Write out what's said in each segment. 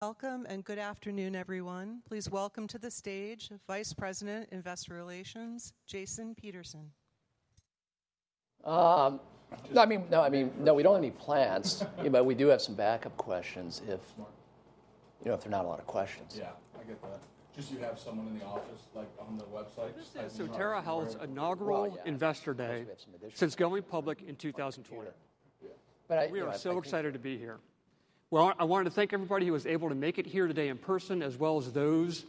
Welcome and good afternoon, everyone. Please welcome to the stage Vice President Investor Relations, Jason Peterson. I mean, no, we don't have any plans, but we do have some backup questions if, you know, if there are not a lot of questions. Yeah, I get that. Just you have someone in the office, like on the website. This is Sotera Health's inaugural Investor Day since going public in 2020. We are so excited to be here. I wanted to thank everybody who was able to make it here today in person, as well as those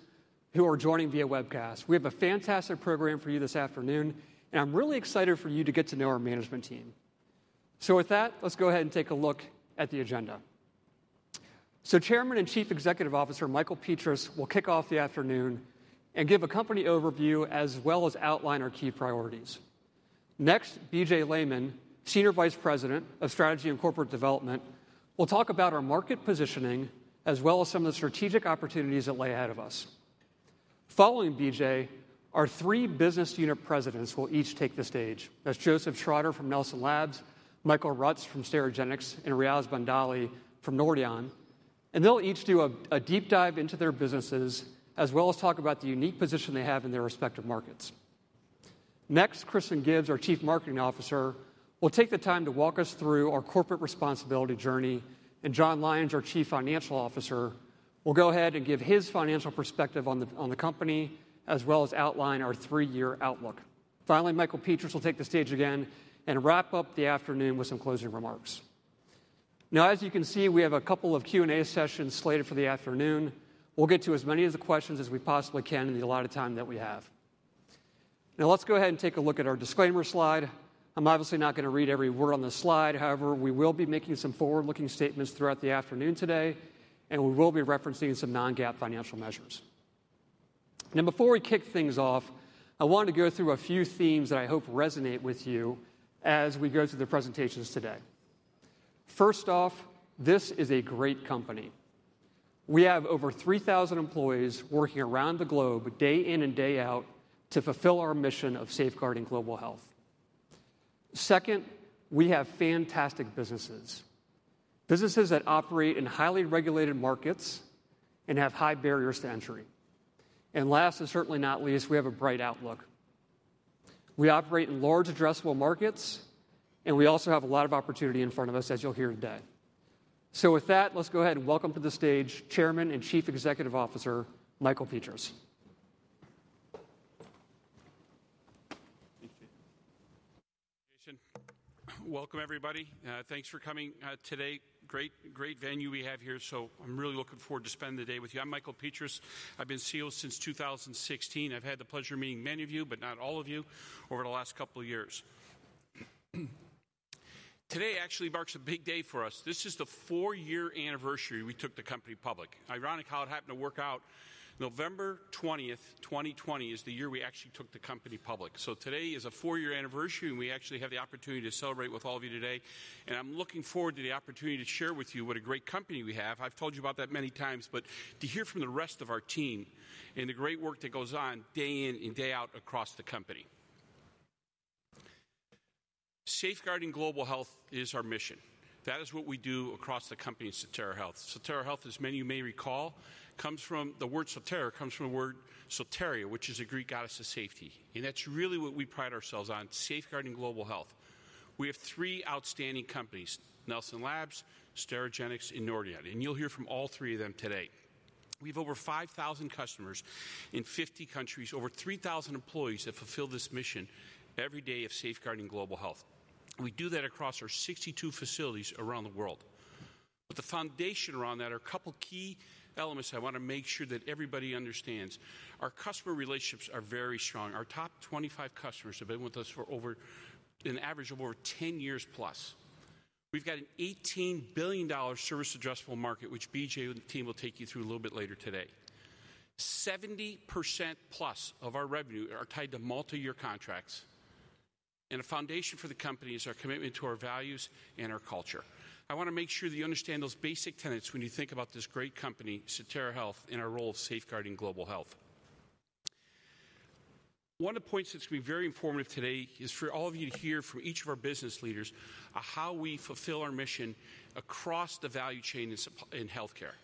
who are joining via webcast. We have a fantastic program for you this afternoon, and I'm really excited for you to get to know our management team. With that, let's go ahead and take a look at the agenda. Chairman and Chief Executive Officer Michael Petras will kick off the afternoon and give a company overview, as well as outline our key priorities. Next, B.J. Lehman, Senior Vice President of Strategy and Corporate Development, will talk about our market positioning, as well as some of the strategic opportunities that lay ahead of us. Following B.J., our three business unit presidents will each take the stage, as Joseph Shrawder from Nelson Labs, Michael Rutz from Sterigenics, and Riaz Bandali from Nordion, and they'll each do a deep dive into their businesses, as well as talk about the unique position they have in their respective markets. Next, Kristin Gibbs, our Chief Marketing Officer, will take the time to walk us through our corporate responsibility journey, and Jon Lyons, our Chief Financial Officer, will go ahead and give his financial perspective on the company, as well as outline our three-year outlook. Finally, Michael Petras will take the stage again and wrap up the afternoon with some closing remarks. Now, as you can see, we have a couple of Q&A sessions slated for the afternoon. We'll get to as many of the questions as we possibly can in the allotted time that we have. Now, let's go ahead and take a look at our disclaimer slide. I'm obviously not going to read every word on this slide. However, we will be making some forward-looking statements throughout the afternoon today, and we will be referencing some non-GAAP financial measures. Now, before we kick things off, I wanted to go through a few themes that I hope resonate with you as we go through the presentations today. First off, this is a great company. We have over 3,000 employees working around the globe day in and day out to fulfill our mission of safeguarding global health. Second, we have fantastic businesses, businesses that operate in highly regulated markets and have high barriers to entry, and last, and certainly not least, we have a bright outlook. We operate in large addressable markets, and we also have a lot of opportunity in front of us, as you'll hear today, so with that, let's go ahead and welcome to the stage Chairman and Chief Executive Officer Michael Petras. Welcome, everybody. Thanks for coming today. Great, great venue we have here. So I'm really looking forward to spending the day with you. I'm Michael Petras. I've been CEO since 2016. I've had the pleasure of meeting many of you, but not all of you, over the last couple of years. Today actually marks a big day for us. This is the four-year anniversary we took the company public. Ironic how it happened to work out. November 20th, 2020, is the year we actually took the company public. So today is a four-year anniversary, and we actually have the opportunity to celebrate with all of you today. I'm looking forward to the opportunity to share with you what a great company we have. I've told you about that many times, but to hear from the rest of our team and the great work that goes on day in and day out across the company. Safeguarding global health is our mission. That is what we do across the company, Sotera Health. Sotera Health, as many of you may recall, comes from the word Sotera comes from the word Soteria, which is a Greek goddess of safety, and that's really what we pride ourselves on, safeguarding global health. We have three outstanding companies: Nelson Labs, Sterigenics, and Nordion, and you'll hear from all three of them today. We have over 5,000 customers in 50 countries, over 3,000 employees that fulfill this mission every day of safeguarding global health. We do that across our 62 facilities around the world. But the foundation around that are a couple of key elements I want to make sure that everybody understands. Our customer relationships are very strong. Our top 25 customers have been with us for over an average of over 10 years plus. We've got an $18 billion service addressable market, which B.J. and the team will take you through a little bit later today. 70% plus of our revenue are tied to multi-year contracts. And a foundation for the company is our commitment to our values and our culture. I want to make sure that you understand those basic tenets when you think about this great company, Sotera Health, and our role of safeguarding global health. One of the points that's going to be very informative today is for all of you to hear from each of our business leaders how we fulfill our mission across the value chain in healthcare.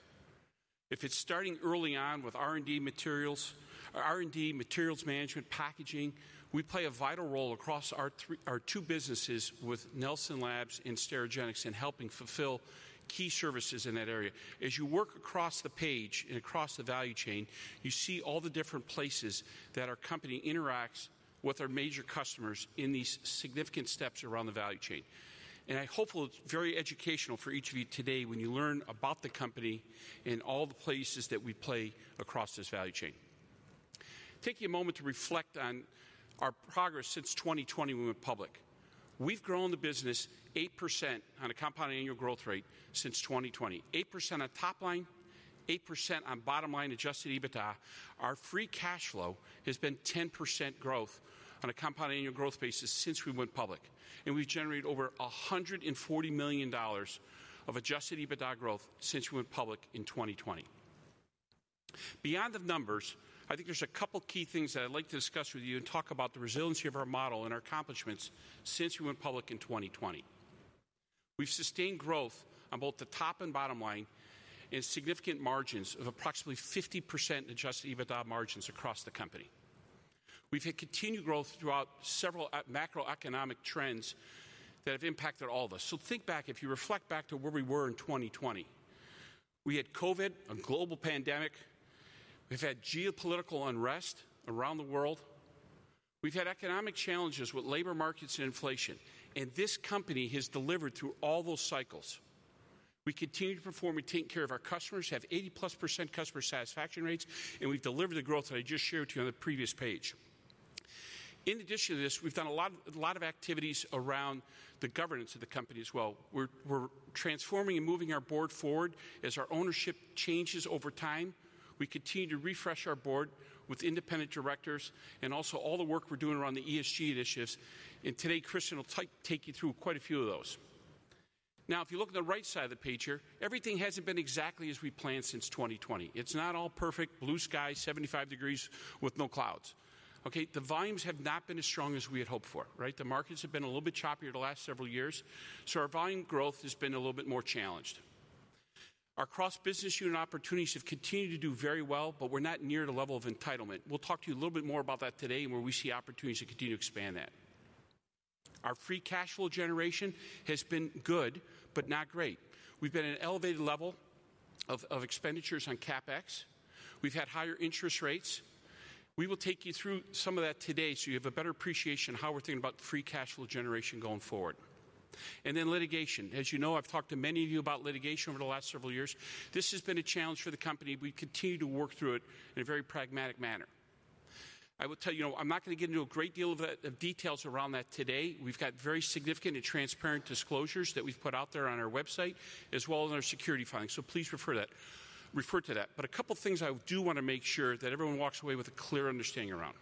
If it's starting early on with R&D materials, R&D materials management, packaging, we play a vital role across our two businesses with Nelson Labs and Sterigenics in helping fulfill key services in that area. As you work across the page and across the value chain, you see all the different places that our company interacts with our major customers in these significant steps around the value chain. And I hope it's very educational for each of you today when you learn about the company and all the places that we play across this value chain. Take a moment to reflect on our progress since 2020 when we went public. We've grown the business 8% on a compound annual growth rate since 2020, 8% on top line, 8% on bottom line Adjusted EBITDA. Our free cash flow has been 10% growth on a compound annual growth basis since we went public. And we've generated over $140 million of Adjusted EBITDA growth since we went public in 2020. Beyond the numbers, I think there's a couple of key things that I'd like to discuss with you and talk about the resiliency of our model and our accomplishments since we went public in 2020. We've sustained growth on both the top and bottom line and significant margins of approximately 50% Adjusted EBITDA margins across the company. We've had continued growth throughout several macroeconomic trends that have impacted all of us. So think back, if you reflect back to where we were in 2020, we had COVID, a global pandemic. We've had geopolitical unrest around the world. We've had economic challenges with labor markets and inflation, and this company has delivered through all those cycles. We continue to perform and take care of our customers, have 80-plus% customer satisfaction rates, and we've delivered the growth that I just shared with you on the previous page. In addition to this, we've done a lot of activities around the governance of the company as well. We're transforming and moving our board forward as our ownership changes over time. We continue to refresh our board with independent directors and also all the work we're doing around the ESG initiatives, and today, Kristin will take you through quite a few of those. Now, if you look at the right side of the page here, everything hasn't been exactly as we planned since 2020. It's not all perfect, blue sky, 75 degrees with no clouds. Okay, the volumes have not been as strong as we had hoped for, right? The markets have been a little bit choppier the last several years. So our volume growth has been a little bit more challenged. Our cross-business unit opportunities have continued to do very well, but we're not near the level of entitlement. We'll talk to you a little bit more about that today and where we see opportunities to continue to expand that. Our free cash flow generation has been good, but not great. We've been at an elevated level of expenditures on CapEx. We've had higher interest rates. We will take you through some of that today so you have a better appreciation of how we're thinking about free cash flow generation going forward. And then litigation. As you know, I've talked to many of you about litigation over the last several years. This has been a challenge for the company. We continue to work through it in a very pragmatic manner. I will tell you, I'm not going to get into a great deal of details around that today. We've got very significant and transparent disclosures that we've put out there on our website, as well as our SEC filings. So please refer to that. But a couple of things I do want to make sure that everyone walks away with a clear understanding around.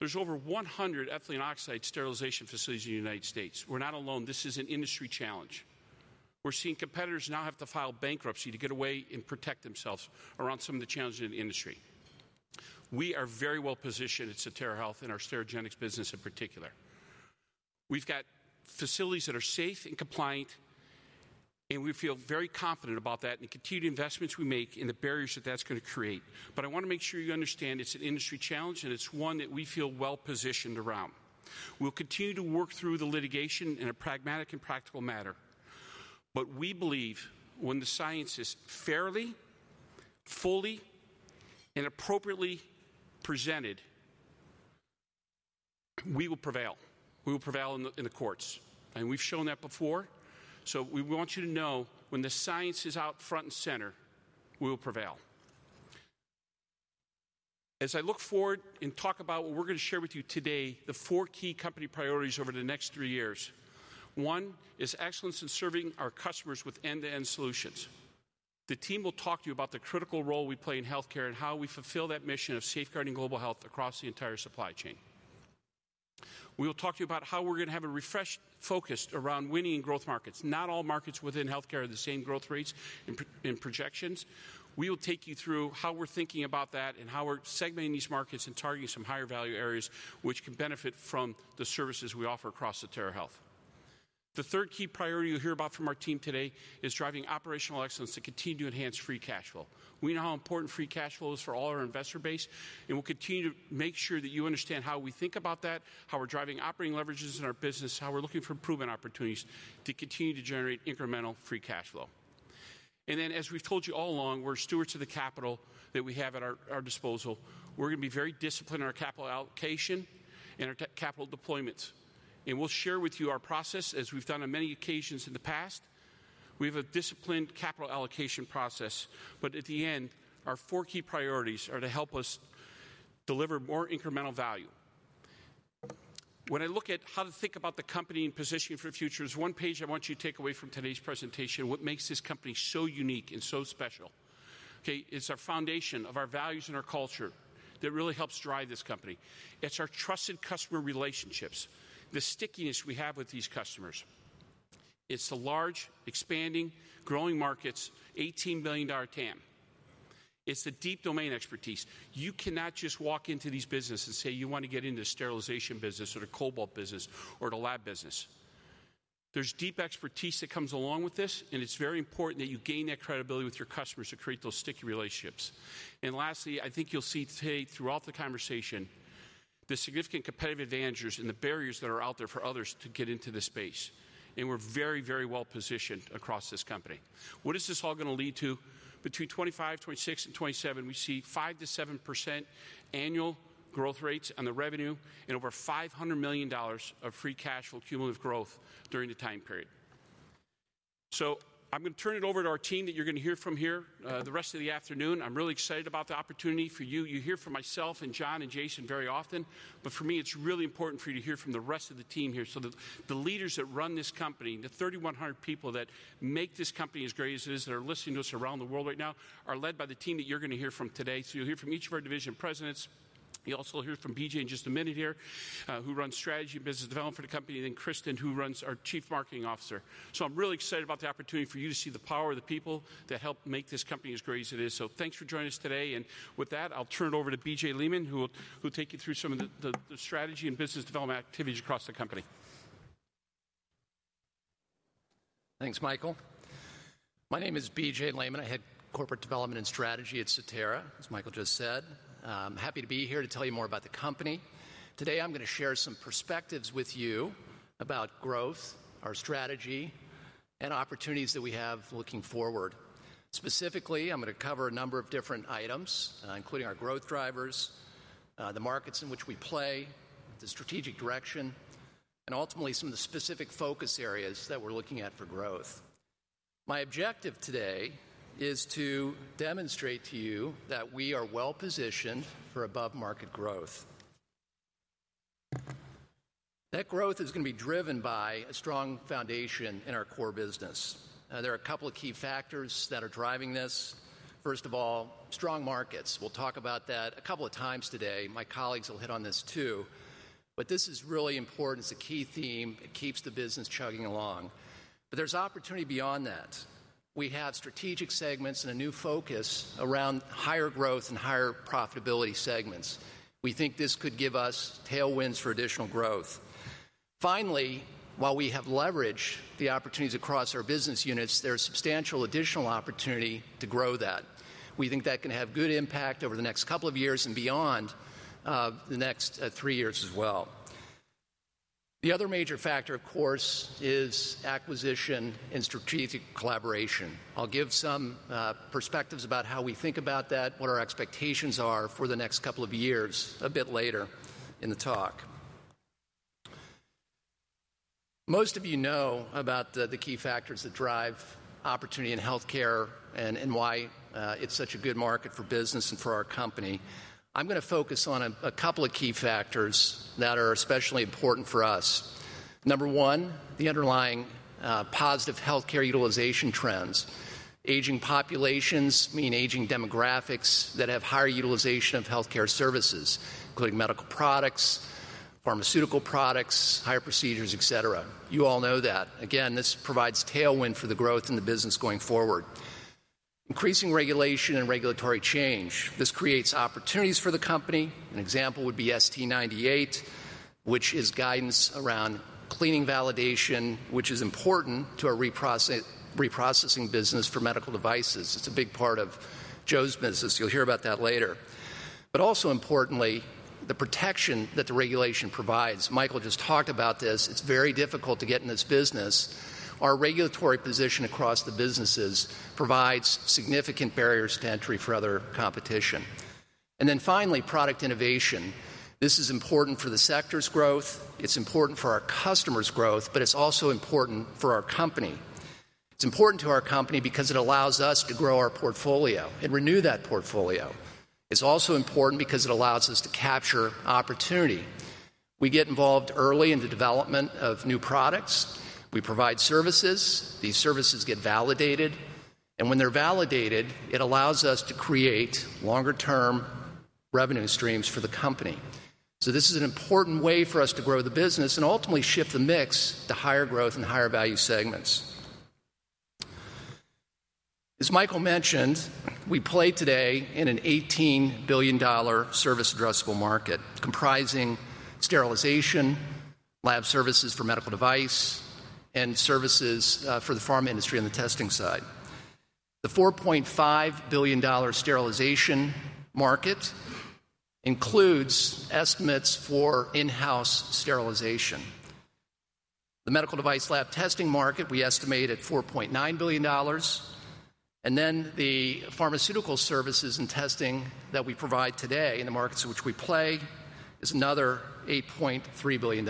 There's over 100 ethylene oxide sterilization facilities in the United States. We're not alone. This is an industry challenge. We're seeing competitors now have to file bankruptcy to get away and protect themselves around some of the challenges in the industry. We are very well positioned at Sotera Health and our Sterigenics business in particular. We've got facilities that are safe and compliant, and we feel very confident about that and the continued investments we make and the barriers that that's going to create. But I want to make sure you understand it's an industry challenge, and it's one that we feel well positioned around. We'll continue to work through the litigation in a pragmatic and practical manner. But we believe when the science is fairly, fully, and appropriately presented, we will prevail. We will prevail in the courts. And we've shown that before. So we want you to know when the science is out front and center, we will prevail. As I look forward and talk about what we're going to share with you today, the four key company priorities over the next three years. One is excellence in serving our customers with end-to-end solutions. The team will talk to you about the critical role we play in healthcare and how we fulfill that mission of safeguarding global health across the entire supply chain. We will talk to you about how we're going to have a refreshed focus around winning in growth markets. Not all markets within healthcare are the same growth rates and projections. We will take you through how we're thinking about that and how we're segmenting these markets and targeting some higher value areas, which can benefit from the services we offer across Sotera Health. The third key priority you'll hear about from our team today is driving operational excellence to continue to enhance free cash flow. We know how important free cash flow is for all our investor base, and we'll continue to make sure that you understand how we think about that, how we're driving operating leverages in our business, how we're looking for improvement opportunities to continue to generate incremental free cash flow. And then, as we've told you all along, we're stewards of the capital that we have at our disposal. We're going to be very disciplined in our capital allocation and our capital deployments. And we'll share with you our process as we've done on many occasions in the past. We have a disciplined capital allocation process. But at the end, our four key priorities are to help us deliver more incremental value. When I look at how to think about the company and positioning for the future, there's one page I want you to take away from today's presentation. What makes this company so unique and so special? Okay, it's our foundation of our values and our culture that really helps drive this company. It's our trusted customer relationships, the stickiness we have with these customers. It's the large, expanding, growing markets, $18 billion TAM. It's the deep domain expertise. You cannot just walk into these businesses and say, "You want to get into the sterilization business or the cobalt business or the lab business." There's deep expertise that comes along with this, and it's very important that you gain that credibility with your customers to create those sticky relationships. And lastly, I think you'll see today throughout the conversation the significant competitive advantages and the barriers that are out there for others to get into the space. And we're very, very well positioned across this company. What is this all going to lead to? Between 2025, 2026, and 2027, we see 5%-7% annual growth rates on the revenue and over $500 million of free cash flow cumulative growth during the time period. So I'm going to turn it over to our team that you're going to hear from here the rest of the afternoon. I'm really excited about the opportunity for you. You hear from myself and Jon and Jason very often, but for me, it's really important for you to hear from the rest of the team here. So the leaders that run this company, the 3,100 people that make this company as great as it is, that are listening to us around the world right now, are led by the team that you're going to hear from today. So you'll hear from each of our division presidents. You'll also hear from B.J. In just a minute here, who runs strategy and business development for the company, and then Kristin, who runs our Chief Marketing Officer. So I'm really excited about the opportunity for you to see the power of the people that help make this company as great as it is. So thanks for joining us today. And with that, I'll turn it over to B.J. Lehman, who will take you through some of the strategy and business development activities across the company. Thanks, Michael. My name is B.J. Lehman. I head corporate development and strategy at Sotera, as Michael just said. I'm happy to be here to tell you more about the company. Today, I'm going to share some perspectives with you about growth, our strategy, and opportunities that we have looking forward. Specifically, I'm going to cover a number of different items, including our growth drivers, the markets in which we play, the strategic direction, and ultimately some of the specific focus areas that we're looking at for growth. My objective today is to demonstrate to you that we are well positioned for above-market growth. That growth is going to be driven by a strong foundation in our core business. There are a couple of key factors that are driving this. First of all, strong markets. We'll talk about that a couple of times today. My colleagues will hit on this too. But this is really important. It's a key theme. It keeps the business chugging along. But there's opportunity beyond that. We have strategic segments and a new focus around higher growth and higher profitability segments. We think this could give us tailwinds for additional growth. Finally, while we have leveraged the opportunities across our business units, there is substantial additional opportunity to grow that. We think that can have good impact over the next couple of years and beyond the next three years as well. The other major factor, of course, is acquisition and strategic collaboration. I'll give some perspectives about how we think about that, what our expectations are for the next couple of years a bit later in the talk. Most of you know about the key factors that drive opportunity in healthcare and why it's such a good market for business and for our company. I'm going to focus on a couple of key factors that are especially important for us. Number one, the underlying positive healthcare utilization trends. Aging populations mean aging demographics that have higher utilization of healthcare services, including medical products, pharmaceutical products, higher procedures, etc. You all know that. Again, this provides tailwind for the growth in the business going forward. Increasing regulation and regulatory change. This creates opportunities for the company. An example would be ST98, which is guidance around cleaning validation, which is important to our reprocessing business for medical devices. It's a big part of Joe's business. You'll hear about that later. But also importantly, the protection that the regulation provides. Michael just talked about this. It's very difficult to get in this business. Our regulatory position across the businesses provides significant barriers to entry for other competition, and then finally, product innovation. This is important for the sector's growth. It's important for our customers' growth, but it's also important for our company. It's important to our company because it allows us to grow our portfolio and renew that portfolio. It's also important because it allows us to capture opportunity. We get involved early in the development of new products. We provide services. These services get validated, and when they're validated, it allows us to create longer-term revenue streams for the company, so this is an important way for us to grow the business and ultimately shift the mix to higher growth and higher value segments. As Michael mentioned, we play today in an $18 billion service addressable market comprising sterilization, lab services for medical device, and services for the pharma industry on the testing side. The $4.5 billion sterilization market includes estimates for in-house sterilization. The medical device lab testing market we estimate at $4.9 billion. And then the pharmaceutical services and testing that we provide today in the markets in which we play is another $8.3 billion.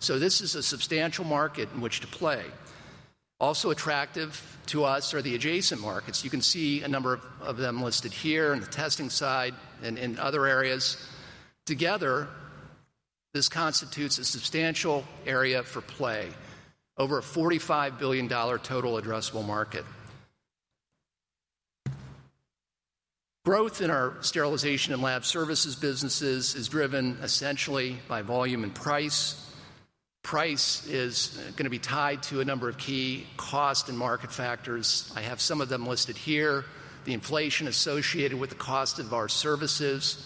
So this is a substantial market in which to play. Also attractive to us are the adjacent markets. You can see a number of them listed here on the testing side and in other areas. Together, this constitutes a substantial area for play, over a $45 billion total addressable market. Growth in our sterilization and lab services businesses is driven essentially by volume and price. Price is going to be tied to a number of key cost and market factors. I have some of them listed here. The inflation associated with the cost of our services,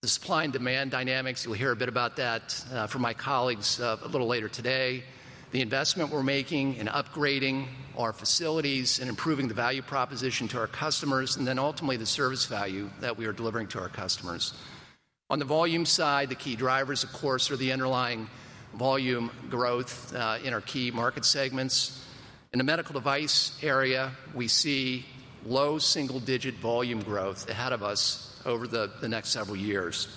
the supply and demand dynamics, you'll hear a bit about that from my colleagues a little later today, the investment we're making in upgrading our facilities and improving the value proposition to our customers, and then ultimately the service value that we are delivering to our customers. On the volume side, the key drivers, of course, are the underlying volume growth in our key market segments. In the medical device area, we see low single-digit volume growth ahead of us over the next several years.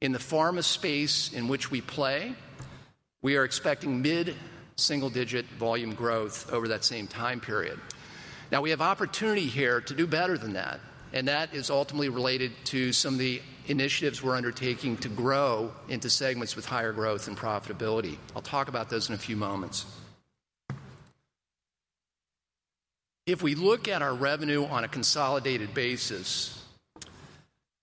In the pharma space in which we play, we are expecting mid-single-digit volume growth over that same time period. Now, we have opportunity here to do better than that. That is ultimately related to some of the initiatives we're undertaking to grow into segments with higher growth and profitability. I'll talk about those in a few moments. If we look at our revenue on a consolidated basis,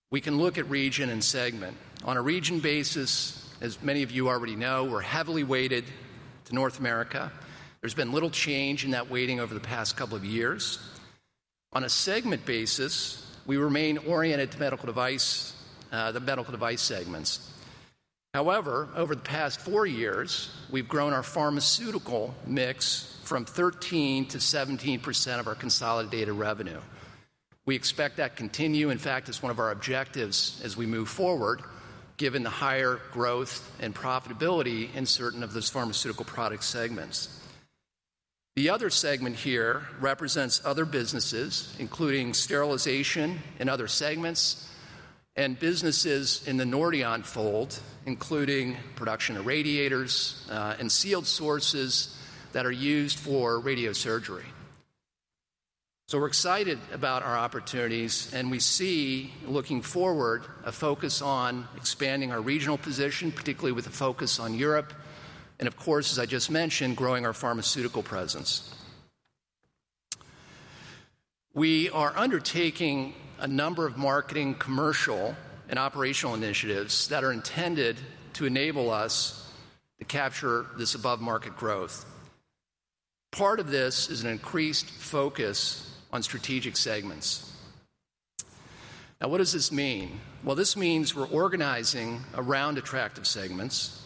we can look at region and segment. On a region basis, as many of you already know, we're heavily weighted to North America. There's been little change in that weighting over the past couple of years. On a segment basis, we remain oriented to medical device, the medical device segments. However, over the past four years, we've grown our pharmaceutical mix from 13%-17% of our consolidated revenue. We expect that to continue. In fact, it's one of our objectives as we move forward, given the higher growth and profitability in certain of those pharmaceutical product segments. The other segment here represents other businesses, including sterilization and other segments, and businesses in the Nordion fold, including production of radioisotopes and sealed sources that are used for radiosurgery. So we're excited about our opportunities, and we see, looking forward, a focus on expanding our regional position, particularly with a focus on Europe, and of course, as I just mentioned, growing our pharmaceutical presence. We are undertaking a number of marketing, commercial, and operational initiatives that are intended to enable us to capture this above-market growth. Part of this is an increased focus on strategic segments. Now, what does this mean? Well, this means we're organizing around attractive segments.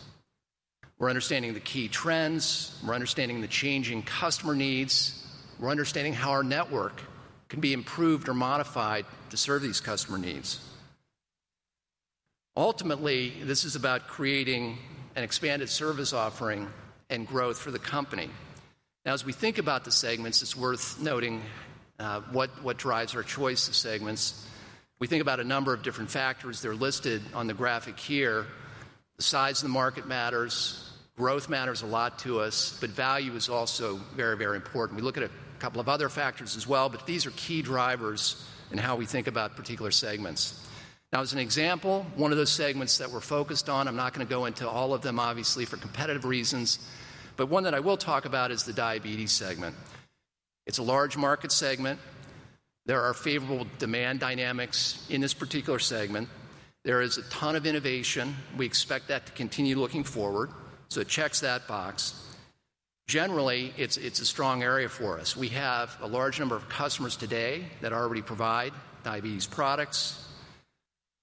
We're understanding the key trends. We're understanding the changing customer needs. We're understanding how our network can be improved or modified to serve these customer needs. Ultimately, this is about creating an expanded service offering and growth for the company. Now, as we think about the segments, it's worth noting what drives our choice of segments. We think about a number of different factors. They're listed on the graphic here. The size of the market matters. Growth matters a lot to us, but value is also very, very important. We look at a couple of other factors as well, but these are key drivers in how we think about particular segments. Now, as an example, one of those segments that we're focused on, I'm not going to go into all of them, obviously, for competitive reasons, but one that I will talk about is the diabetes segment. It's a large market segment. There are favorable demand dynamics in this particular segment. There is a ton of innovation. We expect that to continue looking forward. So it checks that box. Generally, it's a strong area for us. We have a large number of customers today that already provide diabetes products.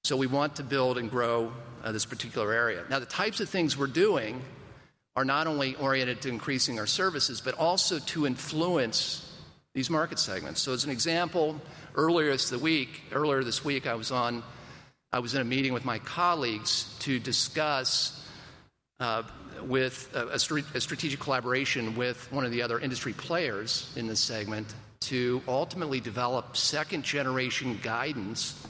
So we want to build and grow this particular area. Now, the types of things we're doing are not only oriented to increasing our services, but also to influence these market segments. So as an example, earlier this week, I was in a meeting with my colleagues to discuss a strategic collaboration with one of the other industry players in this segment to ultimately develop second-generation guidance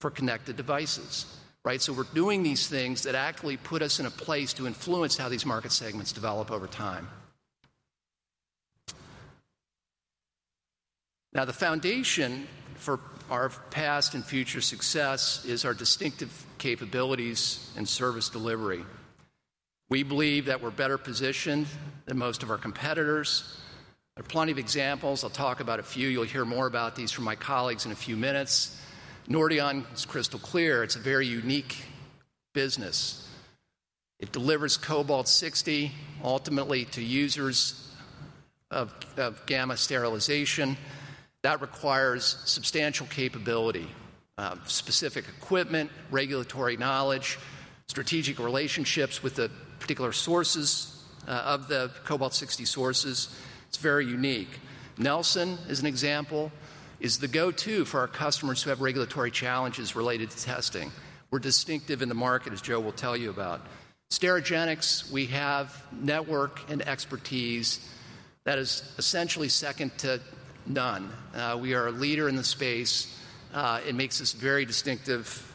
for connected devices. Right? So we're doing these things that actually put us in a place to influence how these market segments develop over time. Now, the foundation for our past and future success is our distinctive capabilities and service delivery. We believe that we're better positioned than most of our competitors. There are plenty of examples. I'll talk about a few. You'll hear more about these from my colleagues in a few minutes. Nordion is crystal clear. It's a very unique business. It delivers Cobalt-60 ultimately to users of gamma sterilization. That requires substantial capability, specific equipment, regulatory knowledge, strategic relationships with the particular sources of the Cobalt-60 sources. It's very unique. Nelson is an example, is the go-to for our customers who have regulatory challenges related to testing. We're distinctive in the market, as Joe will tell you about. Sterigenics, we have network and expertise that is essentially second to none. We are a leader in the space. It makes us very distinctive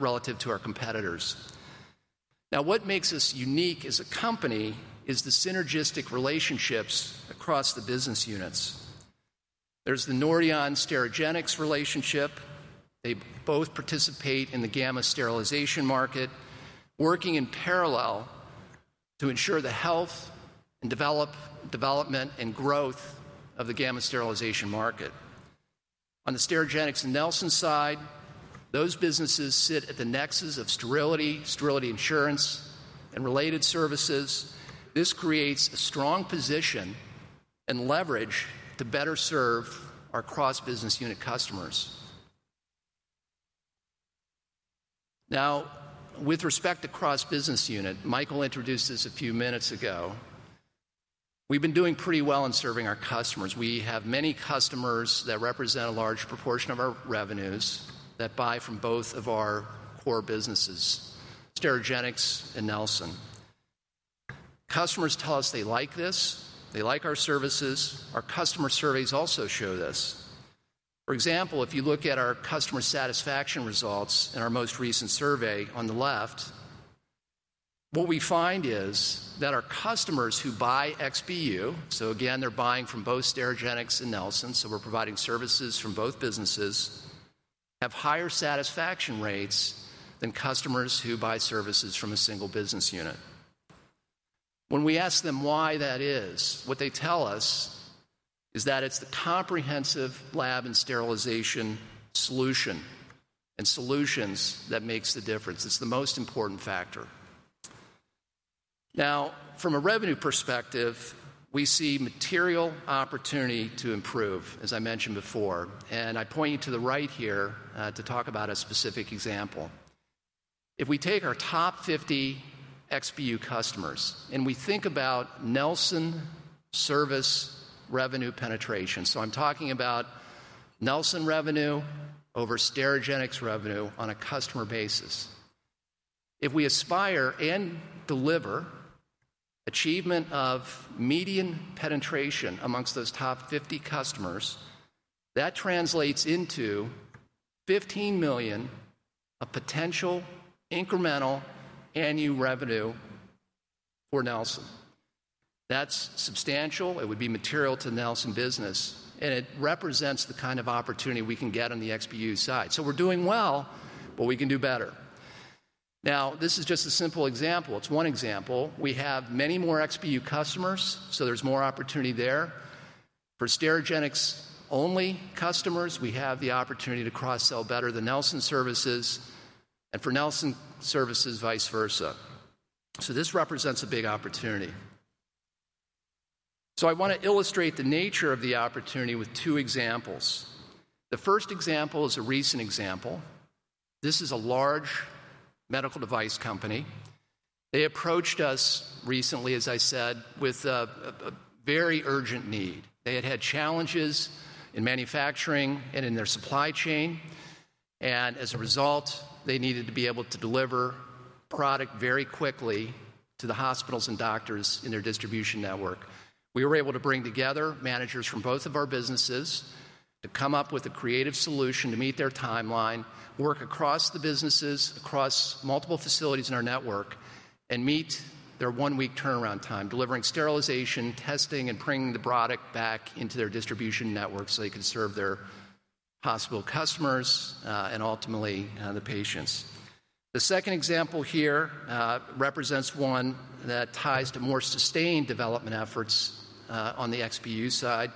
relative to our competitors. Now, what makes us unique as a company is the synergistic relationships across the business units. There's the Nordion-Sterigenics relationship. They both participate in the gamma sterilization market, working in parallel to ensure the health and development and growth of the gamma sterilization market. On the Sterigenics and Nelson side, those businesses sit at the nexus of sterility, sterility insurance, and related services. This creates a strong position and leverage to better serve our cross-business unit customers. Now, with respect to cross-business unit, Michael introduced this a few minutes ago. We've been doing pretty well in serving our customers. We have many customers that represent a large proportion of our revenues that buy from both of our core businesses, Sterigenics and Nelson. Customers tell us they like this. They like our services. Our customer surveys also show this. For example, if you look at our customer satisfaction results in our most recent survey on the left, what we find is that our customers who buy XPU, so again, they're buying from both Sterigenics and Nelson, so we're providing services from both businesses, have higher satisfaction rates than customers who buy services from a single business unit. When we ask them why that is, what they tell us is that it's the comprehensive lab and sterilization solution and solutions that makes the difference. It's the most important factor. Now, from a revenue perspective, we see material opportunity to improve, as I mentioned before, and I point you to the right here to talk about a specific example. If we take our top 50 XPU customers and we think about Nelson service revenue penetration, so I'm talking about Nelson revenue over Sterigenics revenue on a customer basis. If we aspire and deliver achievement of median penetration amongst those top 50 customers, that translates into $15 million of potential incremental annual revenue for Nelson. That's substantial. It would be material to Nelson's business. And it represents the kind of opportunity we can get on the XPU side. So we're doing well, but we can do better. Now, this is just a simple example. It's one example. We have many more XPU customers, so there's more opportunity there. For Sterigenics-only customers, we have the opportunity to cross-sell better than Nelson services, and for Nelson services, vice versa. So this represents a big opportunity. So I want to illustrate the nature of the opportunity with two examples. The first example is a recent example. This is a large medical device company. They approached us recently, as I said, with a very urgent need. They had had challenges in manufacturing and in their supply chain and as a result, they needed to be able to deliver product very quickly to the hospitals and doctors in their distribution network. We were able to bring together managers from both of our businesses to come up with a creative solution to meet their timeline, work across the businesses, across multiple facilities in our network, and meet their one-week turnaround time, delivering sterilization, testing, and bringing the product back into their distribution network so they can serve their hospital customers and ultimately the patients. The second example here represents one that ties to more sustained development efforts on the XPU side.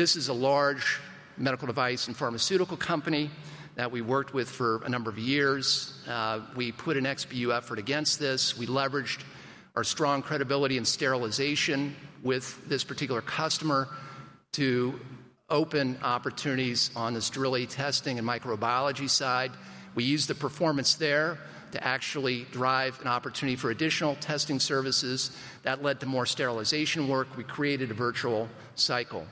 This is a large medical device and pharmaceutical company that we worked with for a number of years. We put an XPU effort against this. We leveraged our strong credibility in sterilization with this particular customer to open opportunities on the sterility testing and microbiology side. We used the performance there to actually drive an opportunity for additional testing services that led to more sterilization work. We created a virtuous cycle.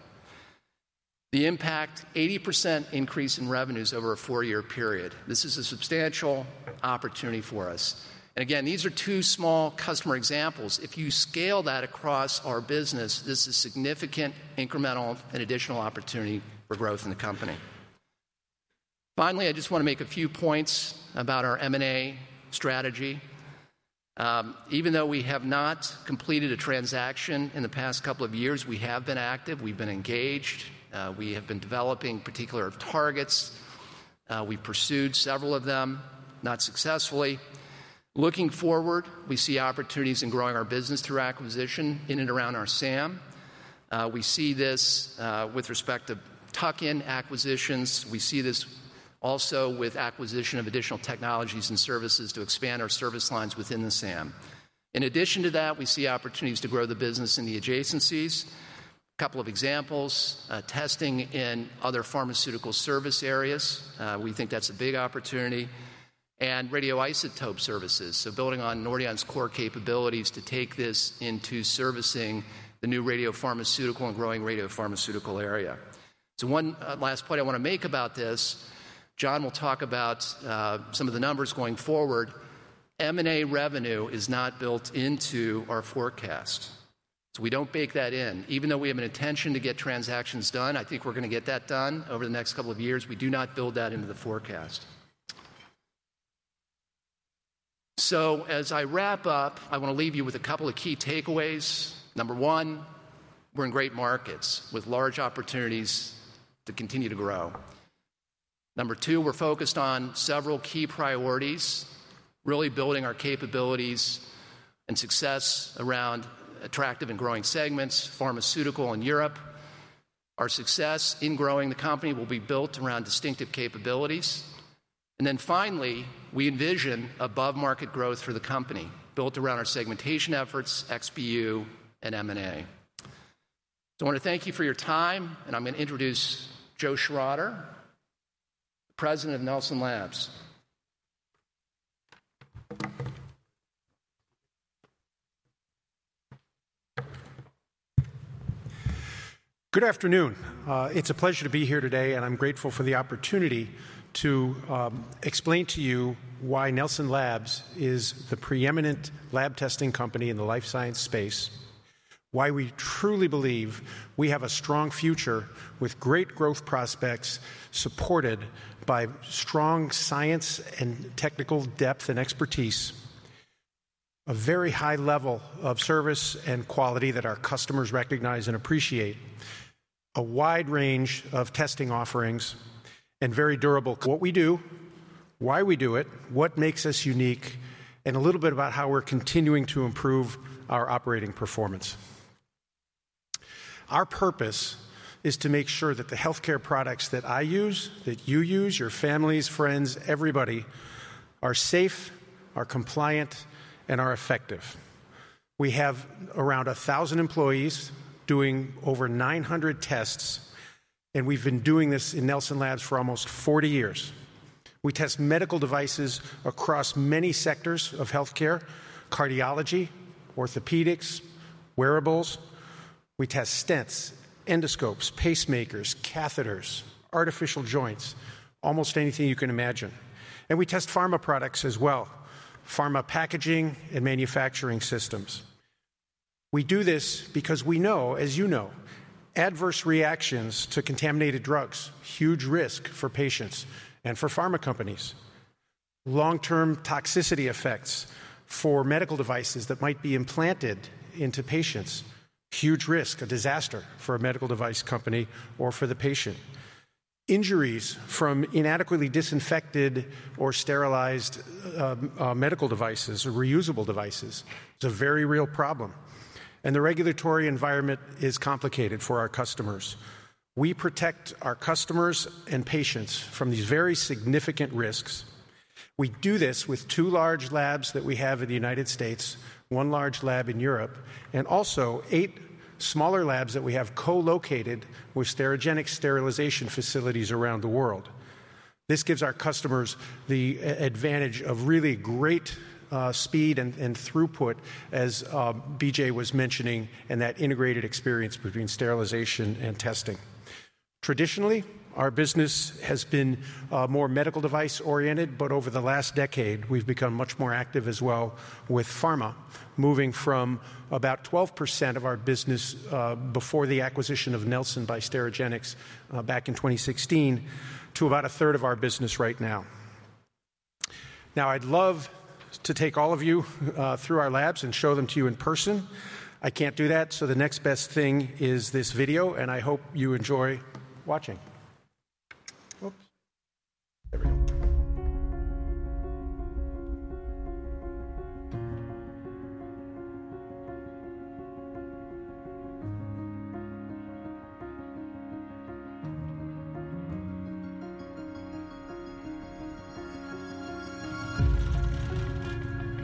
The impact: 80% increase in revenues over a four-year period. This is a substantial opportunity for us. And again, these are two small customer examples. If you scale that across our business, this is significant, incremental, and additional opportunity for growth in the company. Finally, I just want to make a few points about our M&A strategy. Even though we have not completed a transaction in the past couple of years, we have been active. We've been engaged. We have been developing particular targets. We pursued several of them, not successfully. Looking forward, we see opportunities in growing our business through acquisition in and around our SAM. We see this with respect to tuck-in acquisitions. We see this also with acquisition of additional technologies and services to expand our service lines within the SAM. In addition to that, we see opportunities to grow the business in the adjacencies. A couple of examples: testing in other pharmaceutical service areas. We think that's a big opportunity. And radioisotope services, so building on Nordion's core capabilities to take this into servicing the new radiopharmaceutical and growing radiopharmaceutical area. So one last point I want to make about this. Jon will talk about some of the numbers going forward. M&A revenue is not built into our forecast. So we don't bake that in. Even though we have an intention to get transactions done, I think we're going to get that done over the next couple of years. We do not build that into the forecast. So as I wrap up, I want to leave you with a couple of key takeaways. Number one, we're in great markets with large opportunities to continue to grow. Number two, we're focused on several key priorities, really building our capabilities and success around attractive and growing segments, pharmaceutical and Europe. Our success in growing the company will be built around distinctive capabilities, and then finally, we envision above-market growth for the company built around our segmentation efforts, XPU, and M&A. So I want to thank you for your time, and I'm going to introduce Joe Shrawder, President of Nelson Labs. Good afternoon. It's a pleasure to be here today, and I'm grateful for the opportunity to explain to you why Nelson Labs is the preeminent lab testing company in the life science space, why we truly believe we have a strong future with great growth prospects supported by strong science and technical depth and expertise, a very high level of service and quality that our customers recognize and appreciate, a wide range of testing offerings, and very durable. What we do, why we do it, what makes us unique, and a little bit about how we're continuing to improve our operating performance. Our purpose is to make sure that the healthcare products that I use, that you use, your families, friends, everybody, are safe, are compliant, and are effective. We have around 1,000 employees doing over 900 tests, and we've been doing this in Nelson Labs for almost 40 years. We test medical devices across many sectors of healthcare: cardiology, orthopedics, wearables. We test stents, endoscopes, pacemakers, catheters, artificial joints, almost anything you can imagine. And we test pharma products as well, pharma packaging and manufacturing systems. We do this because we know, as you know, adverse reactions to contaminated drugs, huge risk for patients and for pharma companies, long-term toxicity effects for medical devices that might be implanted into patients, huge risk, a disaster for a medical device company or for the patient. Injuries from inadequately disinfected or sterilized medical devices, reusable devices, is a very real problem. And the regulatory environment is complicated for our customers. We protect our customers and patients from these very significant risks. We do this with two large labs that we have in the United States, one large lab in Europe, and also eight smaller labs that we have co-located with Sterigenics sterilization facilities around the world. This gives our customers the advantage of really great speed and throughput, as B.J. was mentioning, and that integrated experience between sterilization and testing. Traditionally, our business has been more medical device-oriented, but over the last decade, we've become much more active as well with pharma, moving from about 12% of our business before the acquisition of Nelson by Sterigenics back in 2016 to about a third of our business right now. Now, I'd love to take all of you through our labs and show them to you in person. I can't do that, so the next best thing is this video, and I hope you enjoy watching. Oops. There we go.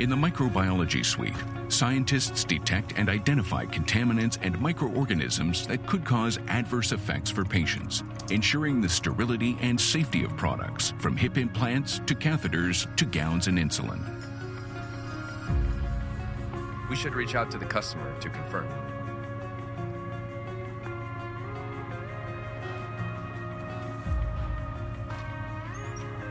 In the microbiology suite, scientists detect and identify contaminants and microorganisms that could cause adverse effects for patients, ensuring the sterility and safety of products from hip implants to catheters to gowns and insulin. We should reach out to the customer to confirm.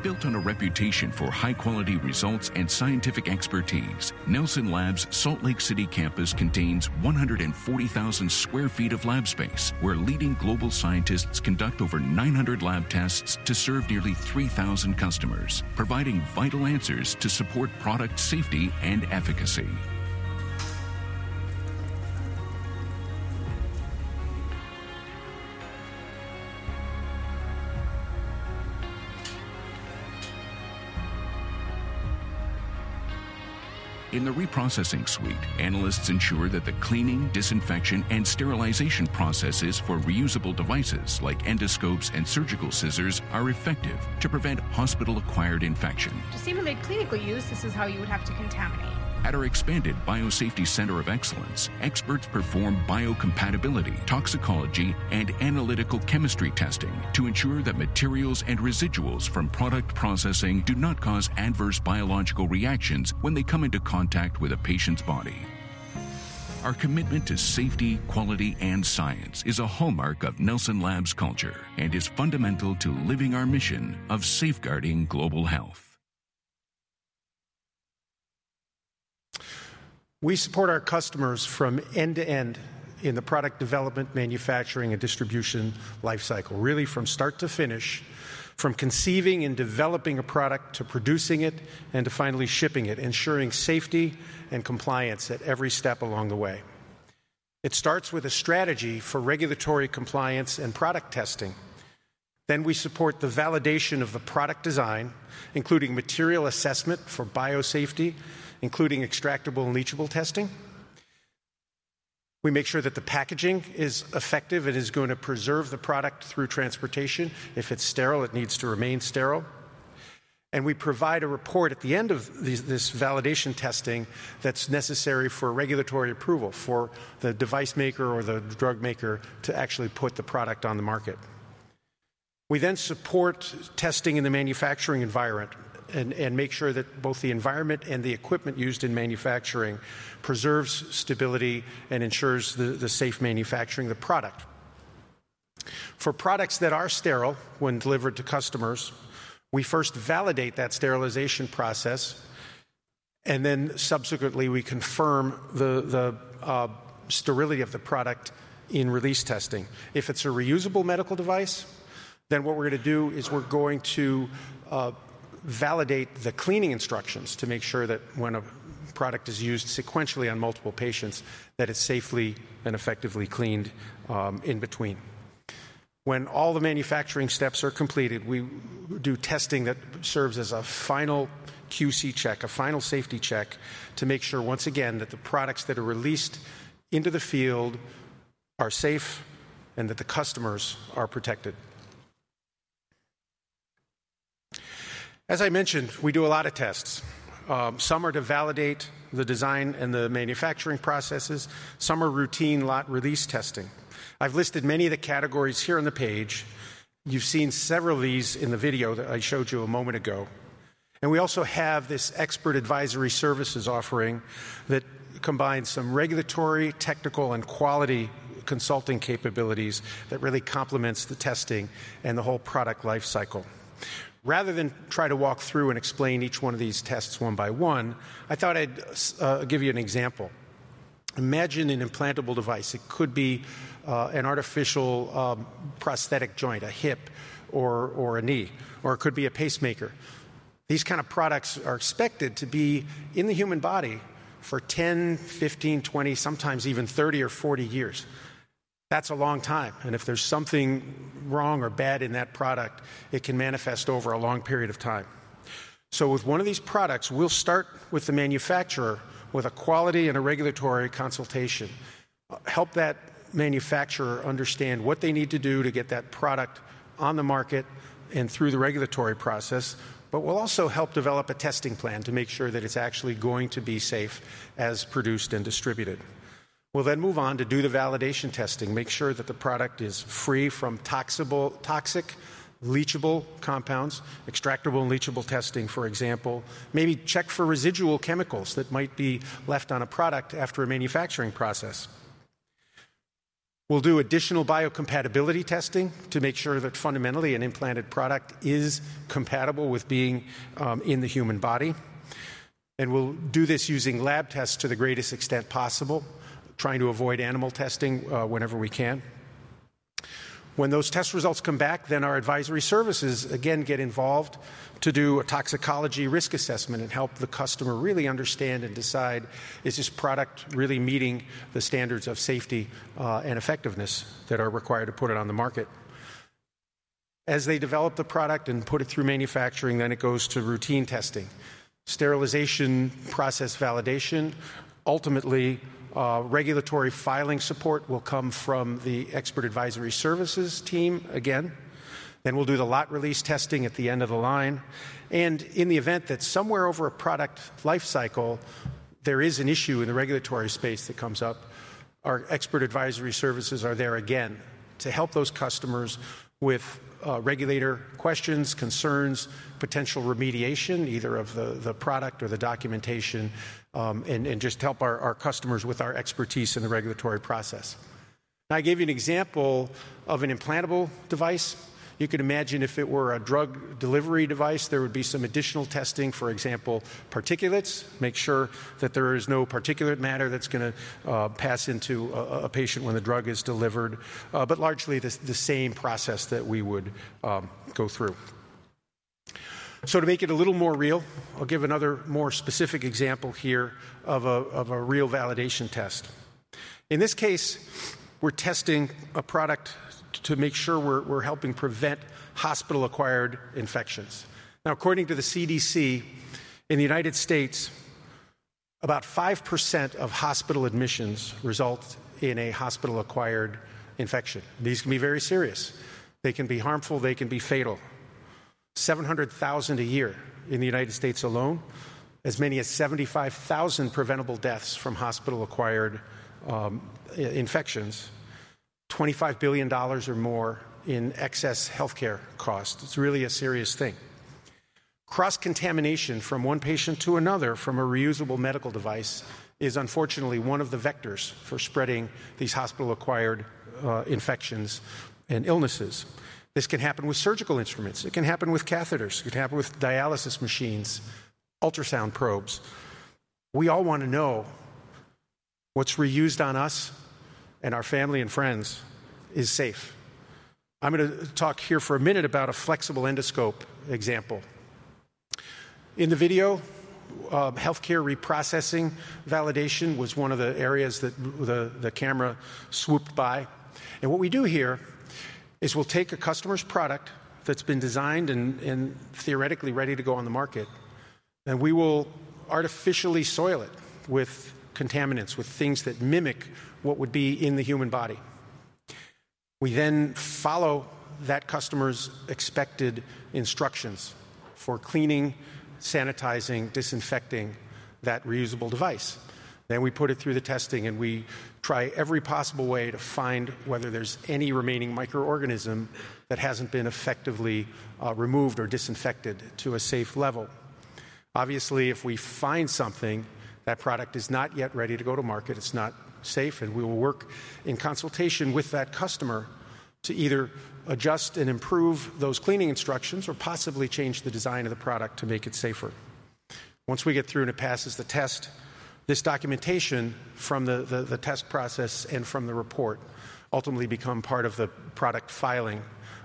Built on a reputation for high-quality results and scientific expertise, Nelson Labs' Salt Lake City campus contains 140,000sqft of lab space where leading global scientists conduct over 900 lab tests to serve nearly 3,000 customers, providing vital answers to support product safety and efficacy. In the reprocessing suite, analysts ensure that the cleaning, disinfection, and sterilization processes for reusable devices like endoscopes and surgical scissors are effective to prevent hospital-acquired infection. To see if it made clinical use, this is how you would have to contaminate. At our expanded Biosafety Center of Excellence, experts perform biocompatibility, toxicology, and analytical chemistry testing to ensure that materials and residuals from product processing do not cause adverse biological reactions when they come into contact with a patient's body. Our commitment to safety, quality, and science is a hallmark of Nelson Labs' culture and is fundamental to living our mission of safeguarding global health. We support our customers from end to end in the product development, manufacturing, and distribution life cycle, really from start to finish, from conceiving and developing a product to producing it and to finally shipping it, ensuring safety and compliance at every step along the way. It starts with a strategy for regulatory compliance and product testing. Then we support the validation of the product design, including material assessment for biosafety, including extractables and leachables testing. We make sure that the packaging is effective and is going to preserve the product through transportation. If it's sterile, it needs to remain sterile, and we provide a report at the end of this validation testing that's necessary for regulatory approval for the device maker or the drug maker to actually put the product on the market. We then support testing in the manufacturing environment and make sure that both the environment and the equipment used in manufacturing preserves stability and ensures the safe manufacturing of the product. For products that are sterile when delivered to customers, we first validate that sterilization process, and then subsequently, we confirm the sterility of the product in release testing. If it's a reusable medical device, then what we're going to do is we're going to validate the cleaning instructions to make sure that when a product is used sequentially on multiple patients, that it's safely and effectively cleaned in between. When all the manufacturing steps are completed, we do testing that serves as a final QC check, a final safety check to make sure, once again, that the products that are released into the field are safe and that the customers are protected. As I mentioned, we do a lot of tests. Some are to validate the design and the manufacturing processes. Some are routine lot release testing. I've listed many of the categories here on the page. You've seen several of these in the video that I showed you a moment ago. We also have this Expert Advisory Services offering that combines some regulatory, technical, and quality consulting capabilities that really complements the testing and the whole product life cycle. Rather than try to walk through and explain each one of these tests one by one, I thought I'd give you an example. Imagine an implantable device. It could be an artificial prosthetic joint, a hip or a knee, or it could be a pacemaker. These kinds of products are expected to be in the human body for 10, 15, 20, sometimes even 30 or 40 years. That's a long time. If there's something wrong or bad in that product, it can manifest over a long period of time. With one of these products, we'll start with the manufacturer, with a quality and a regulatory consultation, help that manufacturer understand what they need to do to get that product on the market and through the regulatory process, but we'll also help develop a testing plan to make sure that it's actually going to be safe as produced and distributed. We'll then move on to do the validation testing, make sure that the product is free from toxic, leachable compounds, extractable and leachable testing, for example, maybe check for residual chemicals that might be left on a product after a manufacturing process. We'll do additional biocompatibility testing to make sure that fundamentally an implanted product is compatible with being in the human body, and we'll do this using lab tests to the greatest extent possible, trying to avoid animal testing whenever we can. When those test results come back, then our advisory services again get involved to do a toxicology risk assessment and help the customer really understand and decide, is this product really meeting the standards of safety and effectiveness that are required to put it on the market? As they develop the product and put it through manufacturing, then it goes to routine testing, sterilization process validation. Ultimately, regulatory filing support will come from the Expert Advisory Services team again. Then we'll do the lot release testing at the end of the line. And in the event that somewhere over a product life cycle, there is an issue in the regulatory space that comes up, our Expert Advisory Services are there again to help those customers with regulator questions, concerns, potential remediation either of the product or the documentation, and just help our customers with our expertise in the regulatory process. Now, I gave you an example of an implantable device. You could imagine if it were a drug delivery device, there would be some additional testing, for example, particulates, make sure that there is no particulate matter that's going to pass into a patient when the drug is delivered, but largely the same process that we would go through. So to make it a little more real, I'll give another more specific example here of a real validation test. In this case, we're testing a product to make sure we're helping prevent hospital-acquired infections. Now, according to the CDC, in the United States, about 5% of hospital admissions result in a hospital-acquired infection. These can be very serious. They can be harmful. They can be fatal. 700,000 a year in the United States alone, as many as 75,000 preventable deaths from hospital-acquired infections, $25 billion or more in excess healthcare costs. It's really a serious thing. Cross-contamination from one patient to another from a reusable medical device is unfortunately one of the vectors for spreading these hospital-acquired infections and illnesses. This can happen with surgical instruments. It can happen with catheters. It can happen with dialysis machines, ultrasound probes. We all want to know what's reused on us and our family and friends is safe. I'm going to talk here for a minute about a flexible endoscope example. In the video, healthcare reprocessing validation was one of the areas that the camera swooped by. What we do here is we'll take a customer's product that's been designed and theoretically ready to go on the market, and we will artificially soil it with contaminants, with things that mimic what would be in the human body. We then follow that customer's expected instructions for cleaning, sanitizing, disinfecting that reusable device. Then we put it through the testing, and we try every possible way to find whether there's any remaining microorganism that hasn't been effectively removed or disinfected to a safe level. Obviously, if we find something, that product is not yet ready to go to market, it's not safe, and we will work in consultation with that customer to either adjust and improve those cleaning instructions or possibly change the design of the product to make it safer. Once we get through and it passes the test, this documentation from the test process and from the report ultimately becomes part of the product filing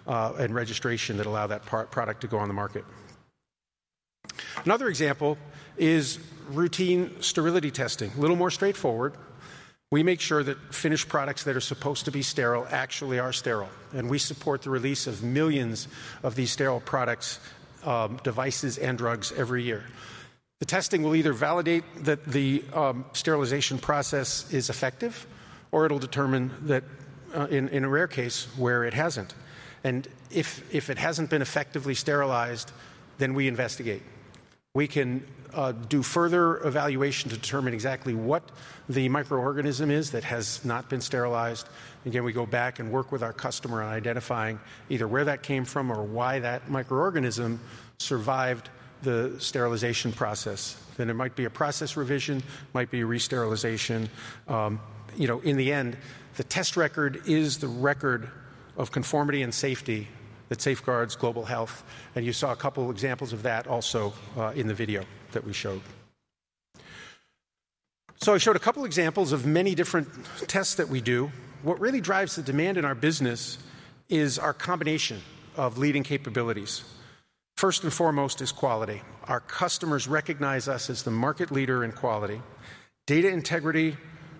and registration that allows that product to go on the market. Another example is routine sterility testing, a little more straightforward. We make sure that finished products that are supposed to be sterile actually are sterile. And we support the release of millions of these sterile products, devices, and drugs every year. The testing will either validate that the sterilization process is effective, or it'll determine that in a rare case where it hasn't. And if it hasn't been effectively sterilized, then we investigate. We can do further evaluation to determine exactly what the microorganism is that has not been sterilized. Again, we go back and work with our customer on identifying either where that came from or why that microorganism survived the sterilization process, then it might be a process revision, might be a re-sterilization. In the end, the test record is the record of conformity and safety that safeguards global health, and you saw a couple of examples of that also in the video that we showed, so I showed a couple of examples of many different tests that we do. What really drives the demand in our business is our combination of leading capabilities. First and foremost is quality. Our customers recognize us as the market leader in quality. Data integrity,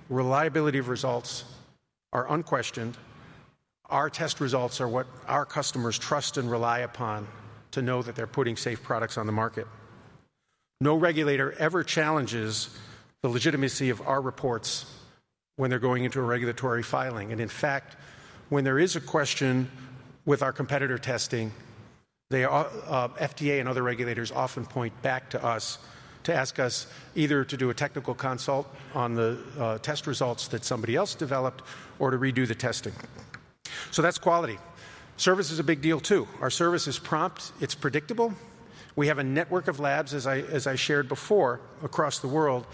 reliability of results are unquestioned. Our test results are what our customers trust and rely upon to know that they're putting safe products on the market. No regulator ever challenges the legitimacy of our reports when they're going into a regulatory filing. And in fact, when there is a question with our competitor testing, the FDA and other regulators often point back to us to ask us either to do a technical consult on the test results that somebody else developed or to redo the testing. So that's quality. Service is a big deal too. Our service is prompt. It's predictable. We have a network of labs, as I shared before, across the world.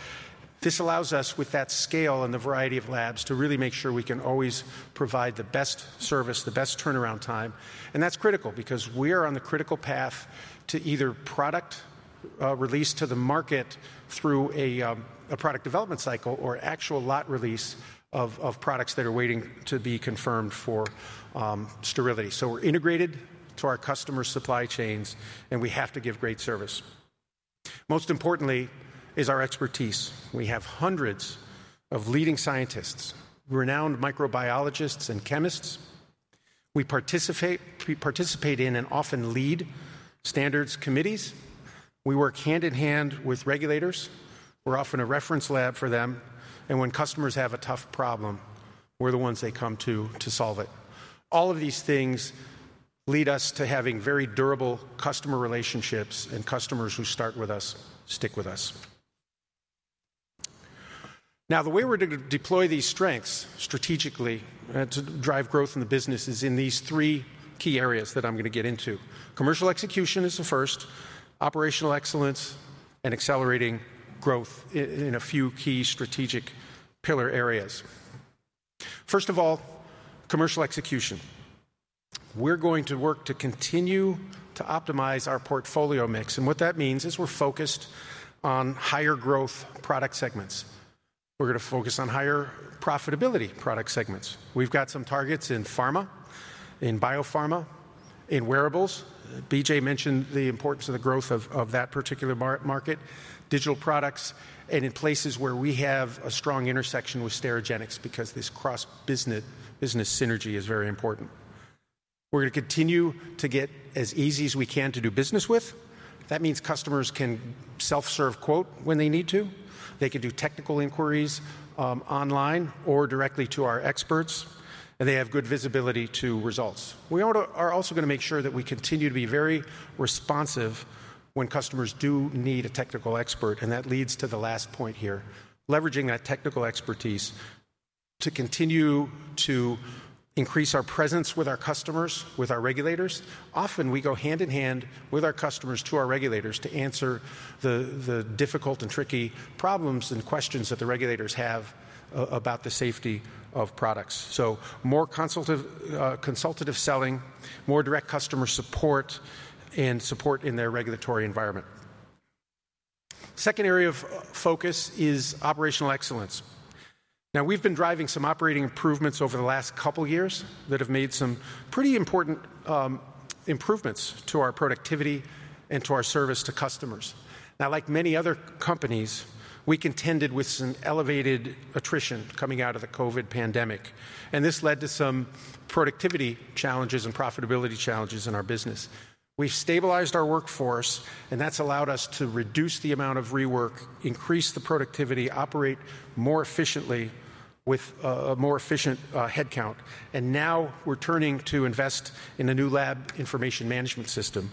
This allows us, with that scale and the variety of labs, to really make sure we can always provide the best service, the best turnaround time. And that's critical because we are on the critical path to either product release to the market through a product development cycle or actual lot release of products that are waiting to be confirmed for sterility. So we're integrated to our customer supply chains, and we have to give great service. Most importantly is our expertise. We have hundreds of leading scientists, renowned microbiologists and chemists. We participate in and often lead standards committees. We work hand in hand with regulators. We're often a reference lab for them. And when customers have a tough problem, we're the ones they come to solve it. All of these things lead us to having very durable customer relationships and customers who start with us, stick with us. Now, the way we're going to deploy these strengths strategically to drive growth in the business is in these three key areas that I'm going to get into. Commercial execution is the first, operational excellence, and accelerating growth in a few key strategic pillar areas. First of all, commercial execution. We're going to work to continue to optimize our portfolio mix. And what that means is we're focused on higher growth product segments. We're going to focus on higher profitability product segments. We've got some targets in pharma, in biopharma, in wearables. B.J. mentioned the importance of the growth of that particular market, digital products, and in places where we have a strong intersection with Sterigenics because this cross-business synergy is very important. We're going to continue to get as easy as we can to do business with. That means customers can self-serve quote when they need to. They can do technical inquiries online or directly to our experts, and they have good visibility to results. We are also going to make sure that we continue to be very responsive when customers do need a technical expert. And that leads to the last point here, leveraging that technical expertise to continue to increase our presence with our customers, with our regulators. Often, we go hand in hand with our customers to our regulators to answer the difficult and tricky problems and questions that the regulators have about the safety of products, so more consultative selling, more direct customer support, and support in their regulatory environment. Second area of focus is operational excellence. Now, we've been driving some operating improvements over the last couple of years that have made some pretty important improvements to our productivity and to our service to customers. Now, like many other companies, we contended with some elevated attrition coming out of the COVID pandemic, and this led to some productivity challenges and profitability challenges in our business. We've stabilized our workforce, and that's allowed us to reduce the amount of rework, increase the productivity, operate more efficiently with a more efficient headcount, and now we're turning to invest in a new lab information management system.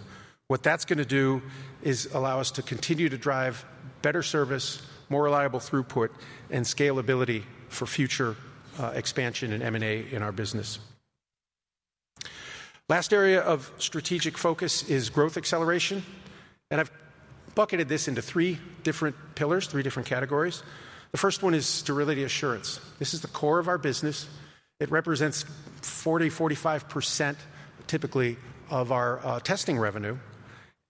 What that's going to do is allow us to continue to drive better service, more reliable throughput, and scalability for future expansion and M&A in our business. Last area of strategic focus is growth acceleration, and I've bucketed this into three different pillars, three different categories. The first one is sterility assurance. This is the core of our business. It represents 40%-45% typically of our testing revenue,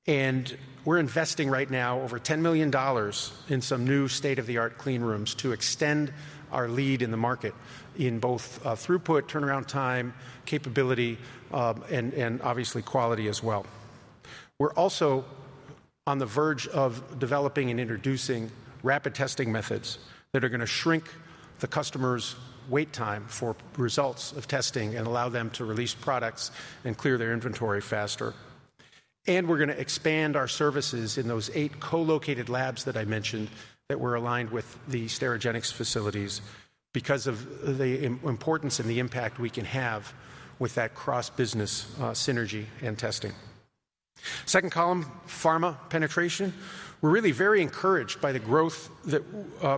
and we're investing right now over $10 million in some new state-of-the-art cleanrooms to extend our lead in the market in both throughput, turnaround time, capability, and obviously quality as well. We're also on the verge of developing and introducing rapid testing methods that are going to shrink the customer's wait time for results of testing and allow them to release products and clear their inventory faster. We're going to expand our services in those eight co-located labs that I mentioned that were aligned with the Sterigenics facilities because of the importance and the impact we can have with that cross-business synergy and testing. Second column, pharma penetration. We're really very encouraged by the growth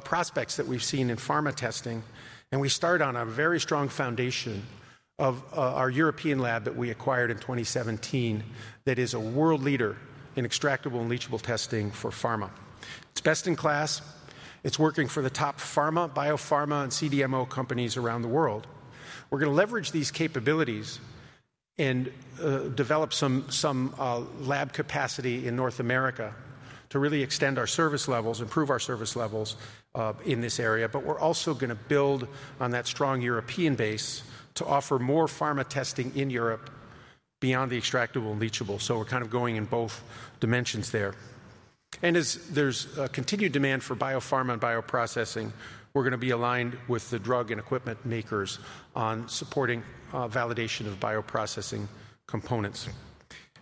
prospects that we've seen in pharma testing. We start on a very strong foundation of our European lab that we acquired in 2017 that is a world leader in extractable and leachable testing for pharma. It's best in class. It's working for the top pharma, biopharma, and CDMO companies around the world. We're going to leverage these capabilities and develop some lab capacity in North America to really extend our service levels, improve our service levels in this area. But we're also going to build on that strong European base to offer more pharma testing in Europe beyond the extractables and leachables. So we're kind of going in both dimensions there. And as there's continued demand for biopharma and bioprocessing, we're going to be aligned with the drug and equipment makers on supporting validation of bioprocessing components.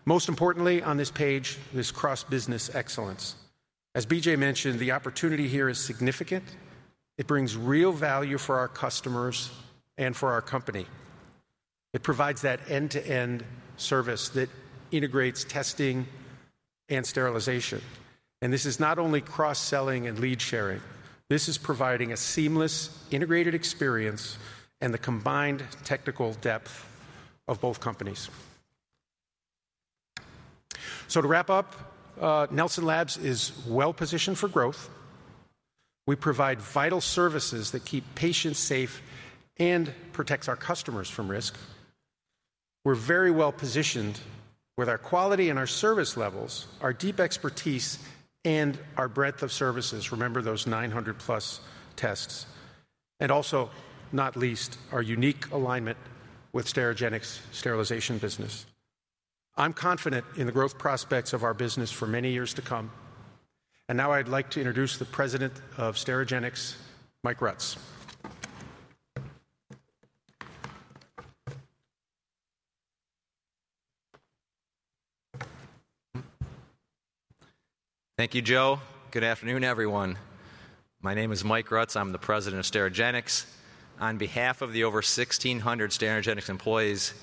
Most importantly on this page, this cross-business excellence. As B.J. mentioned, the opportunity here is significant. It brings real value for our customers and for our company. It provides that end-to-end service that integrates testing and sterilization. And this is not only cross-selling and lead sharing. This is providing a seamless integrated experience and the combined technical depth of both companies. So to wrap up, Nelson Labs is well-positioned for growth. We provide vital services that keep patients safe and protect our customers from risk. We're very well-positioned with our quality and our service levels, our deep expertise, and our breadth of services. Remember those 900-plus tests, and also, not least, our unique alignment with Sterigenics sterilization business. I'm confident in the growth prospects of our business for many years to come, and now I'd like to introduce the president of Sterigenics, Mike Rutz. Thank you, Joe. Good afternoon, everyone. My name is Mike Rutz. I'm the president of Sterigenics. On behalf of the over 1,600 Sterigenics employees,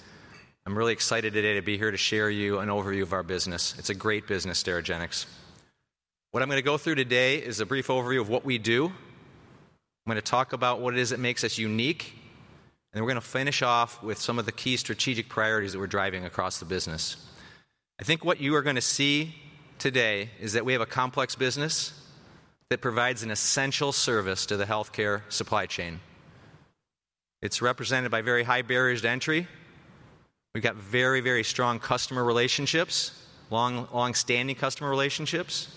I'm really excited today to be here to share with you an overview of our business. It's a great business, Sterigenics. What I'm going to go through today is a brief overview of what we do. I'm going to talk about what it is that makes us unique. Then we're going to finish off with some of the key strategic priorities that we're driving across the business. I think what you are going to see today is that we have a complex business that provides an essential service to the healthcare supply chain. It's represented by very high barriers to entry. We've got very, very strong customer relationships, long-standing customer relationships.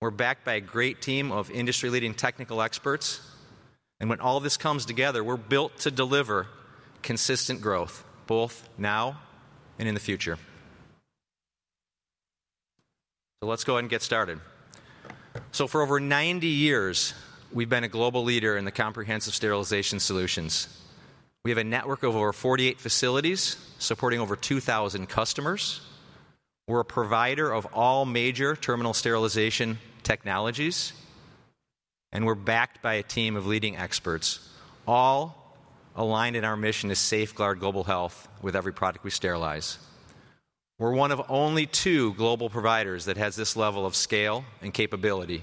We're backed by a great team of industry-leading technical experts. When all of this comes together, we're built to deliver consistent growth, both now and in the future. Let's go ahead and get started. For over 90 years, we've been a global leader in the comprehensive sterilization solutions. We have a network of over 48 facilities supporting over 2,000 customers. We're a provider of all major terminal sterilization technologies. We're backed by a team of leading experts, all aligned in our mission to safeguard global health with every product we sterilize. We're one of only two global providers that have this level of scale and capability.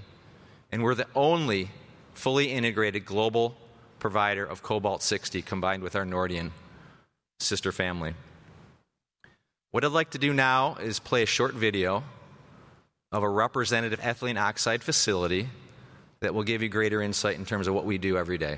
We're the only fully integrated global provider of Cobalt-60 combined with our Nordion sister family. What I'd like to do now is play a short video of a representative ethylene oxide facility that will give you greater insight in terms of what we do every day.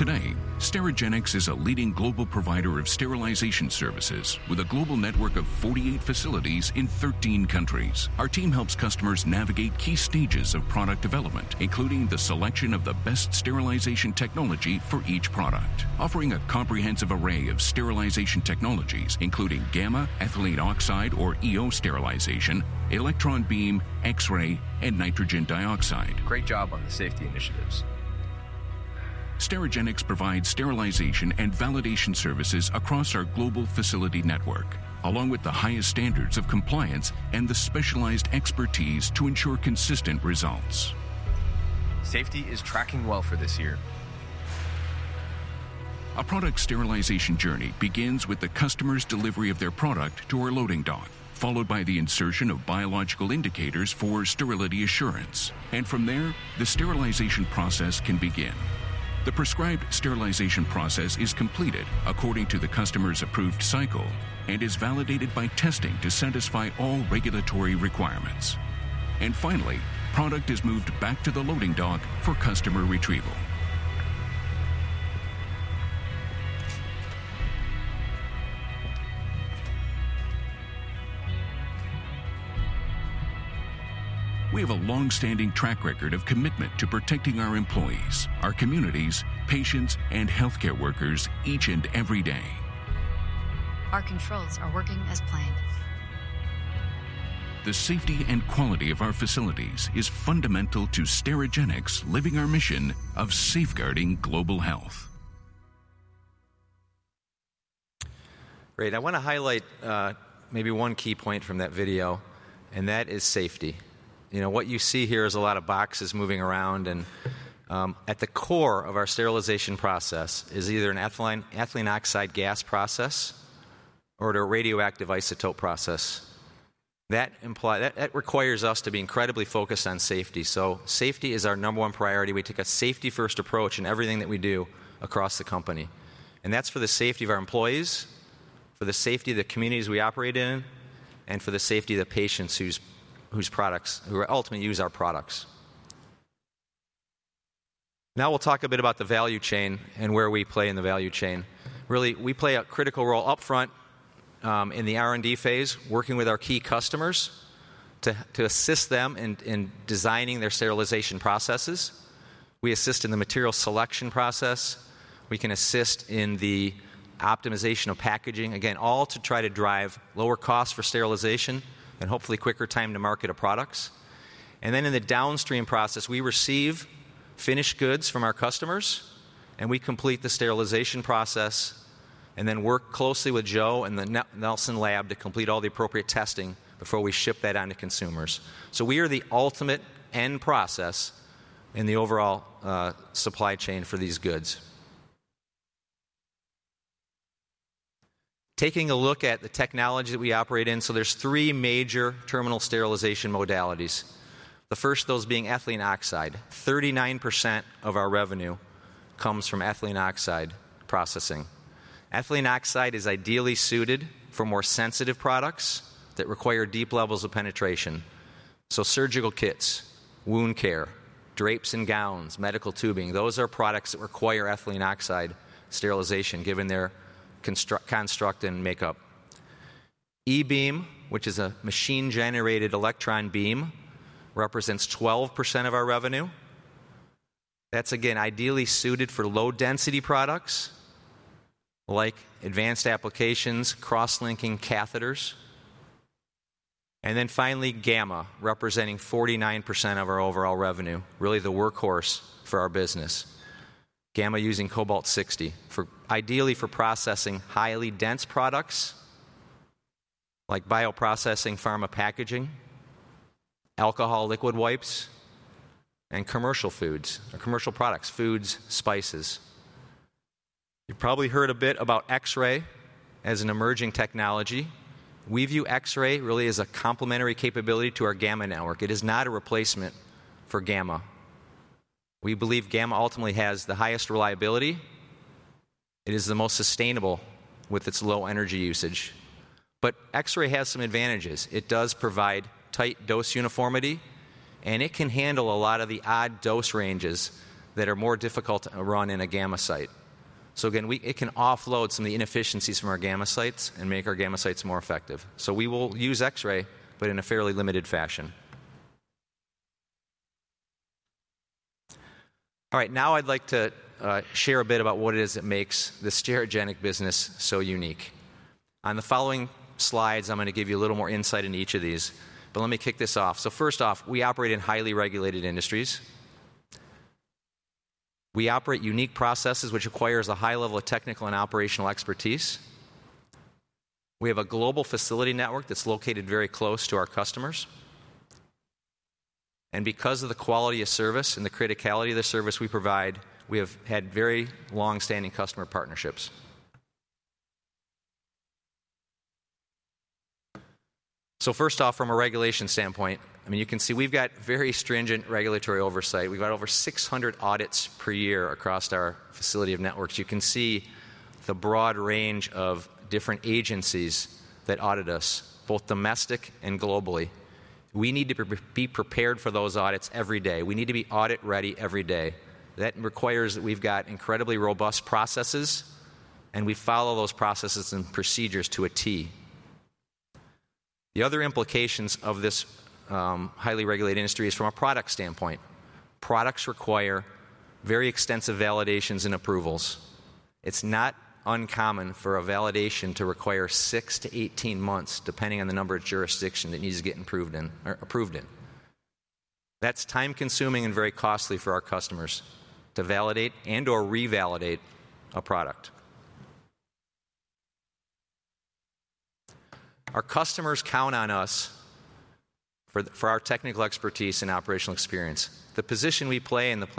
Today, Sterigenics is a leading global provider of sterilization services with a global network of 48 facilities in 13 countries. Our team helps customers navigate key stages of product development, including the selection of the best sterilization technology for each product, offering a comprehensive array of sterilization technologies, including gamma, ethylene oxide, or EO sterilization, electron beam, X-ray, and nitrogen dioxide. Great job on the safety initiatives. Sterigenics provides sterilization and validation services across our global facility network, along with the highest standards of compliance and the specialized expertise to ensure consistent results. Safety is tracking well for this year. A product sterilization journey begins with the customer's delivery of their product to our loading dock, followed by the insertion of biological indicators for sterility assurance, and from there, the sterilization process can begin. The prescribed sterilization process is completed according to the customer's approved cycle and is validated by testing to satisfy all regulatory requirements, and finally, product is moved back to the loading dock for customer retrieval. We have a long-standing track record of commitment to protecting our employees, our communities, patients, and healthcare workers each and every day. Our controls are working as planned. The safety and quality of our facilities is fundamental to Sterigenics living our mission of safeguarding global health. Great. I want to highlight maybe one key point from that video, and that is safety. What you see here is a lot of boxes moving around. And at the core of our sterilization process is either an ethylene oxide gas process or a radioactive isotope process. That requires us to be incredibly focused on safety. So safety is our number one priority. We take a safety-first approach in everything that we do across the company. And that's for the safety of our employees, for the safety of the communities we operate in, and for the safety of the patients who ultimately use our products. Now we'll talk a bit about the value chain and where we play in the value chain. Really, we play a critical role upfront in the R&D phase, working with our key customers to assist them in designing their sterilization processes. We assist in the material selection process. We can assist in the optimization of packaging, again, all to try to drive lower costs for sterilization and hopefully quicker time to market of products, and then in the downstream process, we receive finished goods from our customers, and we complete the sterilization process and then work closely with Joe and the Nelson Labs to complete all the appropriate testing before we ship that on to consumers, so we are the ultimate end process in the overall supply chain for these goods. Taking a look at the technology that we operate in, so there's three major terminal sterilization modalities. The first, those being ethylene oxide. 39% of our revenue comes from ethylene oxide processing. Ethylene oxide is ideally suited for more sensitive products that require deep levels of penetration. So surgical kits, wound care, drapes and gowns, medical tubing, those are products that require ethylene oxide sterilization given their construct and makeup. E-beam, which is a machine-generated electron beam, represents 12% of our revenue. That's, again, ideally suited for low-density products like advanced applications, cross-linking catheters. And then finally, gamma, representing 49% of our overall revenue, really the workhorse for our business. Gamma using Cobalt-60, ideally for processing highly dense products like bioprocessing, pharma packaging, alcohol, liquid wipes, and commercial foods, commercial products, foods, spices. You've probably heard a bit about X-ray as an emerging technology. We view X-ray really as a complementary capability to our gamma network. It is not a replacement for gamma. We believe gamma ultimately has the highest reliability. It is the most sustainable with its low energy usage. But X-ray has some advantages. It does provide tight dose uniformity, and it can handle a lot of the odd dose ranges that are more difficult to run in a gamma site. So again, it can offload some of the inefficiencies from our gamma sites and make our gamma sites more effective. So we will use X-ray, but in a fairly limited fashion. All right. Now I'd like to share a bit about what it is that makes the Sterigenics business so unique. On the following slides, I'm going to give you a little more insight into each of these. But let me kick this off. So first off, we operate in highly regulated industries. We operate unique processes, which requires a high level of technical and operational expertise. We have a global facility network that's located very close to our customers. Because of the quality of service and the criticality of the service we provide, we have had very long-standing customer partnerships. First off, from a regulatory standpoint, I mean, you can see we've got very stringent regulatory oversight. We've got over 600 audits per year across our facilities and networks. You can see the broad range of different agencies that audit us, both domestic and globally. We need to be prepared for those audits every day. We need to be audit-ready every day. That requires that we've got incredibly robust processes, and we follow those processes and procedures to a T. The other implications of this highly regulated industry is from a product standpoint. Products require very extensive validations and approvals. It's not uncommon for a validation to require six-18 months, depending on the number of jurisdictions that need to get approved in. That's time-consuming and very costly for our customers to validate and/or revalidate a product. Our customers count on us for our technical expertise and operational experience. The position we play and the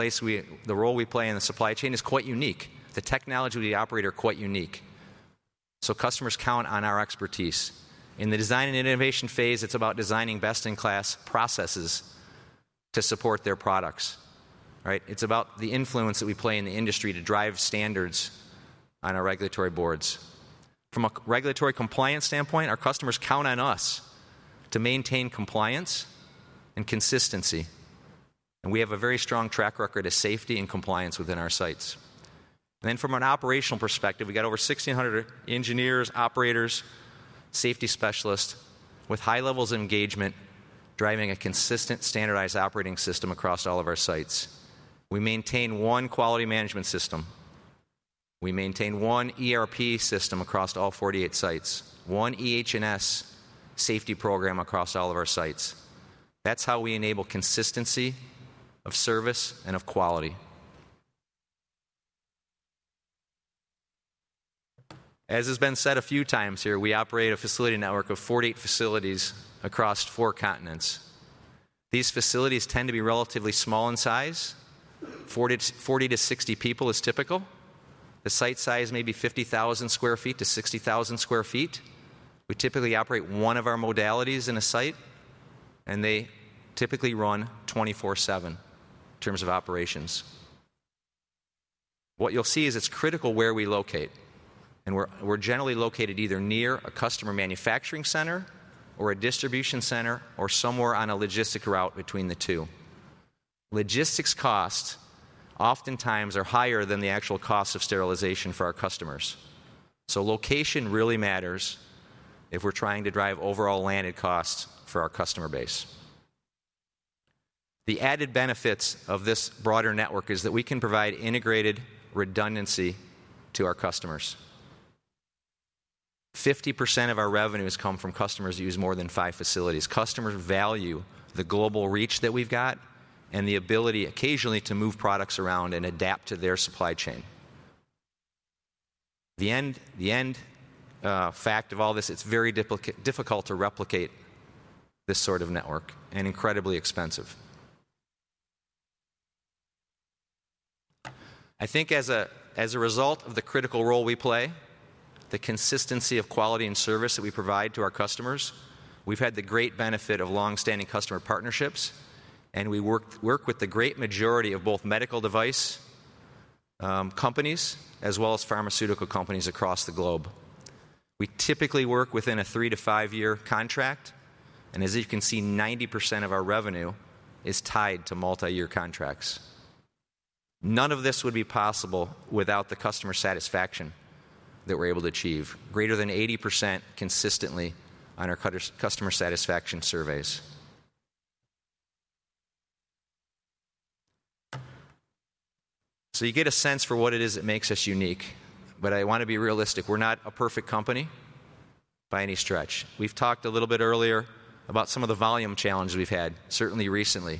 role we play in the supply chain is quite unique. The technology we operate is quite unique. So customers count on our expertise. In the design and innovation phase, it's about designing best-in-class processes to support their products. It's about the influence that we play in the industry to drive standards on our regulatory boards. From a regulatory compliance standpoint, our customers count on us to maintain compliance and consistency, and we have a very strong track record of safety and compliance within our sites, and then from an operational perspective, we've got over 1,600 engineers, operators, safety specialists with high levels of engagement driving a consistent standardized operating system across all of our sites. We maintain one quality management system. We maintain one ERP system across all 48 sites, one EH&S safety program across all of our sites. That's how we enable consistency of service and of quality. As has been said a few times here, we operate a facility network of 48 facilities across four continents. These facilities tend to be relatively small in size. 40 to 60 people is typical. The site size may be 50,000sqft-60,000sqft. We typically operate one of our modalities in a site, and they typically run 24/7 in terms of operations. What you'll see is it's critical where we locate, and we're generally located either near a customer manufacturing center or a distribution center or somewhere on a logistic route between the two. Logistics costs oftentimes are higher than the actual cost of sterilization for our customers. Location really matters if we're trying to drive overall landed costs for our customer base. The added benefits of this broader network is that we can provide integrated redundancy to our customers. 50% of our revenues come from customers who use more than five facilities. Customers value the global reach that we've got and the ability occasionally to move products around and adapt to their supply chain. In fact, it's very difficult to replicate this sort of network and incredibly expensive. I think as a result of the critical role we play, the consistency of quality and service that we provide to our customers, we've had the great benefit of long-standing customer partnerships, and we work with the great majority of both medical device companies as well as pharmaceutical companies across the globe. We typically work within a 3-5 year contract. As you can see, 90% of our revenue is tied to multi-year contracts. None of this would be possible without the customer satisfaction that we're able to achieve, greater than 80% consistently on our customer satisfaction surveys. You get a sense for what it is that makes us unique. I want to be realistic. We're not a perfect company by any stretch. We've talked a little bit earlier about some of the volume challenges we've had, certainly recently.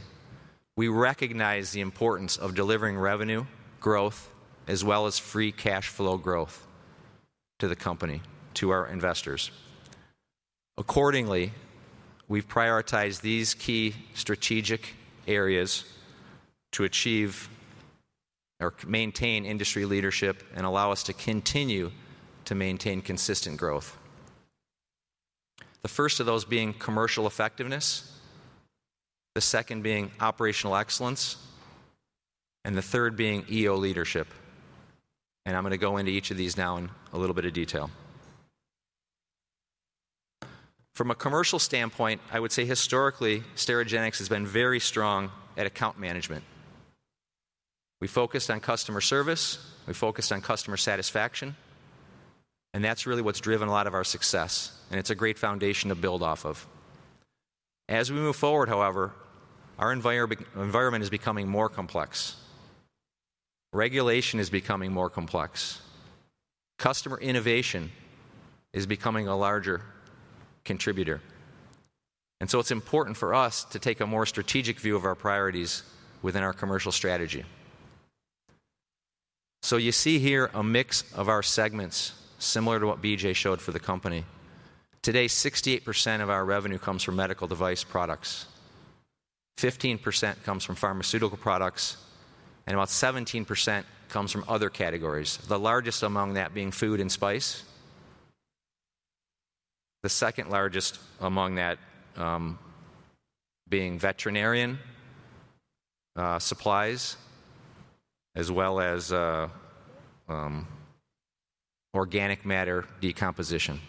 We recognize the importance of delivering revenue, growth, as well as free cash flow growth to the company, to our investors. Accordingly, we've prioritized these key strategic areas to achieve or maintain industry leadership and allow us to continue to maintain consistent growth. The first of those being commercial effectiveness, the second being operational excellence, and the third being EO leadership. I'm going to go into each of these now in a little bit of detail. From a commercial standpoint, I would say historically, Sterigenics has been very strong at account management. We focused on customer service. We focused on customer satisfaction. That's really what's driven a lot of our success. It's a great foundation to build off of. As we move forward, however, our environment is becoming more complex. Regulation is becoming more complex. Customer innovation is becoming a larger contributor. It's important for us to take a more strategic view of our priorities within our commercial strategy. You see here a mix of our segments similar to what B.J. showed for the company. Today, 68% of our revenue comes from medical device products. 15% comes from pharmaceutical products, and about 17% comes from other categories, the largest among that being food and spice. The second largest among that being veterinarian supplies, as well as organic matter decomposition.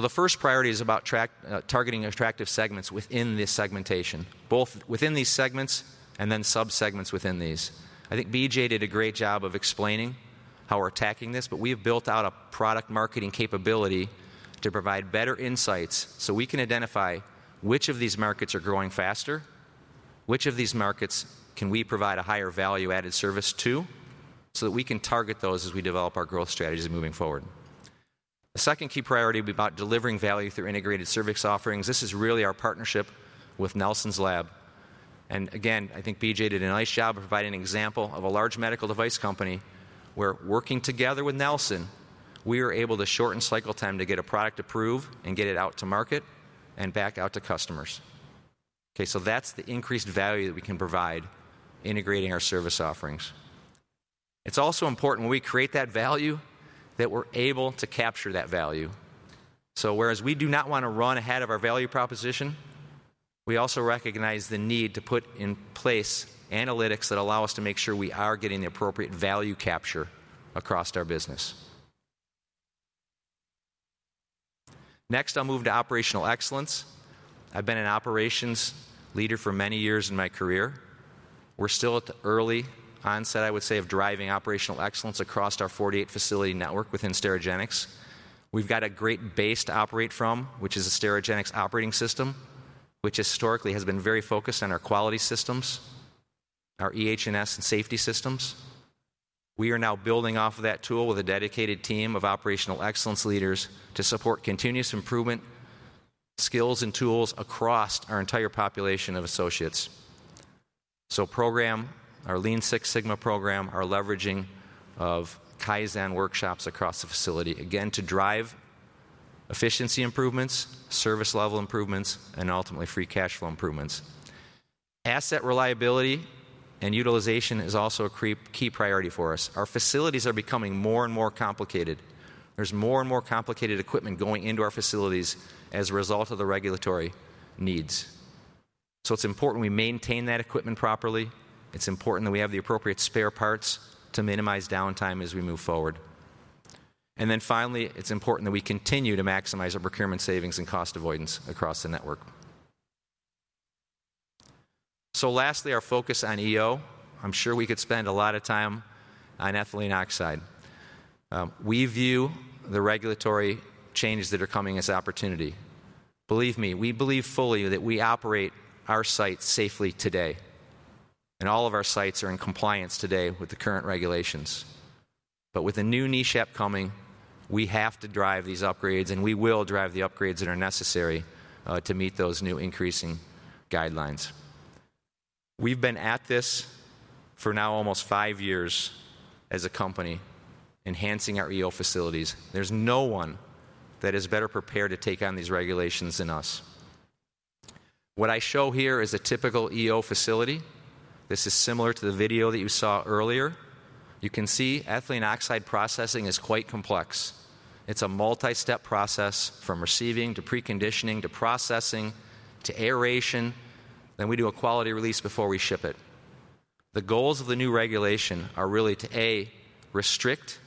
The first priority is about targeting attractive segments within this segmentation, both within these segments and then subsegments within these. I think B.J. did a great job of explaining how we're attacking this, but we have built out a product marketing capability to provide better insights so we can identify which of these markets are growing faster, which of these markets can we provide a higher value-added service to, so that we can target those as we develop our growth strategies moving forward. The second key priority would be about delivering value through integrated service offerings. This is really our partnership with Nelson Labs. And again, I think B.J. did a nice job of providing an example of a large medical device company where, working together with Nelson, we were able to shorten cycle time to get a product approved and get it out to market and back out to customers. Okay. So that's the increased value that we can provide integrating our service offerings. It's also important when we create that value that we're able to capture that value. So whereas we do not want to run ahead of our value proposition, we also recognize the need to put in place analytics that allow us to make sure we are getting the appropriate value capture across our business. Next, I'll move to operational excellence. I've been an operations leader for many years in my career. We're still at the early onset, I would say, of driving operational excellence across our 48 facility network within Sterigenics. We've got a great base to operate from, which is a Sterigenics operating system, which historically has been very focused on our quality systems, our EH&S and safety systems. We are now building off of that tool with a dedicated team of operational excellence leaders to support continuous improvement skills and tools across our entire population of associates. So our Lean Six Sigma program, our leveraging of Kaizen workshops across the facility, again, to drive efficiency improvements, service level improvements, and ultimately free cash flow improvements. Asset reliability and utilization is also a key priority for us. Our facilities are becoming more and more complicated. There's more and more complicated equipment going into our facilities as a result of the regulatory needs. So it's important we maintain that equipment properly. It's important that we have the appropriate spare parts to minimize downtime as we move forward. And then finally, it's important that we continue to maximize our procurement savings and cost avoidance across the network. So lastly, our focus on EO. I'm sure we could spend a lot of time on ethylene oxide. We view the regulatory changes that are coming as opportunity. Believe me, we believe fully that we operate our sites safely today. And all of our sites are in compliance today with the current regulations. But with a new NESHAP upcoming, we have to drive these upgrades, and we will drive the upgrades that are necessary to meet those new increasing guidelines. We've been at this for now almost five years as a company, enhancing our EO facilities. There's no one that is better prepared to take on these regulations than us. What I show here is a typical EO facility. This is similar to the video that you saw earlier. You can see ethylene oxide processing is quite complex. It's a multi-step process from receiving to preconditioning to processing to aeration. Then we do a quality release before we ship it. The goals of the new regulation are really to, A, restrict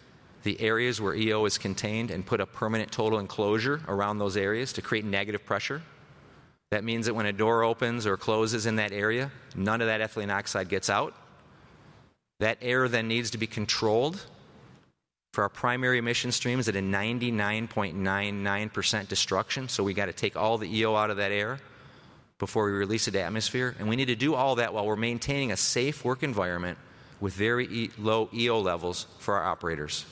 the areas where EO is contained and put a permanent total enclosure around those areas to create negative pressure. That means that when a door opens or closes in that area, none of that ethylene oxide gets out. That air then needs to be controlled for our primary emission streams at a 99.99% destruction. So we got to take all the EO out of that air before we release it to the atmosphere. We need to do all that while we're maintaining a safe work environment with very low EO levels for our operators.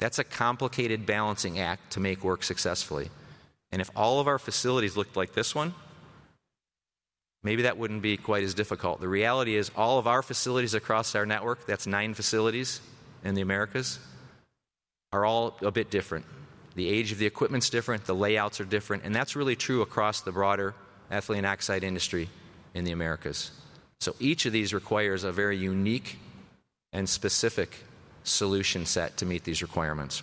That's a complicated balancing act to make work successfully. If all of our facilities looked like this one, maybe that wouldn't be quite as difficult. The reality is all of our facilities across our network, that's nine facilities in the Americas, are all a bit different. The age of the equipment's different. The layouts are different. And that's really true across the broader ethylene oxide industry in the Americas. So each of these requires a very unique and specific solution set to meet these requirements.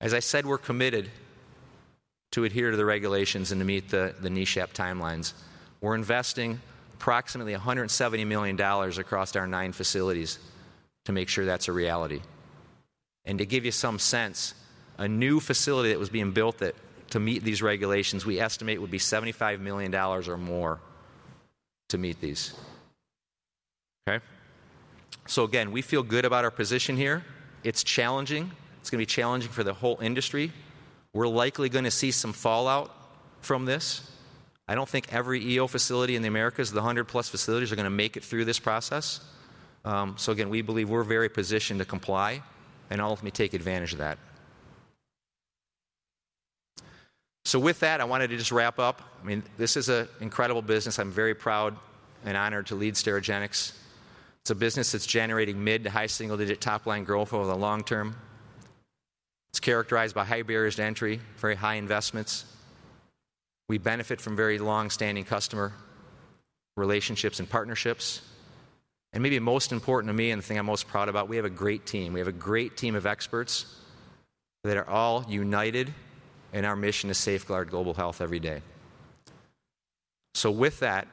As I said, we're committed to adhere to the regulations and to meet the NESHAP timelines. We're investing approximately $170 million across our nine facilities to make sure that's a reality. To give you some sense, a new facility that was being built to meet these regulations, we estimate, would be $75 million or more to meet these. Okay. Again, we feel good about our position here. It's challenging. It's going to be challenging for the whole industry. We're likely going to see some fallout from this. I don't think every EO facility in the Americas, the 100-plus facilities, are going to make it through this process. Again, we believe we're very positioned to comply and ultimately take advantage of that. With that, I wanted to just wrap up. I mean, this is an incredible business. I'm very proud and honored to lead Sterigenics. It's a business that's generating mid- to high-single-digit top-line growth over the long term. It's characterized by high barriers to entry, very high investments. We benefit from very long-standing customer relationships and partnerships, and maybe most important to me and the thing I'm most proud about, we have a great team. We have a great team of experts that are all united in our mission to safeguard global health every day, so with that,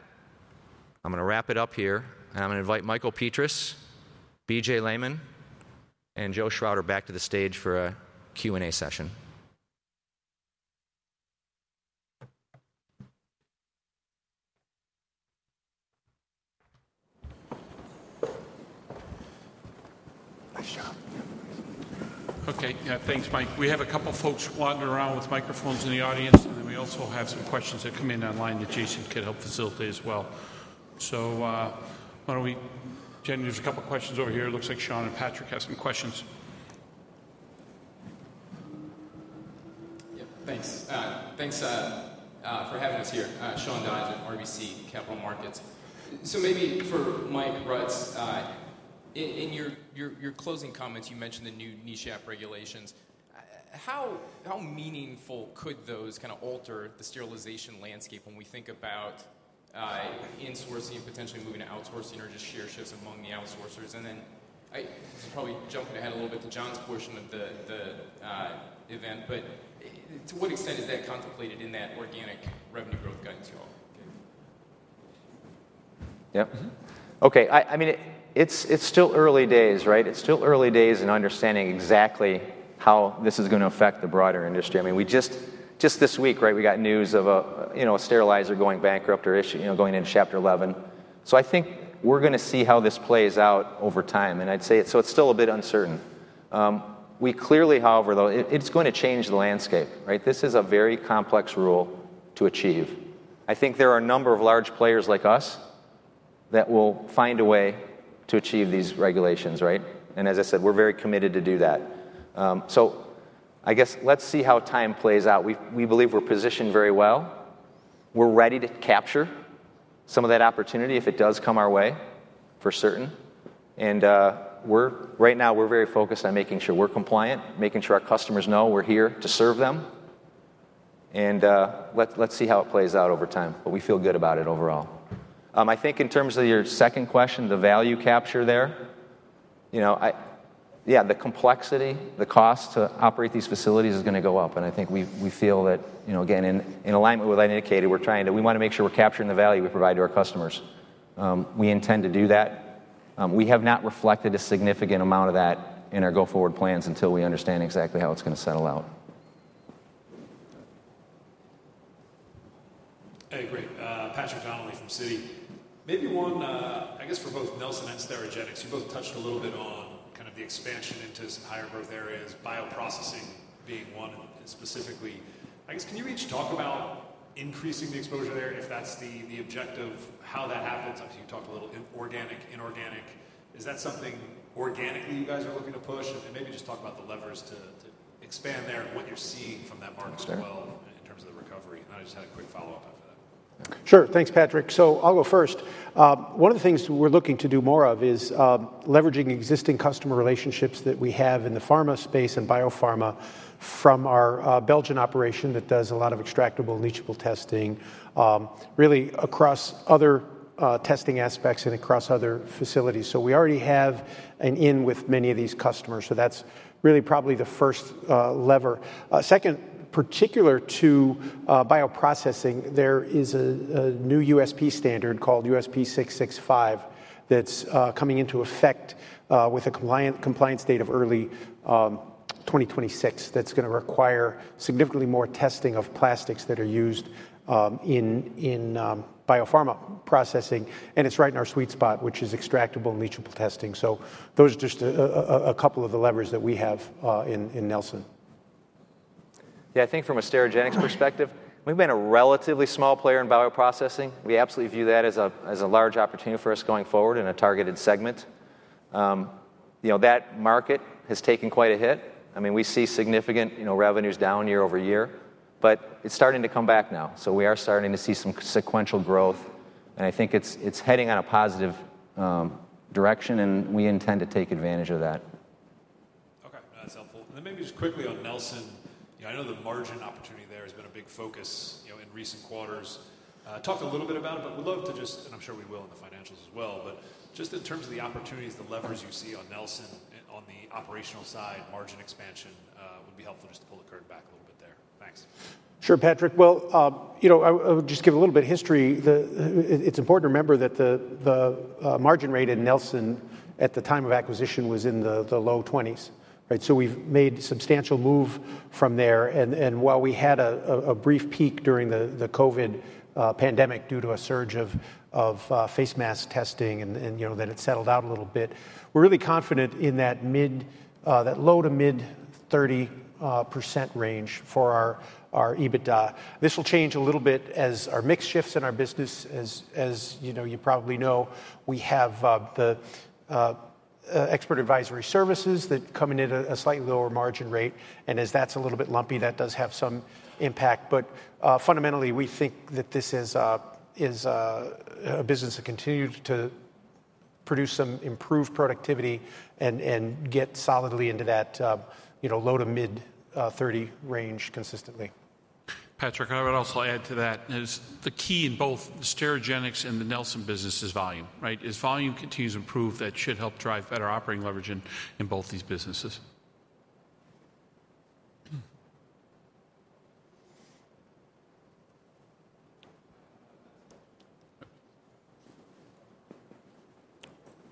I'm going to wrap it up here, and I'm going to invite Michael Petras, B.J. Lehman, and Joe Shrawder back to the stage for a Q&A session. Okay. Thanks, Mike. We have a couple of folks wandering around with microphones in the audience, and then we also have some questions that come in online that Jason could help facilitate as well, so why don't we, Jen, there's a couple of questions over here. It looks like Sean and Patrick have some questions. Yep. Thanks. Thanks for having us here. Sean Dodge at RBC Capital Markets. So maybe for Mike Rutz, in your closing comments, you mentioned the new NESHAP regulations. How meaningful could those kind of alter the sterilization landscape when we think about insourcing and potentially moving to outsourcing or just share shifts among the outsourcers? And then this is probably jumping ahead a little bit to Jon's portion of the event, but to what extent is that contemplated in that organic revenue growth guidance you all gave? Yep. Okay. I mean, it's still early days, right? It's still early days in understanding exactly how this is going to affect the broader industry. I mean, just this week, right, we got news of a sterilizer going bankrupt or going into Chapter 11. So I think we're going to see how this plays out over time, and I'd say it's still a bit uncertain. Clearly, however, though, it's going to change the landscape, right? This is a very complex rule to achieve. I think there are a number of large players like us that will find a way to achieve these regulations, right, and as I said, we're very committed to do that, so I guess let's see how time plays out. We believe we're positioned very well. We're ready to capture some of that opportunity if it does come our way, for certain. And right now, we're very focused on making sure we're compliant, making sure our customers know we're here to serve them. And let's see how it plays out over time. But we feel good about it overall. I think in terms of your second question, the value capture there, yeah, the complexity, the cost to operate these facilities is going to go up. And I think we feel that, again, in alignment with what I indicated, we're trying to—we want to make sure we're capturing the value we provide to our customers. We intend to do that. We have not reflected a significant amount of that in our go-forward plans until we understand exactly how it's going to settle out. Hey, great. Patrick Donnelly from Citi. Maybe one, I guess, for both Nelson and Sterigenics, you both touched a little bit on kind of the expansion into some higher growth areas, bioprocessing being one specifically. I guess, can you each talk about increasing the exposure there if that's the objective? How that happens? Obviously, you talked a little organic, inorganic. Is that something organically you guys are looking to push? And maybe just talk about the levers to expand there and what you're seeing from that market as well in terms of the recovery. And I just had a quick follow-up after that. Sure. Thanks, Patrick. So I'll go first. One of the things we're looking to do more of is leveraging existing customer relationships that we have in the pharma space and biopharma from our Belgian operation that does a lot of extractable leachable testing, really across other testing aspects and across other facilities. So we already have an in with many of these customers. So that's really probably the first lever. Second, particular to bioprocessing, there is a new USP standard called USP 665 that's coming into effect with a compliance date of early 2026 that's going to require significantly more testing of plastics that are used in biopharma processing. And it's right in our sweet spot, which is extractable leachable testing. So those are just a couple of the levers that we have in Nelson. Yeah. I think from a Sterigenics perspective, we've been a relatively small player in bioprocessing. We absolutely view that as a large opportunity for us going forward in a targeted segment. That market has taken quite a hit. I mean, we see significant revenues down year over year, but it's starting to come back now. So we are starting to see some sequential growth, and I think it's heading in a positive direction, and we intend to take advantage of that. Okay. That's helpful. And then maybe just quickly on Nelson, I know the margin opportunity there has been a big focus in recent quarters. Talk a little bit about it, but we'd love to just, and I'm sure we will in the financials as well, but just in terms of the opportunities, the levers you see on Nelson on the operational side, margin expansion would be helpful just to pull the curtain back a little bit there. Thanks. Sure, Patrick. I would just give a little bit of history. It's important to remember that the margin rate in Nelson at the time of acquisition was in the low 20s, right? So we've made a substantial move from there. While we had a brief peak during the COVID pandemic due to a surge of face mask testing and then it settled out a little bit, we're really confident in that low to mid 30% range for our EBITDA. This will change a little bit as our mix shifts in our business. As you probably know, we have the Expert Advisory Services that come in at a slightly lower margin rate. As that's a little bit lumpy, that does have some impact. But fundamentally, we think that this is a business that continues to produce some improved productivity and get solidly into that low to mid 30 range consistently. Patrick, I would also add to that is the key in both the Sterigenics and the Nelson Labs business is volume, right? As volume continues to improve, that should help drive better operating leverage in both these businesses.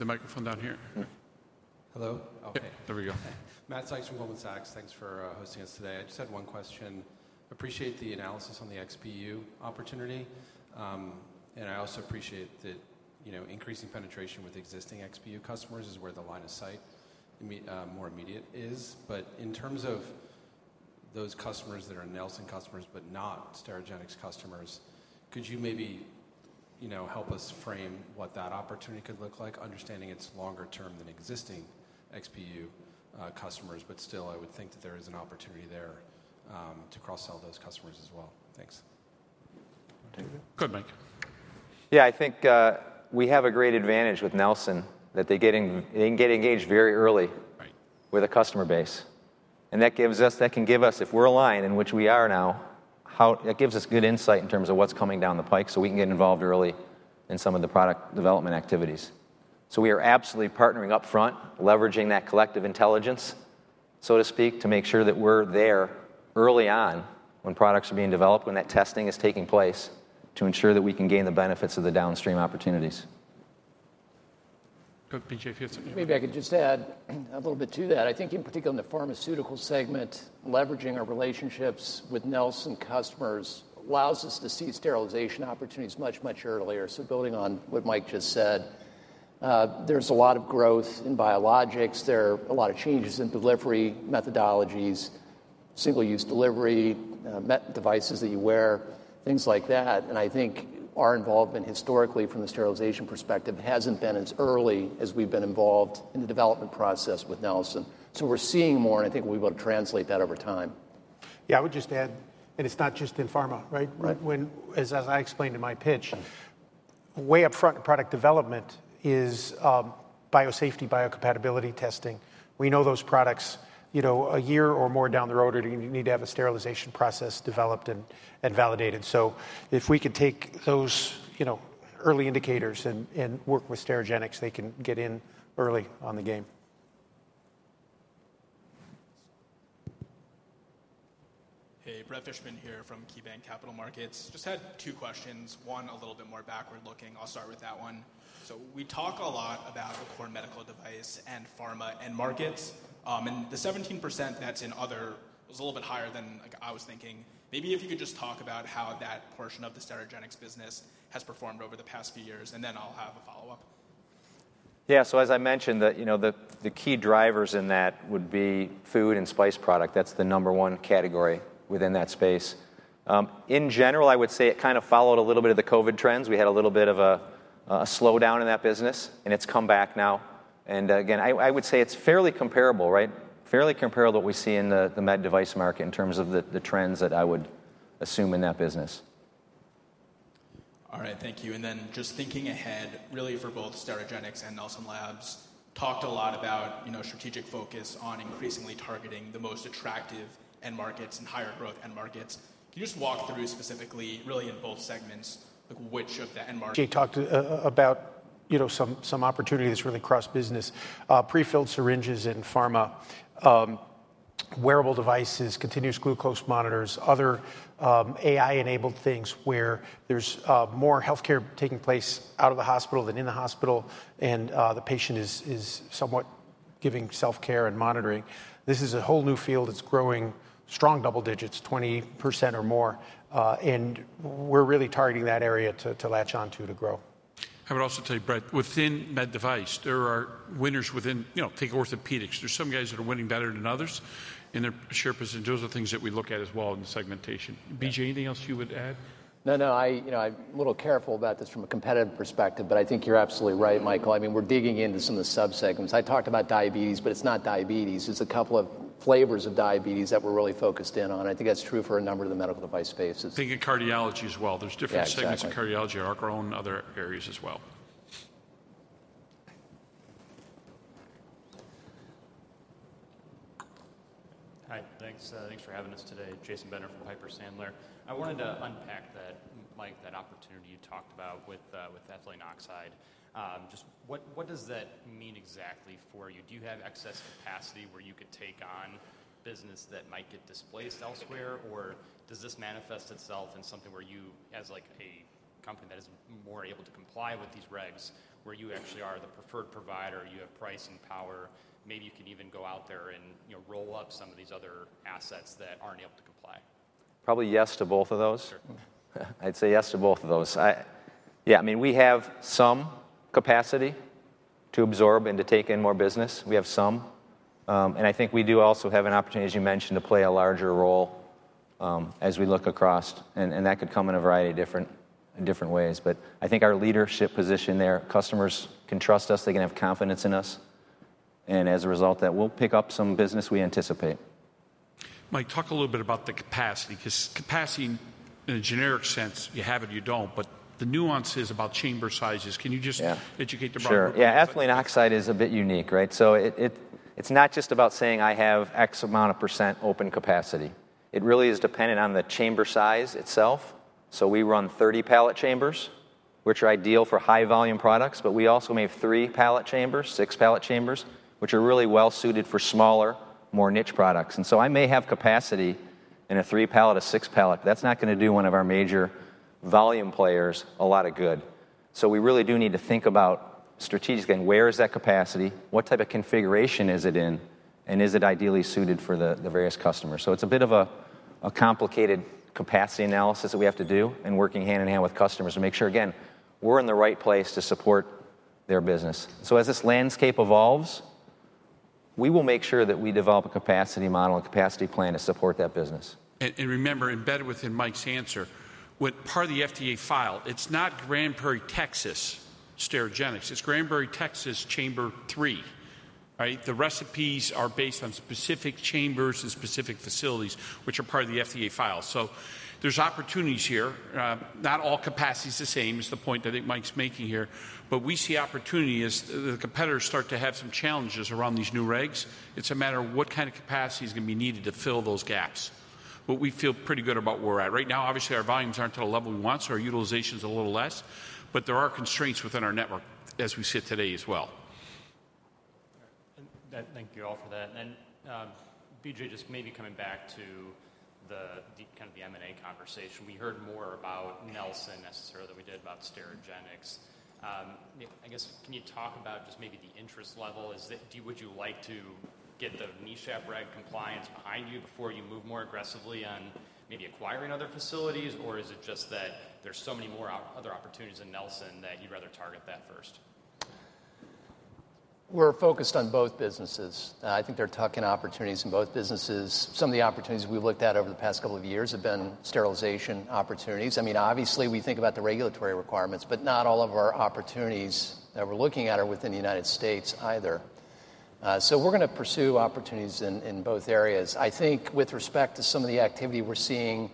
The microphone down here. Hello. Okay. There we go. Matt Sykes from Goldman Sachs. Thanks for hosting us today. I just had one question. I appreciate the analysis on the XPU opportunity. And I also appreciate that increasing penetration with existing XPU customers is where the line of sight more immediate is. But in terms of those customers that are Nelson customers but not Sterigenics customers, could you maybe help us frame what that opportunity could look like, understanding it's longer term than existing XPU customers, but still, I would think that there is an opportunity there to cross-sell those customers as well? Thanks. Go ahead, Mike. Yeah. I think we have a great advantage with Nelson that they can get engaged very early with a customer base. And that can give us, if we're aligned in which we are now, that gives us good insight in terms of what's coming down the pike so we can get involved early in some of the product development activities. So we are absolutely partnering upfront, leveraging that collective intelligence, so to speak, to make sure that we're there early on when products are being developed, when that testing is taking place to ensure that we can gain the benefits of the downstream opportunities. B.J., if you have something. Maybe I could just add a little bit to that. I think in particular in the pharmaceutical segment, leveraging our relationships with Nelson customers allows us to see sterilization opportunities much, much earlier. So building on what Mike just said, there's a lot of growth in biologics. There are a lot of changes in delivery methodologies, single-use delivery, med devices that you wear, things like that. And I think our involvement historically from the sterilization perspective hasn't been as early as we've been involved in the development process with Nelson. So we're seeing more, and I think we'll be able to translate that over time. Yeah. I would just add, and it's not just in pharma, right? As I explained in my pitch, way upfront in product development is biosafety, biocompatibility testing. We know those products a year or more down the road or you need to have a sterilization process developed and validated. So if we could take those early indicators and work with Sterigenics, they can get in early on the game. Hey, Brett Fishman here from KeyBanc Capital Markets. Just had two questions. One, a little bit more backward-looking. I'll start with that one. So we talk a lot about the core medical device and pharma and markets. And the 17% that's in other was a little bit higher than I was thinking. Maybe if you could just talk about how that portion of the Sterigenics business has performed over the past few years, and then I'll have a follow-up. Yeah. So as I mentioned, the key drivers in that would be food and spice product. That's the number one category within that space. In general, I would say it kind of followed a little bit of the COVID trends. We had a little bit of a slowdown in that business, and it's come back now. And again, I would say it's fairly comparable, right? Fairly comparable to what we see in the med device market in terms of the trends that I would assume in that business. All right. Thank you. And then just thinking ahead, really for both Sterigenics and Nelson Labs, talked a lot about strategic focus on increasingly targeting the most attractive end markets and higher growth end markets. Can you just walk through specifically, really in both segments, which of the end? Joe talked about some opportunities really across business: prefilled syringes in pharma, wearable devices, continuous glucose monitors, other AI-enabled things where there's more healthcare taking place out of the hospital than in the hospital, and the patient is somewhat giving self-care and monitoring. This is a whole new field that's growing strong double digits, 20% or more, and we're really targeting that area to latch onto to grow. I would also tell you, Brett, within med device, there are winners within, take orthopedics. There's some guys that are winning better than others, and their share percentage are things that we look at as well in the segmentation. BJ, anything else you would add? No, no. I'm a little careful about this from a competitive perspective, but I think you're absolutely right, Michael. I mean, we're digging into some of the subsegments. I talked about diabetes, but it's not diabetes. It's a couple of flavors of diabetes that we're really focused in on. I think that's true for a number of the medical device spaces. Thinking cardiology as well. There's different segments of cardiology that are growing in other areas as well. Hi. Thanks for having us today. Jason Bednar from Piper Sandler. I wanted to unpack that opportunity you talked about with ethylene oxide. Just what does that mean exactly for you? Do you have excess capacity where you could take on business that might get displaced elsewhere? Or does this manifest itself in something where you, as a company that is more able to comply with these regs, where you actually are the preferred provider, you have pricing power, maybe you can even go out there and roll up some of these other assets that aren't able to comply? Probably yes to both of those. I'd say yes to both of those. Yeah. I mean, we have some capacity to absorb and to take in more business. We have some, and I think we do also have an opportunity, as you mentioned, to play a larger role as we look across, and that could come in a variety of different ways, but I think our leadership position there. Customers can trust us. They can have confidence in us, and as a result of that, we'll pick up some business we anticipate. Mike, talk a little bit about the capacity because capacity in a generic sense, you have it, you don't. But the nuances about chamber sizes, can you just educate the broader audience? Sure. Yeah. Ethylene Oxide is a bit unique, right? So it's not just about saying I have X amount of % open capacity. It really is dependent on the chamber size itself. So we run 30-pallet chambers, which are ideal for high-volume products. But we also may have three-pallet chambers, six-pallet chambers, which are really well-suited for smaller, more niche products. And so I may have capacity in a three-pallet, a six-pallet, but that's not going to do one of our major volume players a lot of good. So we really do need to think about strategically, where is that capacity? What type of configuration is it in? And is it ideally suited for the various customers? It's a bit of a complicated capacity analysis that we have to do and working hand in hand with customers to make sure, again, we're in the right place to support their business. As this landscape evolves, we will make sure that we develop a capacity model and capacity plan to support that business. And remember, embedded within Mike's answer, part of the FDA file, it's not Grand Prairie, Texas, Sterigenics. It's Grand Prairie, Texas, chamber three, right? The recipes are based on specific chambers and specific facilities, which are part of the FDA file. So there's opportunities here. Not all capacity is the same, is the point that I think Mike's making here. But we see opportunity as the competitors start to have some challenges around these new regs. It's a matter of what kind of capacity is going to be needed to fill those gaps. But we feel pretty good about where we're at. Right now, obviously, our volumes aren't at a level we want, so our utilization is a little less. But there are constraints within our network as we sit today as well. Thank you all for that, and then, B.J., just maybe coming back to kind of the M&A conversation, we heard more about Nelson necessarily than we did about Sterigenics. I guess, can you talk about just maybe the interest level? Would you like to get the NESHAP reg compliance behind you before you move more aggressively on maybe acquiring other facilities? Or is it just that there's so many more other opportunities in Nelson that you'd rather target that first? We're focused on both businesses. I think they're talking opportunities in both businesses. Some of the opportunities we've looked at over the past couple of years have been sterilization opportunities. I mean, obviously, we think about the regulatory requirements, but not all of our opportunities that we're looking at are within the United States either, so we're going to pursue opportunities in both areas. I think with respect to some of the activity we're seeing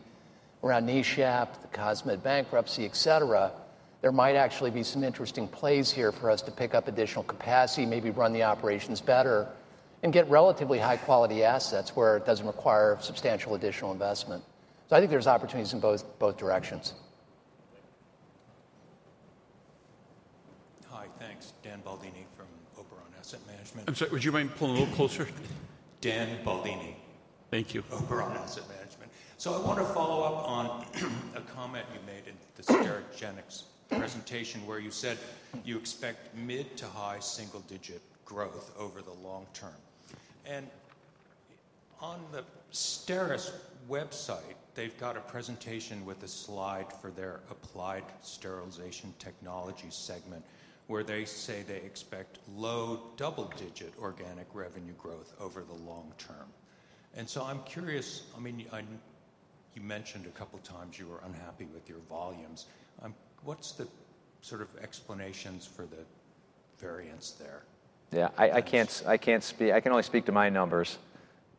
around NESHAP, the Cosmed bankruptcy, etc., there might actually be some interesting plays here for us to pick up additional capacity, maybe run the operations better, and get relatively high-quality assets where it doesn't require substantial additional investment, so I think there's opportunities in both directions. Hi. Thanks. Dan Baldini from Oberon Asset Management. I'm sorry. Would you mind pulling a little closer? Dan Baldini. Thank you. Oberon Asset Management. So I want to follow up on a comment you made in the Sterigenics presentation where you said you expect mid- to high single-digit growth over the long term. And on the STERIS website, they've got a presentation with a slide for their Applied Sterilization Technologies segment where they say they expect low double-digit organic revenue growth over the long term. And so I'm curious. I mean, you mentioned a couple of times you were unhappy with your volumes. What's the sort of explanations for the variance there? Yeah. I can only speak to my numbers,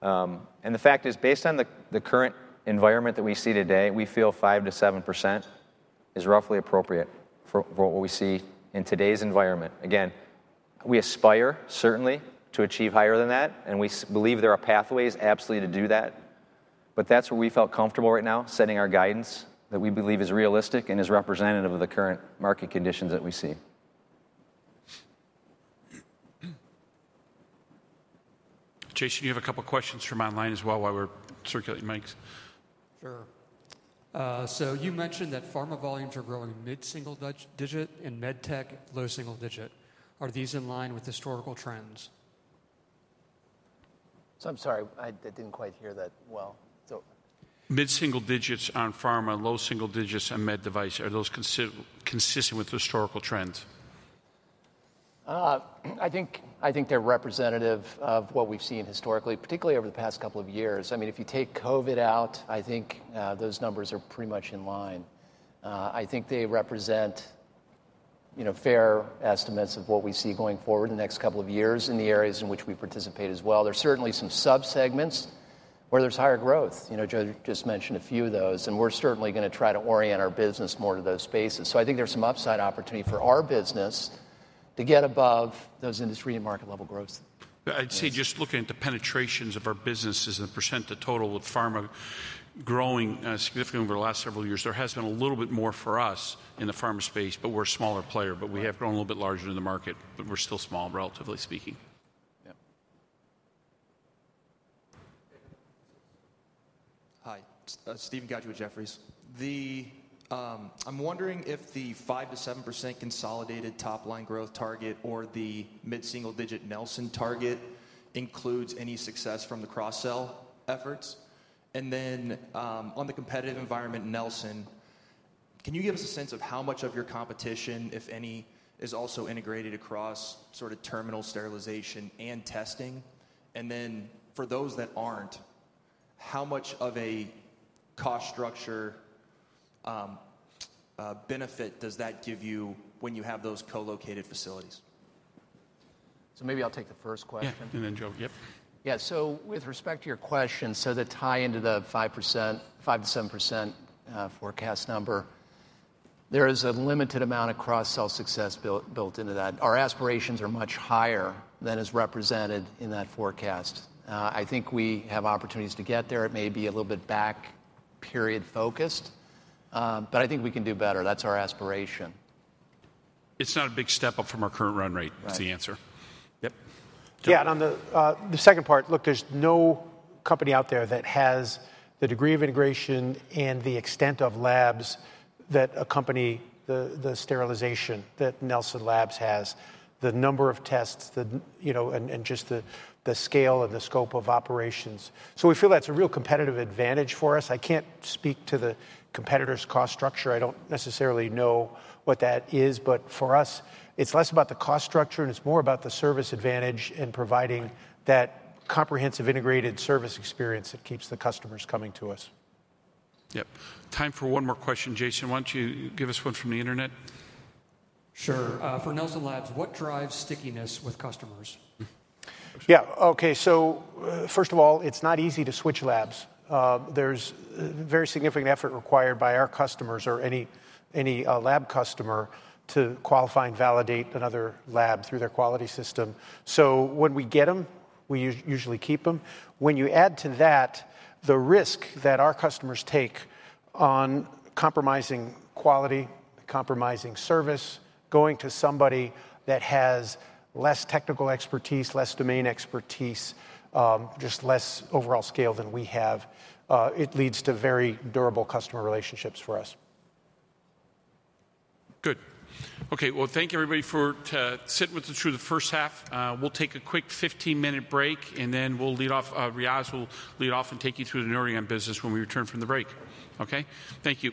and the fact is, based on the current environment that we see today, we feel 5%-7% is roughly appropriate for what we see in today's environment. Again, we aspire certainly to achieve higher than that, and we believe there are pathways absolutely to do that, but that's where we felt comfortable right now, setting our guidance that we believe is realistic and is representative of the current market conditions that we see. Jason, you have a couple of questions from online as well while we're circulating mics. Sure. So you mentioned that pharma volumes are growing mid-single digit and med tech low single digit. Are these in line with historical trends? So I'm sorry. I didn't quite hear that well. Mid-single digits on pharma, low single digits on med device. Are those consistent with historical trends? I think they're representative of what we've seen historically, particularly over the past couple of years. I mean, if you take COVID out, I think those numbers are pretty much in line. I think they represent fair estimates of what we see going forward in the next couple of years in the areas in which we participate as well. There's certainly some subsegments where there's higher growth. Joe just mentioned a few of those. And we're certainly going to try to orient our business more to those spaces. So I think there's some upside opportunity for our business to get above those industry and market-level growth. I'd say just looking at the penetrations of our businesses and the percent to total of pharma growing significantly over the last several years, there has been a little bit more for us in the pharma space, but we're a smaller player. But we have grown a little bit larger in the market, but we're still small, relatively speaking. Hi, Steven from Jefferies. I'm wondering if the 5%-7% consolidated top-line growth target or the mid-single-digit% Nelson target includes any success from the cross-sell efforts. And then on the competitive environment, Nelson, can you give us a sense of how much of your competition, if any, is also integrated across sort of terminal sterilization and testing? And then for those that aren't, how much of a cost structure benefit does that give you when you have those co-located facilities? So maybe I'll take the first question. Yeah. And then Joe. Yep. Yeah. So with respect to your question, the tie into the 5%-7% forecast number, there is a limited amount of cross-sell success built into that. Our aspirations are much higher than is represented in that forecast. I think we have opportunities to get there. It may be a little bit back period focused, but I think we can do better. That's our aspiration. It's not a big step up from our current run rate, is the answer. Yeah. And on the second part, look, there's no company out there that has the degree of integration and the extent of labs that accompany the sterilization that Nelson Labs has, the number of tests, and just the scale and the scope of operations. So we feel that's a real competitive advantage for us. I can't speak to the competitor's cost structure. I don't necessarily know what that is. But for us, it's less about the cost structure, and it's more about the service advantage in providing that comprehensive integrated service experience that keeps the customers coming to us. Yep. Time for one more question, Jason. Why don't you give us one from the internet? Sure. For Nelson Labs, what drives stickiness with customers? Yeah. Okay. So first of all, it's not easy to switch labs. There's a very significant effort required by our customers or any lab customer to qualify and validate another lab through their quality system. So when we get them, we usually keep them. When you add to that the risk that our customers take on compromising quality, compromising service, going to somebody that has less technical expertise, less domain expertise, just less overall scale than we have, it leads to very durable customer relationships for us. Good. Okay. Well, thank you, everybody, for sitting with us through the first half. We'll take a quick 15-minute break, and then we'll lead off. Riaz will lead off and take you through the Nordion business when we return from the break. Okay? Thank you.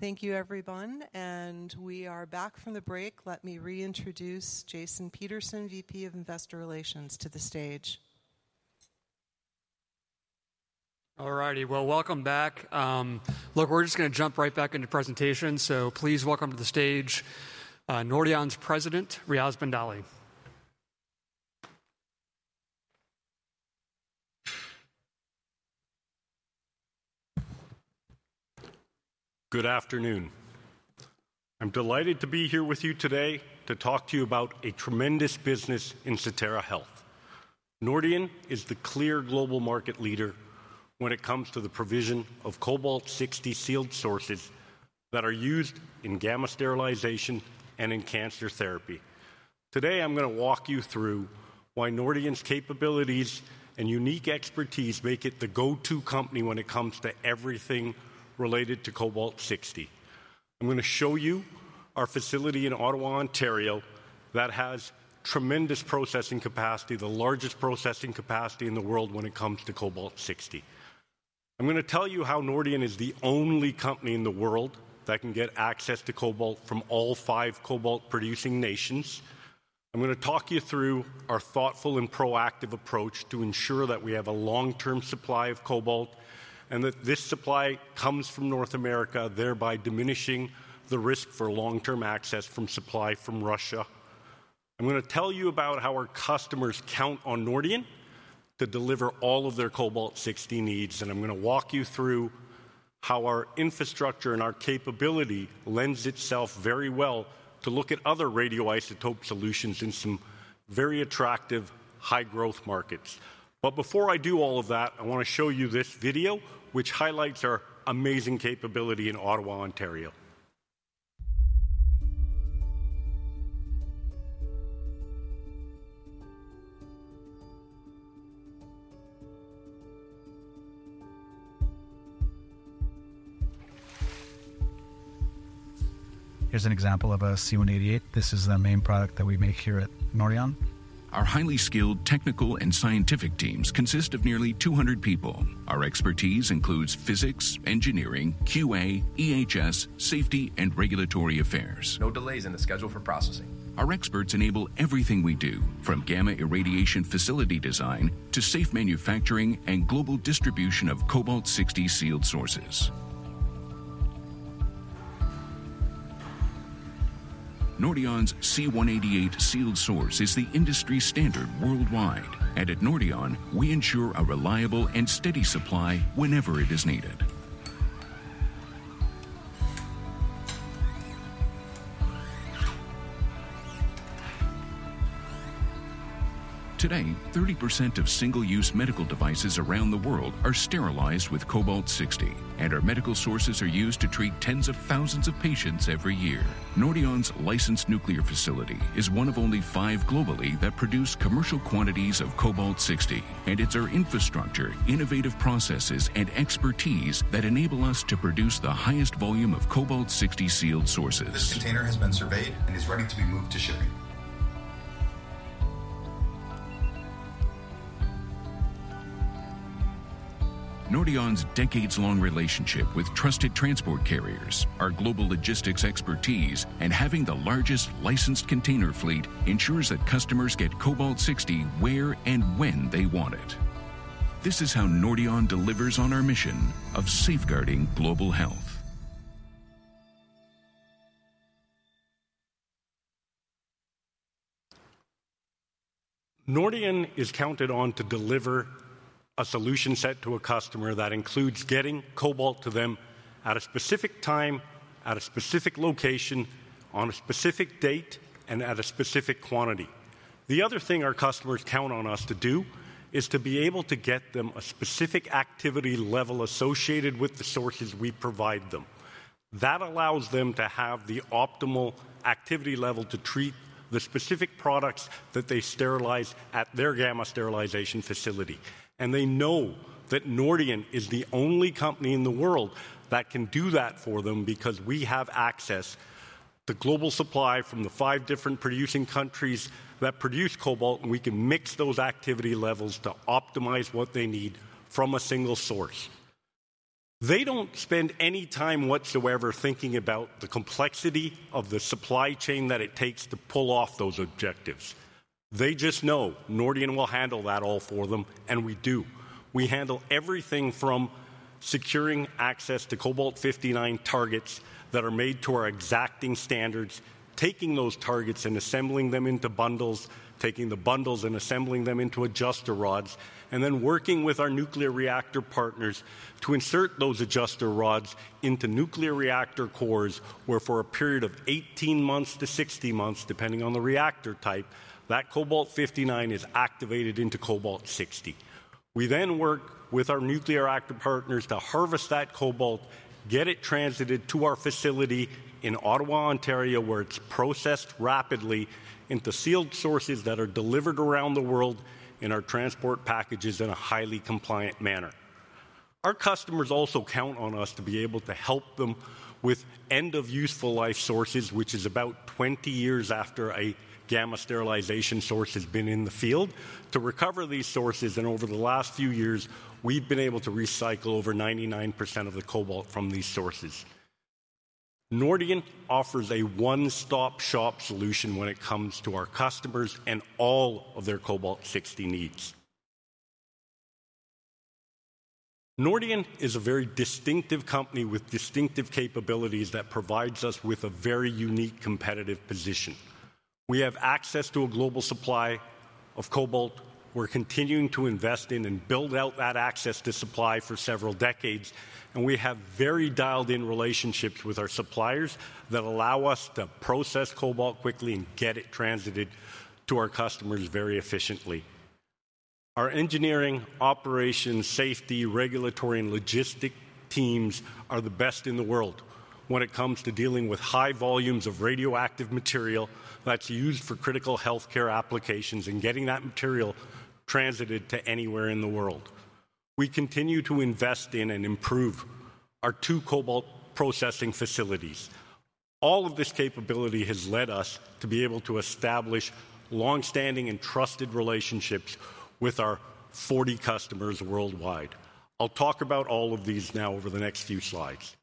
Thank you, everyone. And we are back from the break. Let me reintroduce Jason Peterson, VP of Investor Relations, to the stage. All righty. Well, welcome back. Look, we're just going to jump right back into presentations. So please welcome to the stage, Nordion's president, Riaz Bandali. Good afternoon. I'm delighted to be here with you today to talk to you about a tremendous business in Sotera Health. Nordion is the clear global market leader when it comes to the provision of Cobalt-60 sealed sources that are used in gamma sterilization and in cancer therapy. Today, I'm going to walk you through why Nordion's capabilities and unique expertise make it the go-to company when it comes to everything related to Cobalt-60. I'm going to show you our facility in Ottawa, Ontario, that has tremendous processing capacity, the largest processing capacity in the world when it comes to Cobalt-60. I'm going to tell you how Nordion is the only company in the world that can get access to Cobalt from all five Cobalt-producing nations. I'm going to talk you through our thoughtful and proactive approach to ensure that we have a long-term supply of Cobalt and that this supply comes from North America, thereby diminishing the risk for long-term access from supply from Russia. I'm going to tell you about how our customers count on Nordion to deliver all of their Cobalt-60 needs. And I'm going to walk you through how our infrastructure and our capability lends itself very well to look at other radioisotope solutions in some very attractive, high-growth markets. But before I do all of that, I want to show you this video, which highlights our amazing capability in Ottawa, Ontario. Here's an example of a C-188. This is the main product that we make here at Nordion. Our highly skilled technical and scientific teams consist of nearly 200 people. Our expertise includes physics, engineering, QA, EHS, safety, and regulatory affairs. No delays in the schedule for processing. Our experts enable everything we do, from gamma irradiation facility design to safe manufacturing and global distribution of Cobalt-60 sealed sources. Nordion's C-188 sealed source is the industry standard worldwide. And at Nordion, we ensure a reliable and steady supply whenever it is needed. Today, 30% of single-use medical devices around the world are sterilized with Cobalt-60, and our medical sources are used to treat tens of thousands of patients every year. Nordion's licensed nuclear facility is one of only five globally that produce commercial quantities of Cobalt-60, and it's our infrastructure, innovative processes, and expertise that enable us to produce the highest volume of Cobalt-60 sealed sources. This container has been surveyed and is ready to be moved to shipping. Nordion's decades-long relationship with trusted transport carriers, our global logistics expertise, and having the largest licensed container fleet ensures that customers get Cobalt-60 where and when they want it. This is how Nordion delivers on our mission of safeguarding global health. Nordion is counted on to deliver a solution set to a customer that includes getting Cobalt to them at a specific time, at a specific location, on a specific date, and at a specific quantity. The other thing our customers count on us to do is to be able to get them a specific activity level associated with the sources we provide them. That allows them to have the optimal activity level to treat the specific products that they sterilize at their gamma sterilization facility, and they know that Nordion is the only company in the world that can do that for them because we have access to the global supply from the five different producing countries that produce Cobalt, and we can mix those activity levels to optimize what they need from a single source. They don't spend any time whatsoever thinking about the complexity of the supply chain that it takes to pull off those objectives. They just know Nordion will handle that all for them, and we do. We handle everything from securing access to Cobalt-59 targets that are made to our exacting standards, taking those targets and assembling them into bundles, taking the bundles and assembling them into adjuster rods, and then working with our nuclear reactor partners to insert those adjuster rods into nuclear reactor cores where, for a period of 18 months-60 months, depending on the reactor type, that Cobalt-59 is activated into Cobalt-60. We then work with our nuclear reactor partners to harvest that Cobalt, get it transited to our facility in Ottawa, Ontario, where it's processed rapidly into sealed sources that are delivered around the world in our transport packages in a highly compliant manner. Our customers also count on us to be able to help them with end-of-useful life sources, which is about 20 years after a gamma sterilization source has been in the field, to recover these sources. Over the last few years, we've been able to recycle over 99% of the cobalt from these sources. Nordion offers a one-stop-shop solution when it comes to our customers and all of their Cobalt-60 needs. Nordion is a very distinctive company with distinctive capabilities that provides us with a very unique competitive position. We have access to a global supply of cobalt. We're continuing to invest in and build out that access to supply for several decades. We have very dialed-in relationships with our suppliers that allow us to process cobalt quickly and get it transited to our customers very efficiently. Our engineering, operations, safety, regulatory, and logistic teams are the best in the world when it comes to dealing with high volumes of radioactive material that's used for critical healthcare applications and getting that material transited to anywhere in the world. We continue to invest in and improve our two Cobalt processing facilities. All of this capability has led us to be able to establish long-standing and trusted relationships with our 40 customers worldwide. I'll talk about all of these now over the next few slides.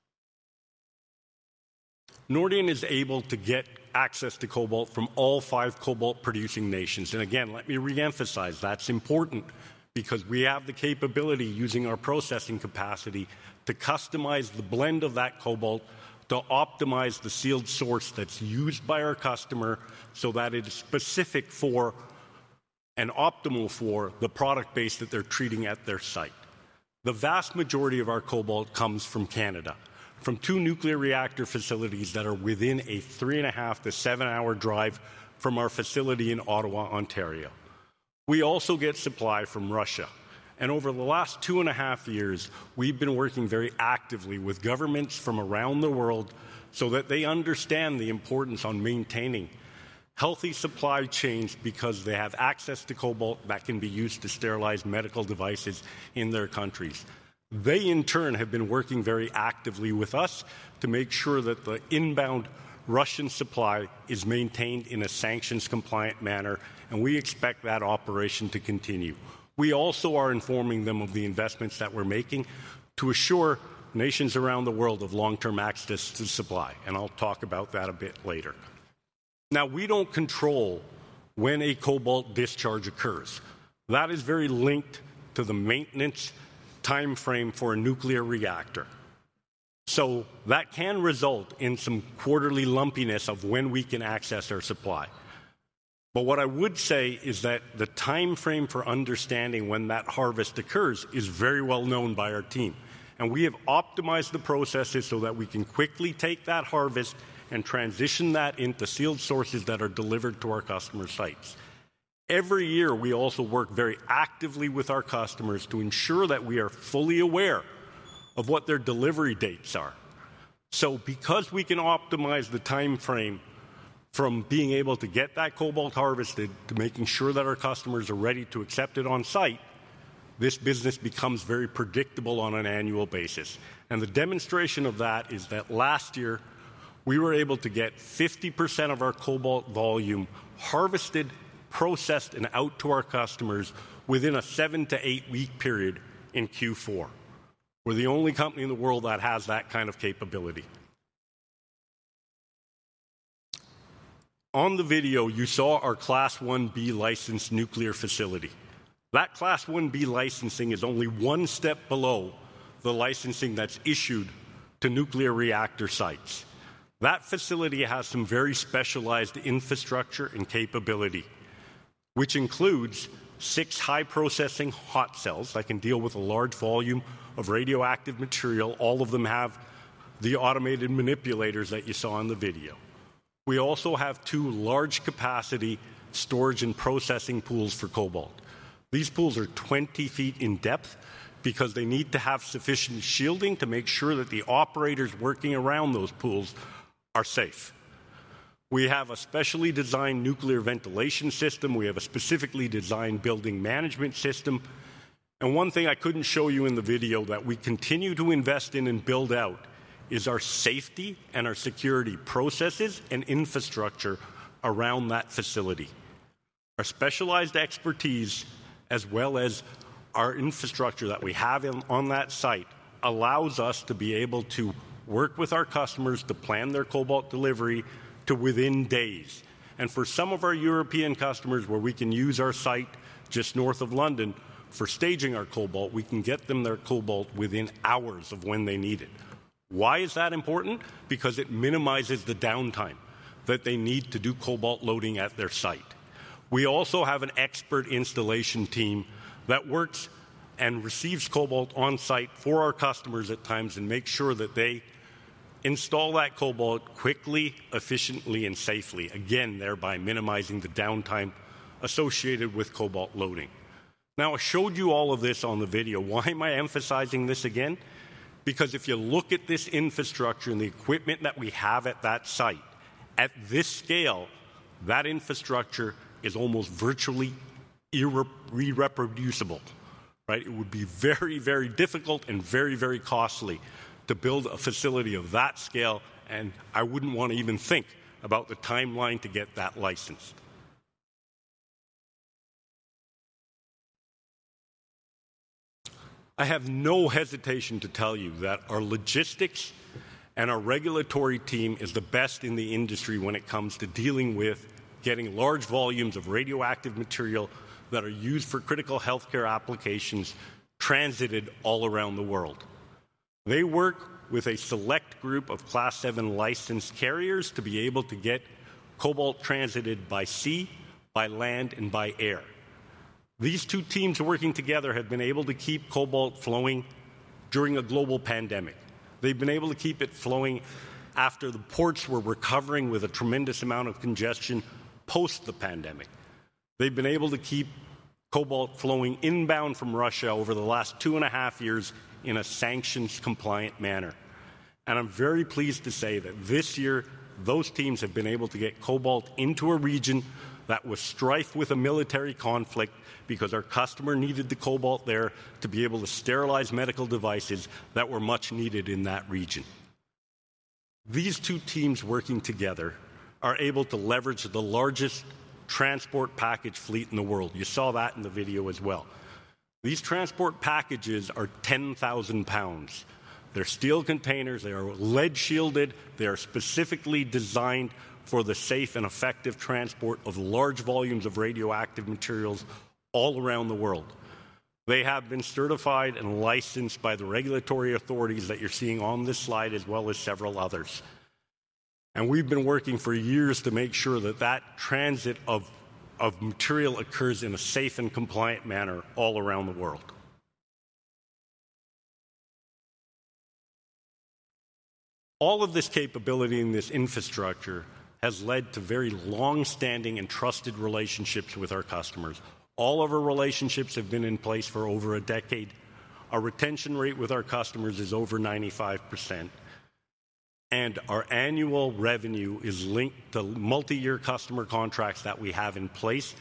Nordion is able to get access to Cobalt from all five Cobalt-producing nations, and again, let me reemphasize that's important because we have the capability, using our processing capacity, to customize the blend of that Cobalt, to optimize the sealed source that's used by our customer so that it is specific for and optimal for the product base that they're treating at their site. The vast majority of our Cobalt comes from Canada, from two nuclear reactor facilities that are within a three-and-a-half to seven-hour drive from our facility in Ottawa, Ontario. We also get supply from Russia. And over the last two-and-a-half years, we've been working very actively with governments from around the world so that they understand the importance of maintaining healthy supply chains because they have access to Cobalt that can be used to sterilize medical devices in their countries. They, in turn, have been working very actively with us to make sure that the inbound Russian supply is maintained in a sanctions-compliant manner, and we expect that operation to continue. We also are informing them of the investments that we're making to assure nations around the world of long-term access to supply. And I'll talk about that a bit later. Now, we don't control when a Cobalt discharge occurs. That is very linked to the maintenance timeframe for a nuclear reactor. So that can result in some quarterly lumpiness of when we can access our supply. But what I would say is that the timeframe for understanding when that harvest occurs is very well known by our team. And we have optimized the processes so that we can quickly take that harvest and transition that into sealed sources that are delivered to our customer sites. Every year, we also work very actively with our customers to ensure that we are fully aware of what their delivery dates are. So because we can optimize the timeframe from being able to get that Cobalt harvested to making sure that our customers are ready to accept it on site, this business becomes very predictable on an annual basis. The demonstration of that is that last year, we were able to get 50% of our Cobalt volume harvested, processed, and out to our customers within a seven- to eight-week period in Q4. We're the only company in the world that has that kind of capability. On the video, you saw our Class 1B licensed nuclear facility. That Class 1B licensing is only one step below the licensing that's issued to nuclear reactor sites. That facility has some very specialized infrastructure and capability, which includes six high-processing hot cells that can deal with a large volume of radioactive material. All of them have the automated manipulators that you saw in the video. We also have two large-capacity storage and processing pools for Cobalt. These pools are 20ft in depth because they need to have sufficient shielding to make sure that the operators working around those pools are safe. We have a specially designed nuclear ventilation system. We have a specifically designed building management system, and one thing I couldn't show you in the video that we continue to invest in and build out is our safety and our security processes and infrastructure around that facility. Our specialized expertise, as well as our infrastructure that we have on that site, allows us to be able to work with our customers to plan their Cobalt delivery to within days, and for some of our European customers, where we can use our site just north of London for staging our Cobalt, we can get them their Cobalt within hours of when they need it. Why is that important? Because it minimizes the downtime that they need to do Cobalt loading at their site. We also have an expert installation team that works and receives Cobalt on site for our customers at times and makes sure that they install that Cobalt quickly, efficiently, and safely, again, thereby minimizing the downtime associated with Cobalt loading. Now, I showed you all of this on the video. Why am I emphasizing this again? Because if you look at this infrastructure and the equipment that we have at that site, at this scale, that infrastructure is almost virtually irreproducible, right? It would be very, very difficult and very, very costly to build a facility of that scale. And I wouldn't want to even think about the timeline to get that licensed. I have no hesitation to tell you that our logistics and our regulatory team is the best in the industry when it comes to dealing with getting large volumes of radioactive material that are used for critical healthcare applications transited all around the world. They work with a select group of Class 7 licensed carriers to be able to get Cobalt transited by sea, by land, and by air. These two teams working together have been able to keep Cobalt flowing during a global pandemic. They've been able to keep it flowing after the ports were recovering with a tremendous amount of congestion post the pandemic. They've been able to keep Cobalt flowing inbound from Russia over the last two-and-a-half years in a sanctions-compliant manner. I'm very pleased to say that this year, those teams have been able to get Cobalt into a region that was rife with a military conflict because our customer needed the Cobalt there to be able to sterilize medical devices that were much needed in that region. These two teams working together are able to leverage the largest transport package fleet in the world. You saw that in the video as well. These transport packages are 10,000 lbs. They're steel containers. They are lead-shielded. They are specifically designed for the safe and effective transport of large volumes of radioactive materials all around the world. They have been certified and licensed by the regulatory authorities that you're seeing on this slide, as well as several others. And we've been working for years to make sure that that transit of material occurs in a safe and compliant manner all around the world. All of this capability and this infrastructure has led to very long-standing and trusted relationships with our customers. All of our relationships have been in place for over a decade. Our retention rate with our customers is over 95%. And our annual revenue is linked to multi-year customer contracts that we have in place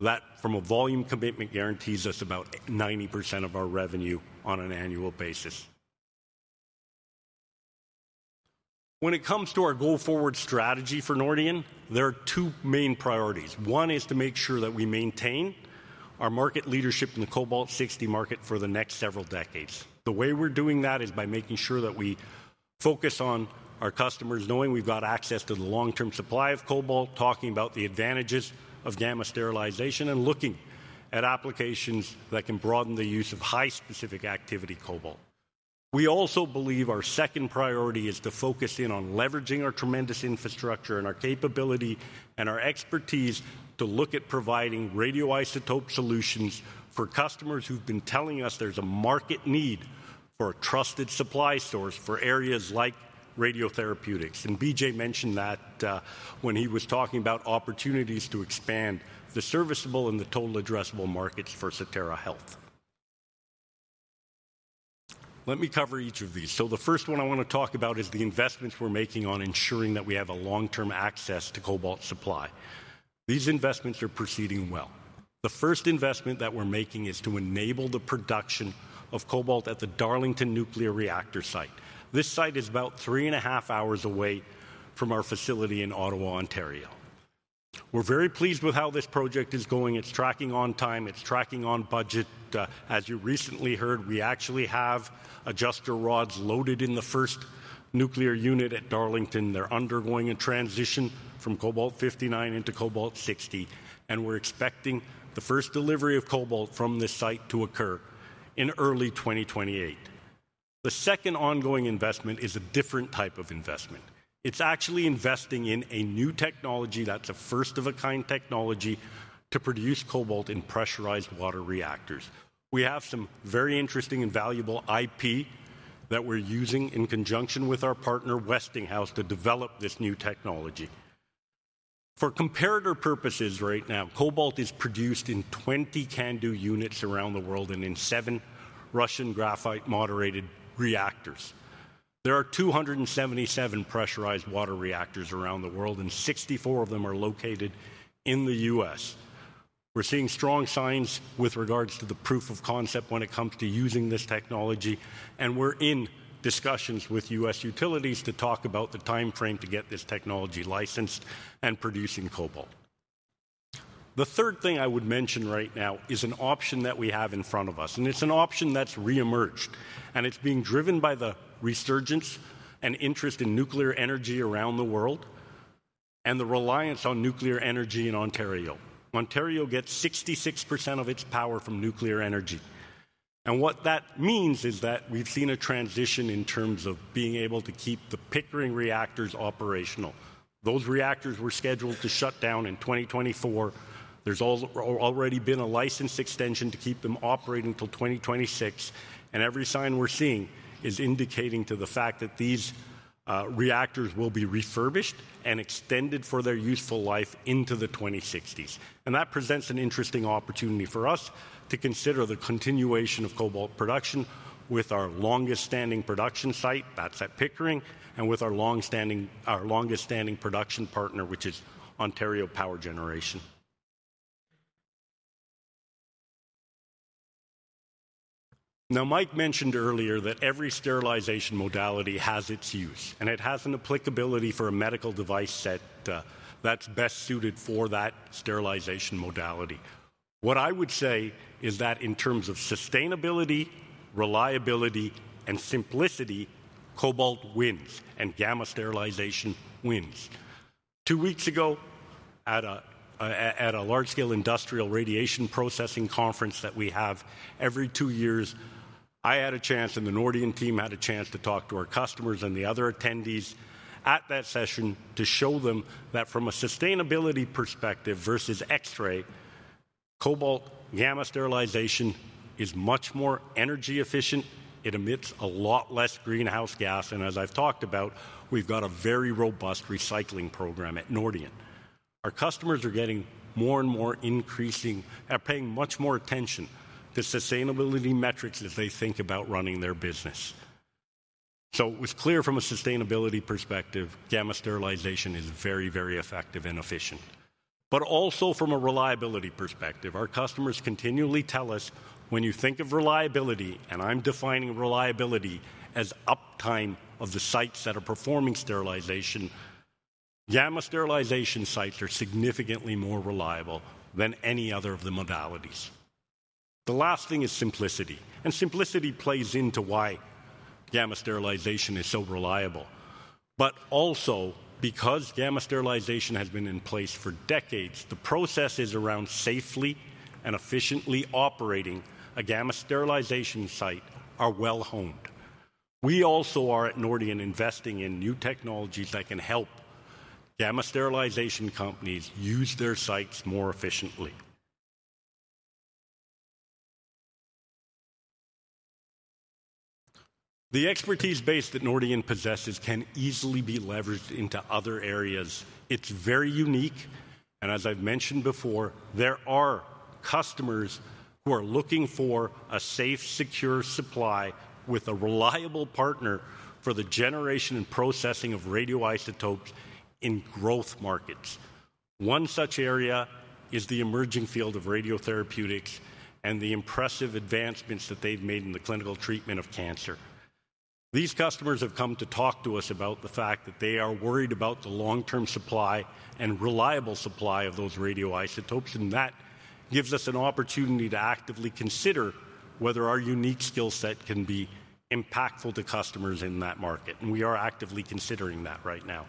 that, from a volume commitment, guarantees us about 90% of our revenue on an annual basis. When it comes to our go-forward strategy for Nordion, there are two main priorities. One is to make sure that we maintain our market leadership in the Cobalt-60 market for the next several decades. The way we're doing that is by making sure that we focus on our customers knowing we've got access to the long-term supply of Cobalt, talking about the advantages of gamma sterilization, and looking at applications that can broaden the use of high-specific-activity Cobalt. We also believe our second priority is to focus in on leveraging our tremendous infrastructure and our capability and our expertise to look at providing radioisotope solutions for customers who've been telling us there's a market need for a trusted supply source for areas like radiopharmaceuticals, and B.J. mentioned that when he was talking about opportunities to expand the service addressable and the total addressable markets for Sotera Health. Let me cover each of these, so the first one I want to talk about is the investments we're making on ensuring that we have a long-term access to Cobalt supply. These investments are proceeding well. The first investment that we're making is to enable the production of Cobalt at the Darlington nuclear reactor site. This site is about three-and-a-half hours away from our facility in Ottawa, Ontario. We're very pleased with how this project is going. It's tracking on time. It's tracking on budget. As you recently heard, we actually have adjuster rods loaded in the first nuclear unit at Darlington. They're undergoing a transition from Cobalt-59 into Cobalt-60. We're expecting the first delivery of Cobalt from this site to occur in early 2028. The second ongoing investment is a different type of investment. It's actually investing in a new technology that's a first-of-a-kind technology to produce Cobalt in pressurized water reactors. We have some very interesting and valuable IP that we're using in conjunction with our partner, Westinghouse, to develop this new technology. For comparator purposes right now, Cobalt is produced in 20 CANDU units around the world and in seven Russian graphite-moderated reactors. There are 277 pressurized water reactors around the world, and 64 of them are located in the U.S. We're seeing strong signs with regards to the proof of concept when it comes to using this technology, and we're in discussions with U.S. utilities to talk about the timeframe to get this technology licensed and producing Cobalt. The third thing I would mention right now is an option that we have in front of us, and it's an option that's re-emerged, and it's being driven by the resurgence and interest in nuclear energy around the world and the reliance on nuclear energy in Ontario. Ontario gets 66% of its power from nuclear energy. And what that means is that we've seen a transition in terms of being able to keep the Pickering reactors operational. Those reactors were scheduled to shut down in 2024. There's already been a licensed extension to keep them operating until 2026. And every sign we're seeing is indicating to the fact that these reactors will be refurbished and extended for their useful life into the 2060s. And that presents an interesting opportunity for us to consider the continuation of Cobalt production with our longest-standing production site. That's at Pickering. And with our longest-standing production partner, which is Ontario Power Generation. Now, Mike mentioned earlier that every sterilization modality has its use. And it has an applicability for a medical device set that's best suited for that sterilization modality. What I would say is that in terms of sustainability, reliability, and simplicity, Cobalt wins. And gamma sterilization wins. Two weeks ago, at a large-scale industrial radiation processing conference that we have every two years, I had a chance, and the Nordion team had a chance to talk to our customers and the other attendees at that session to show them that from a sustainability perspective versus X-ray, Cobalt gamma sterilization is much more energy efficient. It emits a lot less greenhouse gas, and as I've talked about, we've got a very robust recycling program at Nordion. Our customers are getting more and more increasing are paying much more attention to sustainability metrics as they think about running their business, so it was clear from a sustainability perspective, gamma sterilization is very, very effective and efficient. But also from a reliability perspective, our customers continually tell us, "When you think of reliability," and I'm defining reliability as uptime of the sites that are performing sterilization. Gamma sterilization sites are significantly more reliable than any other of the modalities. The last thing is simplicity. And simplicity plays into why gamma sterilization is so reliable. But also because gamma sterilization has been in place for decades, the processes around safely and efficiently operating a gamma sterilization site are well-honed. We also are at Nordion investing in new technologies that can help gamma sterilization companies use their sites more efficiently. The expertise base that Nordion possesses can easily be leveraged into other areas. It's very unique. And as I've mentioned before, there are customers who are looking for a safe, secure supply with a reliable partner for the generation and processing of radioisotopes in growth markets. One such area is the emerging field of radiotherapeutics and the impressive advancements that they've made in the clinical treatment of cancer. These customers have come to talk to us about the fact that they are worried about the long-term supply and reliable supply of those radioisotopes. And that gives us an opportunity to actively consider whether our unique skill set can be impactful to customers in that market. And we are actively considering that right now.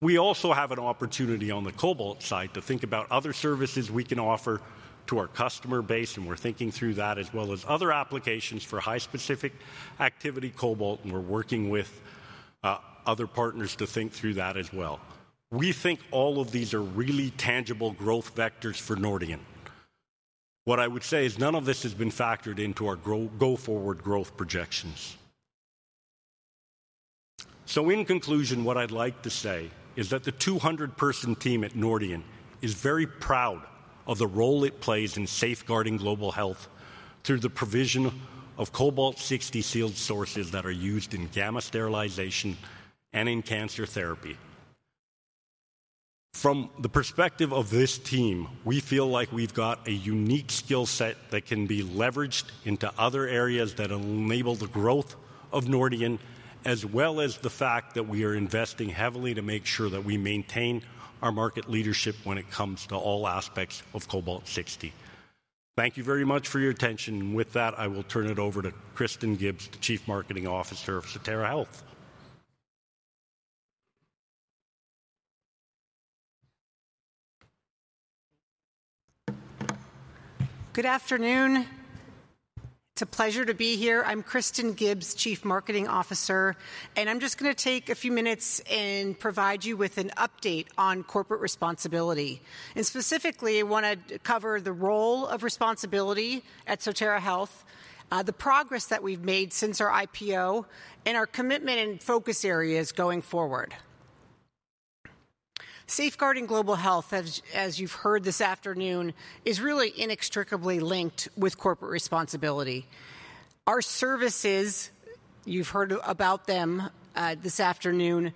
We also have an opportunity on the Cobalt side to think about other services we can offer to our customer base. And we're thinking through that as well as other applications for high-specific activity Cobalt. And we're working with other partners to think through that as well. We think all of these are really tangible growth vectors for Nordion. What I would say is none of this has been factored into our go-forward growth projections. So in conclusion, what I'd like to say is that the 200-person team at Nordion is very proud of the role it plays in safeguarding global health through the provision of Cobalt-60 sealed sources that are used in gamma sterilization and in cancer therapy. From the perspective of this team, we feel like we've got a unique skill set that can be leveraged into other areas that enable the growth of Nordion, as well as the fact that we are investing heavily to make sure that we maintain our market leadership when it comes to all aspects of Cobalt-60. Thank you very much for your attention. And with that, I will turn it over to Kristin Gibbs, the Chief Marketing Officer of Sotera Health. Good afternoon. It's a pleasure to be here. I'm Kristin Gibbs, Chief Marketing Officer, and I'm just going to take a few minutes and provide you with an update on corporate responsibility, and specifically, I want to cover the role of responsibility at Sotera Health, the progress that we've made since our IPO, and our commitment and focus areas going forward. Safeguarding global health, as you've heard this afternoon, is really inextricably linked with corporate responsibility. Our services, you've heard about them this afternoon,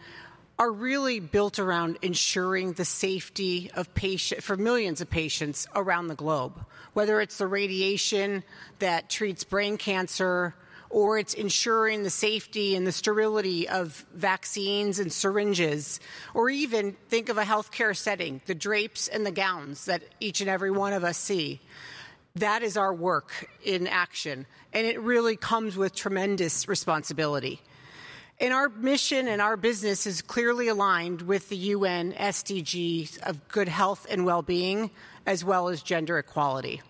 are really built around ensuring the safety of millions of patients around the globe, whether it's the radiation that treats brain cancer, or it's ensuring the safety and the sterility of vaccines and syringes, or even think of a healthcare setting, the drapes and the gowns that each and every one of us see. That is our work in action. It really comes with tremendous responsibility. Our mission and our business is clearly aligned with the UN SDGs of good health and well-being, as well as gender equality.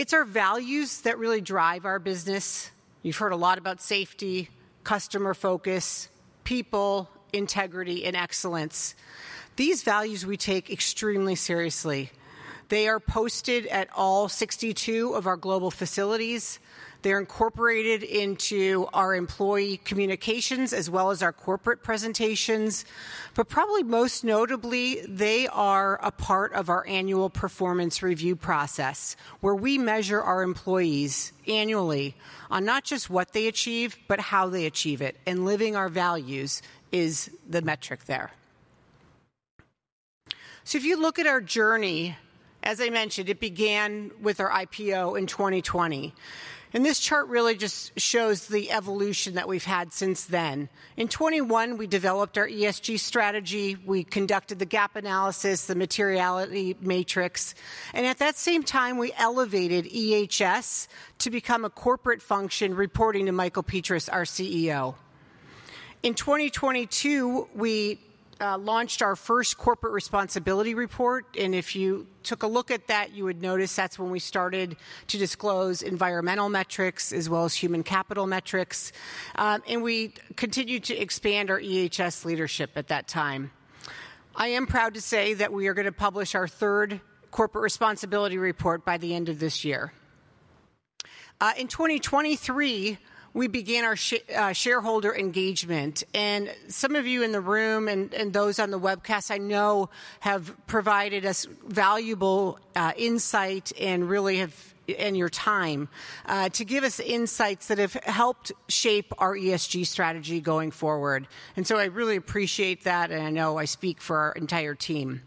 It's our values that really drive our business. You've heard a lot about safety, customer focus, people, integrity, and excellence. These values we take extremely seriously. They are posted at all 62 of our global facilities. They're incorporated into our employee communications, as well as our corporate presentations. Probably most notably, they are a part of our annual performance review process, where we measure our employees annually on not just what they achieve, but how they achieve it. Living our values is the metric there. If you look at our journey, as I mentioned, it began with our IPO in 2020. This chart really just shows the evolution that we've had since then. In 2021, we developed our ESG strategy. We conducted the gap analysis, the materiality matrix. And at that same time, we elevated EHS to become a corporate function reporting to Michael Petras, our CEO. In 2022, we launched our first corporate responsibility report. And if you took a look at that, you would notice that's when we started to disclose environmental metrics as well as human capital metrics. And we continued to expand our EHS leadership at that time. I am proud to say that we are going to publish our third corporate responsibility report by the end of this year. In 2023, we began our shareholder engagement. And some of you in the room and those on the webcast, I know, have provided us valuable insight and really have given your time to give us insights that have helped shape our ESG strategy going forward. And so I really appreciate that. And I know I speak for our entire team.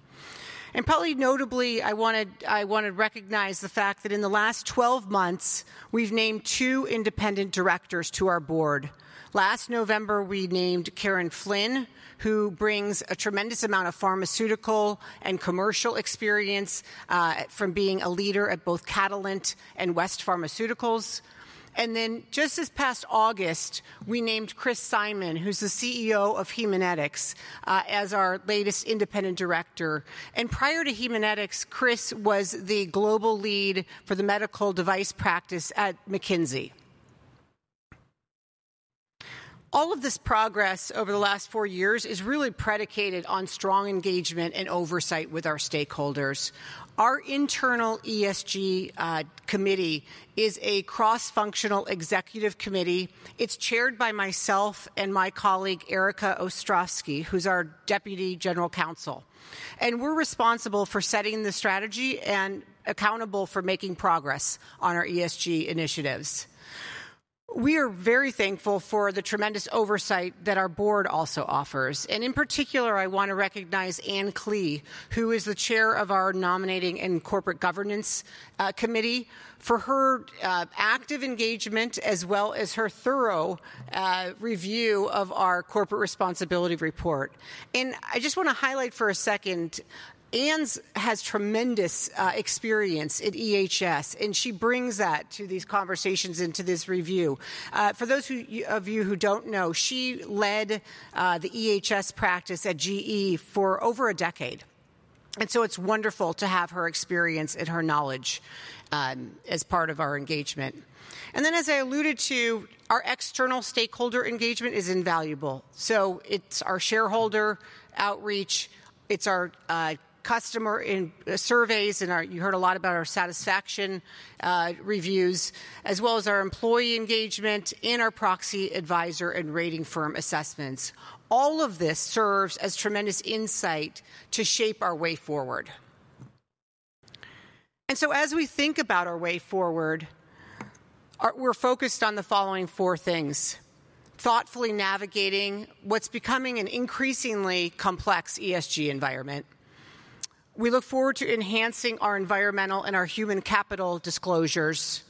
And probably notably, I want to recognize the fact that in the last 12 months, we've named two independent directors to our board. Last November, we named Karen Flynn, who brings a tremendous amount of pharmaceutical and commercial experience from being a leader at both Catalent and West Pharmaceutical Services. And then just this past August, we named Chris Simon, who's the CEO of Haemonetics, as our latest independent director. And prior to Haemonetics, Chris was the global lead for the medical device practice at McKinsey. All of this progress over the last four years is really predicated on strong engagement and oversight with our stakeholders. Our internal ESG committee is a cross-functional executive committee. It's chaired by myself and my colleague, Erica Ostrowski, who's our Deputy General Counsel. And we're responsible for setting the strategy and accountable for making progress on our ESG initiatives. We are very thankful for the tremendous oversight that our board also offers. And in particular, I want to recognize Anne Klee, who is the chair of our Nominating and Corporate Governance Committee, for her active engagement as well as her thorough review of our corporate responsibility report. And I just want to highlight for a second, Anne has tremendous experience at EHS. And she brings that to these conversations and to this review. For those of you who don't know, she led the EHS practice at GE for over a decade. And so it's wonderful to have her experience and her knowledge as part of our engagement. And then, as I alluded to, our external stakeholder engagement is invaluable. So it's our shareholder outreach. It's our customer surveys. And you heard a lot about our satisfaction reviews, as well as our employee engagement and our proxy advisor and rating firm assessments. All of this serves as tremendous insight to shape our way forward. And so as we think about our way forward, we're focused on the following four things: thoughtfully navigating what's becoming an increasingly complex ESG environment. We look forward to enhancing our environmental and our human capital disclosures.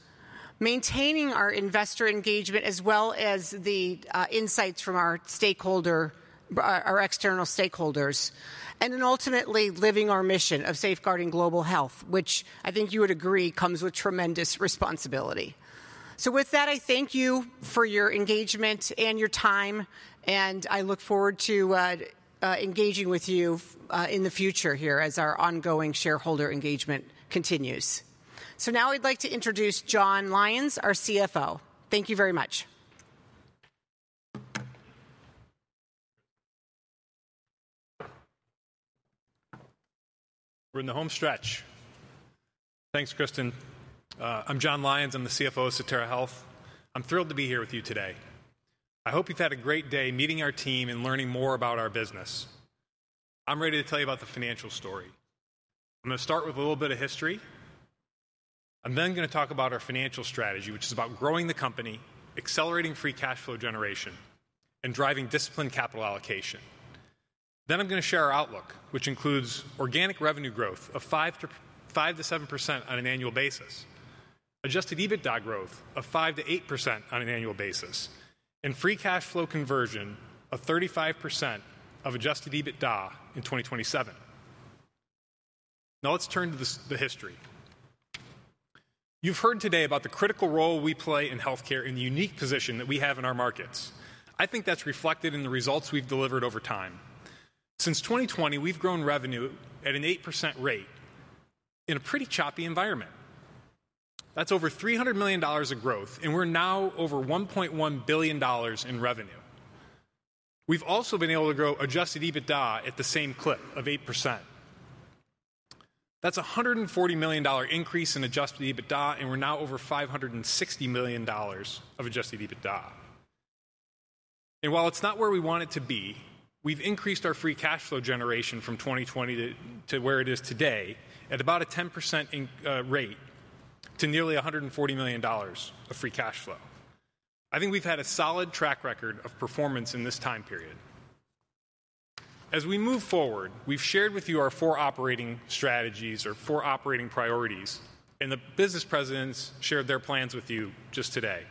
Maintaining our investor engagement, as well as the insights from our external stakeholders. And then ultimately living our mission of safeguarding global health, which I think you would agree comes with tremendous responsibility. So with that, I thank you for your engagement and your time. And I look forward to engaging with you in the future here as our ongoing shareholder engagement continues. So now I'd like to introduce Jon Lyons, our CFO. Thank you very much. We're in the home stretch. Thanks, Kristin. I'm Jon Lyons. I'm the CFO of Sotera Health. I'm thrilled to be here with you today. I hope you've had a great day meeting our team and learning more about our business. I'm ready to tell you about the financial story. I'm going to start with a little bit of history. I'm then going to talk about our financial strategy, which is about growing the company, accelerating free cash flow generation, and driving disciplined capital allocation. Then I'm going to share our outlook, which includes organic revenue growth of 5%-7% on an annual basis, Adjusted EBITDA growth of 5%-8% on an annual basis, and free cash flow conversion of 35% of Adjusted EBITDA in 2027. Now let's turn to the history. You've heard today about the critical role we play in healthcare and the unique position that we have in our markets. I think that's reflected in the results we've delivered over time. Since 2020, we've grown revenue at an 8% rate in a pretty choppy environment. That's over $300 million in growth. And we're now over $1.1 billion in revenue. We've also been able to grow Adjusted EBITDA at the same clip of 8%. That's a $140 million increase in Adjusted EBITDA. And we're now over $560 million of Adjusted EBITDA. And while it's not where we want it to be, we've increased our free cash flow generation from 2020 to where it is today at about a 10% rate to nearly $140 million of free cash flow. I think we've had a solid track record of performance in this time period. As we move forward, we've shared with you our four operating strategies or four operating priorities. The business presidents shared their plans with you just today.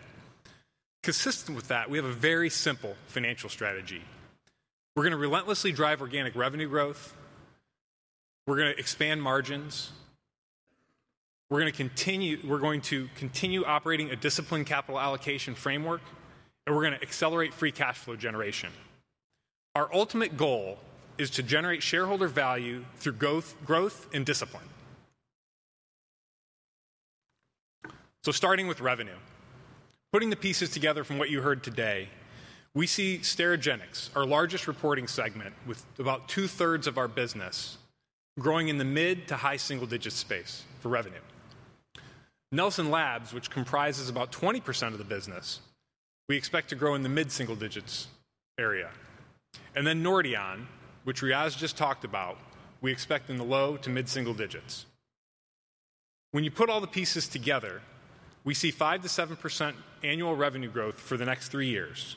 Consistent with that, we have a very simple financial strategy. We're going to relentlessly drive organic revenue growth. We're going to expand margins. We're going to continue operating a disciplined capital allocation framework. We're going to accelerate free cash flow generation. Our ultimate goal is to generate shareholder value through growth and discipline. Starting with revenue, putting the pieces together from what you heard today, we see Sterigenics, our largest reporting segment with about 2/3 of our business, growing in the mid- to high-single-digit space for revenue. Nelson Labs, which comprises about 20% of the business, we expect to grow in the mid-single-digits area. Then Nordion, which Riaz just talked about, we expect in the low- to mid-single digits. When you put all the pieces together, we see 5%-7% annual revenue growth for the next three years.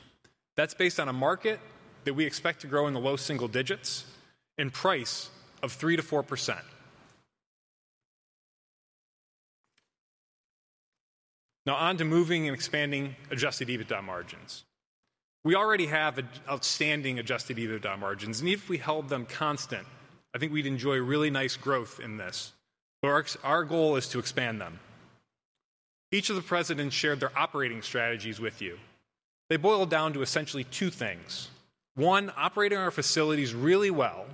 That's based on a market that we expect to grow in the low single digits and price of 3%-4%. Now on to moving and expanding Adjusted EBITDA margins. We already have outstanding Adjusted EBITDA margins. And if we held them constant, I think we'd enjoy really nice growth in this. But our goal is to expand them. Each of the presidents shared their operating strategies with you. They boiled down to essentially two things. One, operating our facilities really well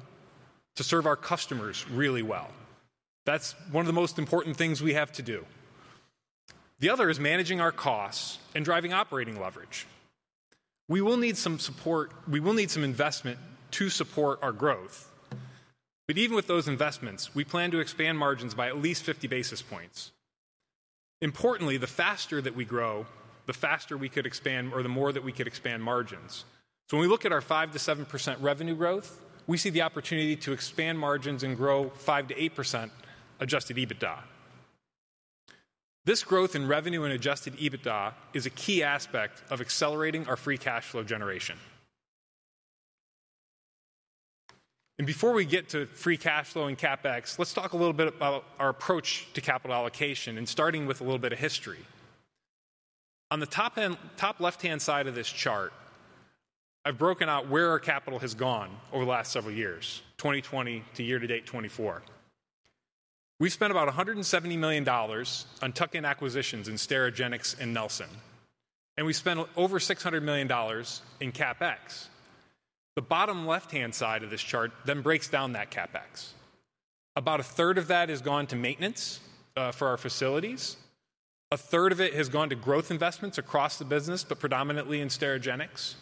to serve our customers really well. That's one of the most important things we have to do. The other is managing our costs and driving operating leverage. We will need some support. We will need some investment to support our growth. Even with those investments, we plan to expand margins by at least 50 basis points. Importantly, the faster that we grow, the faster we could expand or the more that we could expand margins. When we look at our 5%-7% revenue growth, we see the opportunity to expand margins and grow 5%-8% Adjusted EBITDA. This growth in revenue and Adjusted EBITDA is a key aspect of accelerating our free cash flow generation. Before we get to free cash flow and CapEx, let's talk a little bit about our approach to capital allocation and starting with a little bit of history. On the top left-hand side of this chart, I've broken out where our capital has gone over the last several years, 2020 to year-to-date 2024. We've spent about $170 million on tuck-in acquisitions in Sterigenics and Nelson. We spent over $600 million in CapEx. The bottom left-hand side of this chart then breaks down that CapEx. About 1/3 of that has gone to maintenance for our facilities. 1/3 of it has gone to growth investments across the business, but predominantly in Sterigenics.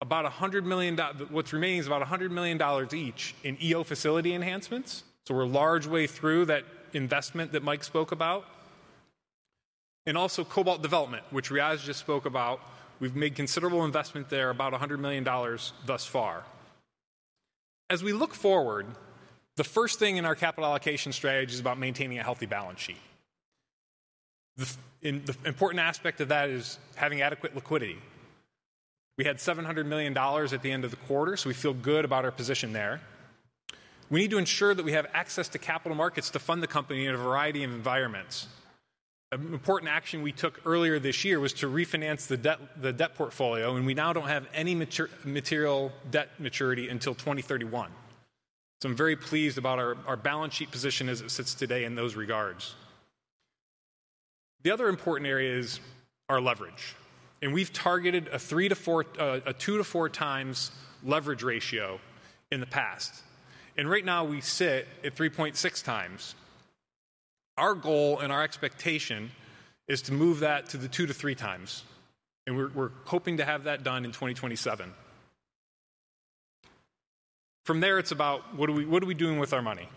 About $100 million, what's remaining, is about $100 million each in EO facility enhancements. We're a long way through that investment that Mike spoke about. Also cobalt development, which Riaz just spoke about. We've made considerable investment there, about $100 million thus far. As we look forward, the first thing in our capital allocation strategy is about maintaining a healthy balance sheet. The important aspect of that is having adequate liquidity. We had $700 million at the end of the quarter. We're good about our position there. We need to ensure that we have access to capital markets to fund the company in a variety of environments. An important action we took earlier this year was to refinance the debt portfolio. We now don't have any material debt maturity until 2031. So I'm very pleased about our balance sheet position as it sits today in those regards. The other important area is our leverage. We've targeted a 2x-4x leverage ratio in the past. Right now, we sit at 3.6x. Our goal and our expectation is to move that to the 2x-3x. We're hoping to have that done in 2027. From there, it's about what are we doing with our money.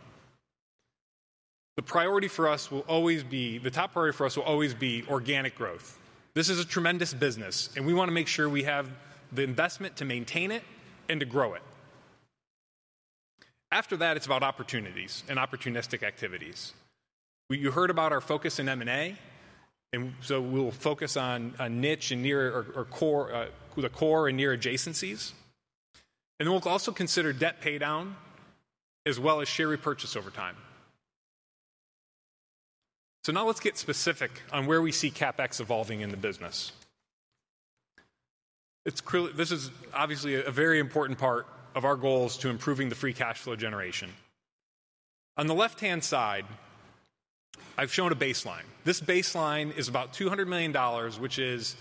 The top priority for us will always be organic growth. This is a tremendous business. And we want to make sure we have the investment to maintain it and to grow it. After that, it's about opportunities and opportunistic activities. You heard about our focus in M&A. And so we'll focus on a niche and near the core and near adjacencies. And then we'll also consider debt paydown as well as share repurchase over time. So now let's get specific on where we see CapEx evolving in the business. This is obviously a very important part of our goals to improving the free cash flow generation. On the left-hand side, I've shown a baseline. This baseline is about $200 million, which is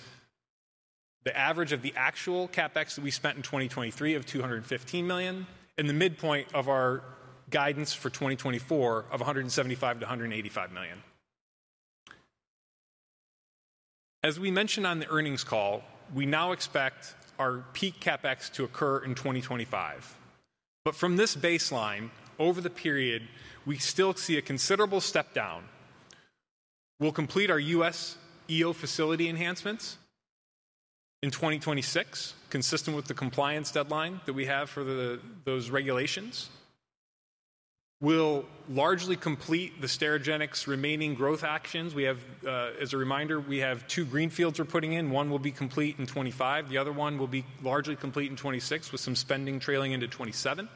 the average of the actual CapEx that we spent in 2023 of $215 million and the midpoint of our guidance for 2024 of $175 million-$185 million. As we mentioned on the earnings call, we now expect our peak CapEx to occur in 2025. But from this baseline, over the period, we still see a considerable step down. We'll complete our U.S. EO facility enhancements in 2026, consistent with the compliance deadline that we have for those regulations. We'll largely complete the Sterigenics remaining growth actions. As a reminder, we have two greenfields we're putting in. One will be complete in 2025. The other one will be largely complete in 2026 with some spending trailing into 2027.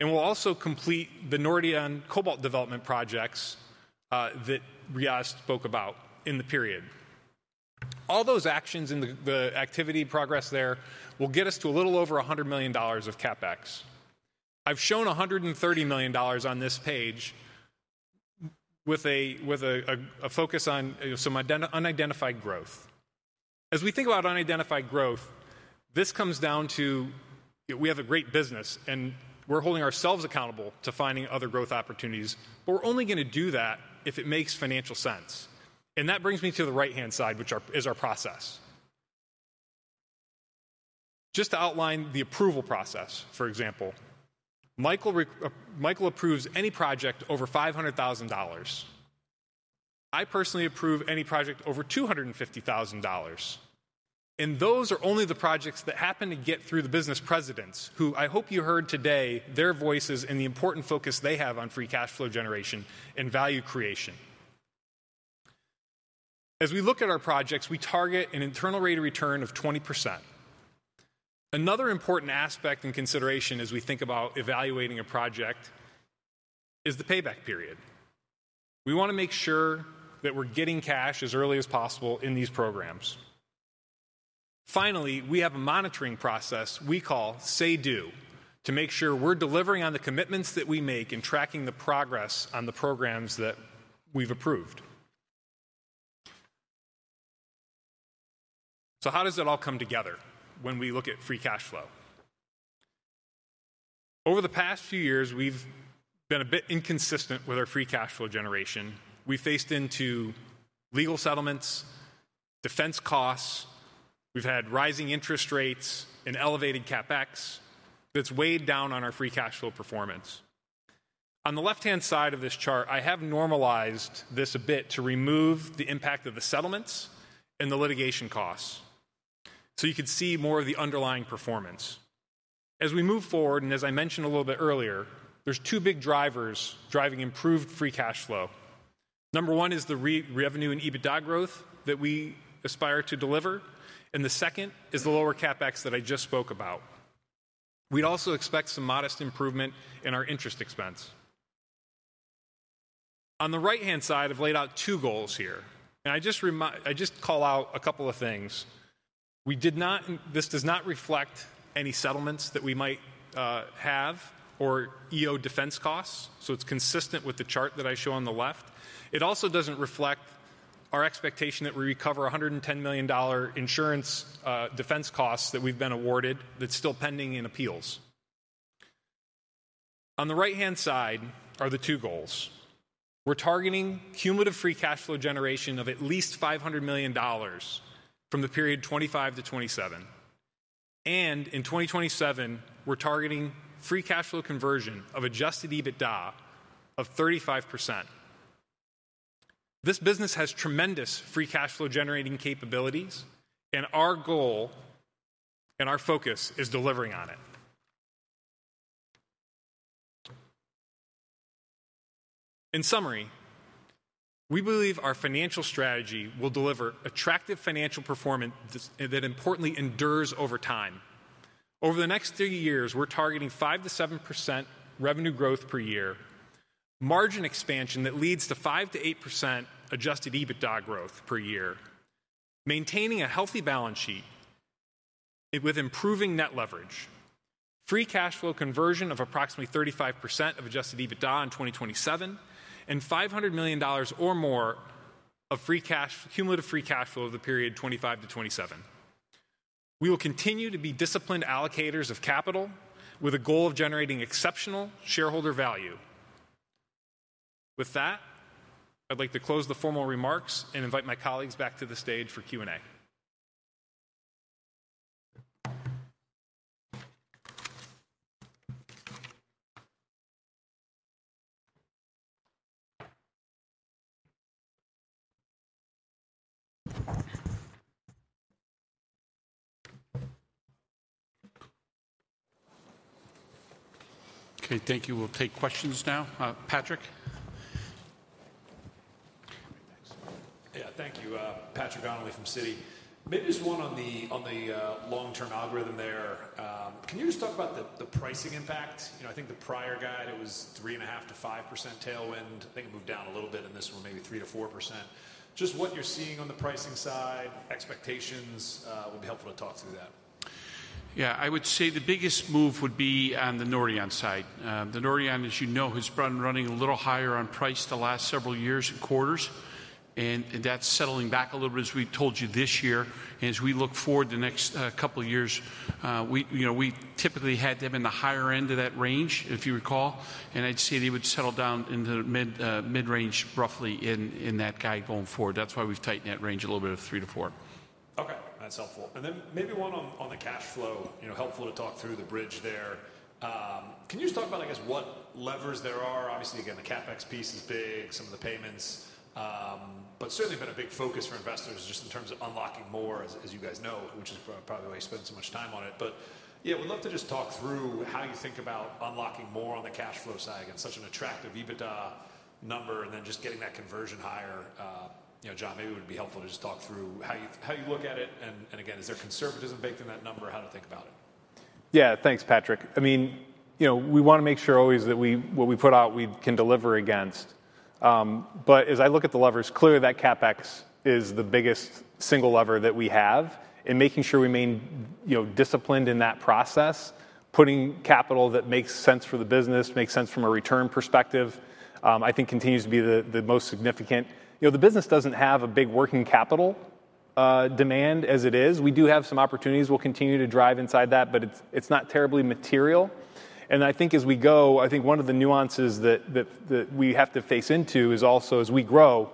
And we'll also complete the Nordion cobalt development projects that Riaz spoke about in the period. All those actions and the activity progress there will get us to a little over $100 million of CapEx. I've shown $130 million on this page with a focus on some unidentified growth. As we think about unidentified growth, this comes down to we have a great business. And we're holding ourselves accountable to finding other growth opportunities. But we're only going to do that if it makes financial sense. And that brings me to the right-hand side, which is our process. Just to outline the approval process, for example, Michael approves any project over $500,000. I personally approve any project over $250,000. And those are only the projects that happen to get through the business presidents who I hope you heard today their voices and the important focus they have on free cash flow generation and value creation. As we look at our projects, we target an internal rate of return of 20%. Another important aspect and consideration as we think about evaluating a project is the payback period. We want to make sure that we're getting cash as early as possible in these programs. Finally, we have a monitoring process we call say-do to make sure we're delivering on the commitments that we make and tracking the progress on the programs that we've approved. So how does it all come together when we look at free cash flow? Over the past few years, we've been a bit inconsistent with our free cash flow generation. We faced into legal settlements, defense costs. We've had rising interest rates and elevated CapEx that's weighed down on our free cash flow performance. On the left-hand side of this chart, I have normalized this a bit to remove the impact of the settlements and the litigation costs. So you can see more of the underlying performance. As we move forward, and as I mentioned a little bit earlier, there's two big drivers driving improved free cash flow. Number one is the revenue and EBITDA growth that we aspire to deliver. And the second is the lower CapEx that I just spoke about. We'd also expect some modest improvement in our interest expense. On the right-hand side, I've laid out two goals here. And I just call out a couple of things. This does not reflect any settlements that we might have or EO defense costs. So it's consistent with the chart that I show on the left. It also doesn't reflect our expectation that we recover $110 million insurance defense costs that we've been awarded that's still pending in appeals. On the right-hand side are the two goals. We're targeting cumulative free cash flow generation of at least $500 million from the period 2025-2027. And in 2027, we're targeting free cash flow conversion of Adjusted EBITDA of 35%. This business has tremendous free cash flow generating capabilities. And our goal and our focus is delivering on it. In summary, we believe our financial strategy will deliver attractive financial performance that importantly endures over time. Over the next three years, we're targeting 5%-7% revenue growth per year, margin expansion that leads to 5%-8% Adjusted EBITDA growth per year, maintaining a healthy balance sheet with improving net leverage, free cash flow conversion of approximately 35% of Adjusted EBITDA in 2027, and $500 million or more of cumulative free cash flow of the period 2025-2027. We will continue to be disciplined allocators of capital with a goal of generating exceptional shareholder value. With that, I'd like to close the formal remarks and invite my colleagues back to the stage for Q&A. Okay. Thank you. We'll take questions now. Patrick? Yeah. Thank you. Patrick Donnelly from Citi. Maybe just one on the long-term algorithm there. Can you just talk about the pricing impact? I think the prior guide, it was 3.5%-5% tailwind. I think it moved down a little bit in this one, maybe 3%-4%. Just what you're seeing on the pricing side, expectations, would be helpful to talk through that. Yeah. I would say the biggest move would be on the Nordion side. The Nordion, as you know, has been running a little higher on price the last several years and quarters. And that's settling back a little bit as we told you this year. And as we look forward the next couple of years, we typically had them in the higher end of that range, if you recall. And I'd say they would settle down into the mid-range roughly in that guide going forward. That's why we've tightened that range a little bit of 3%-4%. Okay. That's helpful. And then maybe one on the cash flow, helpful to talk through the bridge there. Can you just talk about, I guess, what levers there are? Obviously, again, the CapEx piece is big, some of the payments. But certainly been a big focus for investors just in terms of unlocking more, as you guys know, which is probably why you spend so much time on it. But yeah, we'd love to just talk through how you think about unlocking more on the cash flow side against such an attractive EBITDA number and then just getting that conversion higher. Jon, maybe it would be helpful to just talk through how you look at it. And again, is there conservatism baked in that number? How to think about it? Yeah. Thanks, Patrick. I mean, we want to make sure always that what we put out, we can deliver against. But as I look at the levers, clearly that CapEx is the biggest single lever that we have. And making sure we remain disciplined in that process, putting capital that makes sense for the business, makes sense from a return perspective, I think continues to be the most significant. The business doesn't have a big working capital demand as it is. We do have some opportunities. We'll continue to drive inside that. But it's not terribly material. And I think as we go, I think one of the nuances that we have to face into is also as we grow,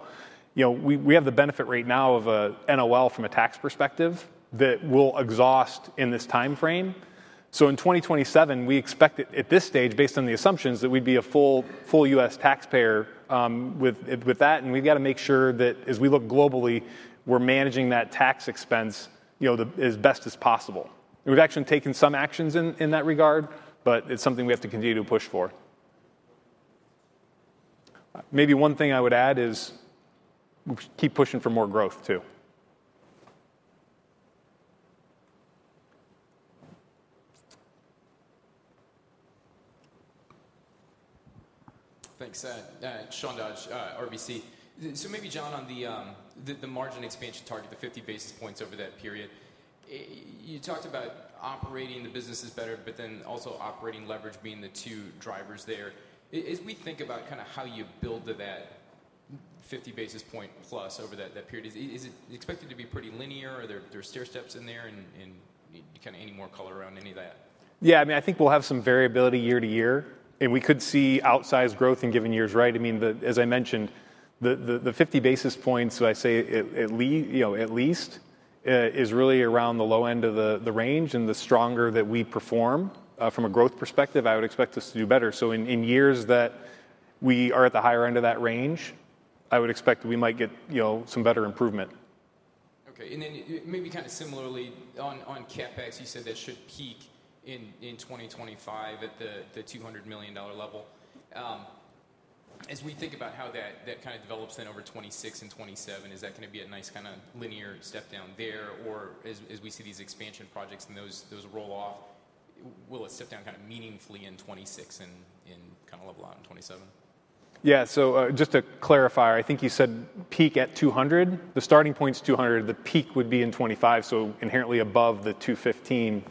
we have the benefit right now of an NOL from a tax perspective that will exhaust in this time frame. So in 2027, we expect at this stage, based on the assumptions, that we'd be a full U.S. taxpayer with that. And we've got to make sure that as we look globally, we're managing that tax expense as best as possible. We've actually taken some actions in that regard. But it's something we have to continue to push for. Maybe one thing I would add is keep pushing for more growth too. Thanks. Sean Dodge, RBC. So maybe, Jon, on the margin expansion target, the 50 basis points over that period, you talked about operating the businesses better, but then also operating leverage being the two drivers there. As we think about kind of how you build to that 50 basis point plus over that period, is it expected to be pretty linear? Are there stairsteps in there? And kind of any more color around any of that? Yeah. I mean, I think we'll have some variability year-to-year, and we could see outsized growth in given years, right? I mean, as I mentioned, the 50 basis points, I say at least, is really around the low end of the range, and the stronger that we perform from a growth perspective, I would expect us to do better, so in years that we are at the higher end of that range, I would expect we might get some better improvement. Okay, and then maybe kind of similarly on CapEx, you said that should peak in 2025 at the $200 million level. As we think about how that kind of develops then over 2026 and 2027, is that going to be a nice kind of linear step down there? Or as we see these expansion projects and those roll off, will it step down kind of meaningfully in 2026 and kind of level out in 2027? Yeah. So just to clarify, I think you said peak at $200 million. The starting point's $200 million. The peak would be in 2025. So inherently above the $215 million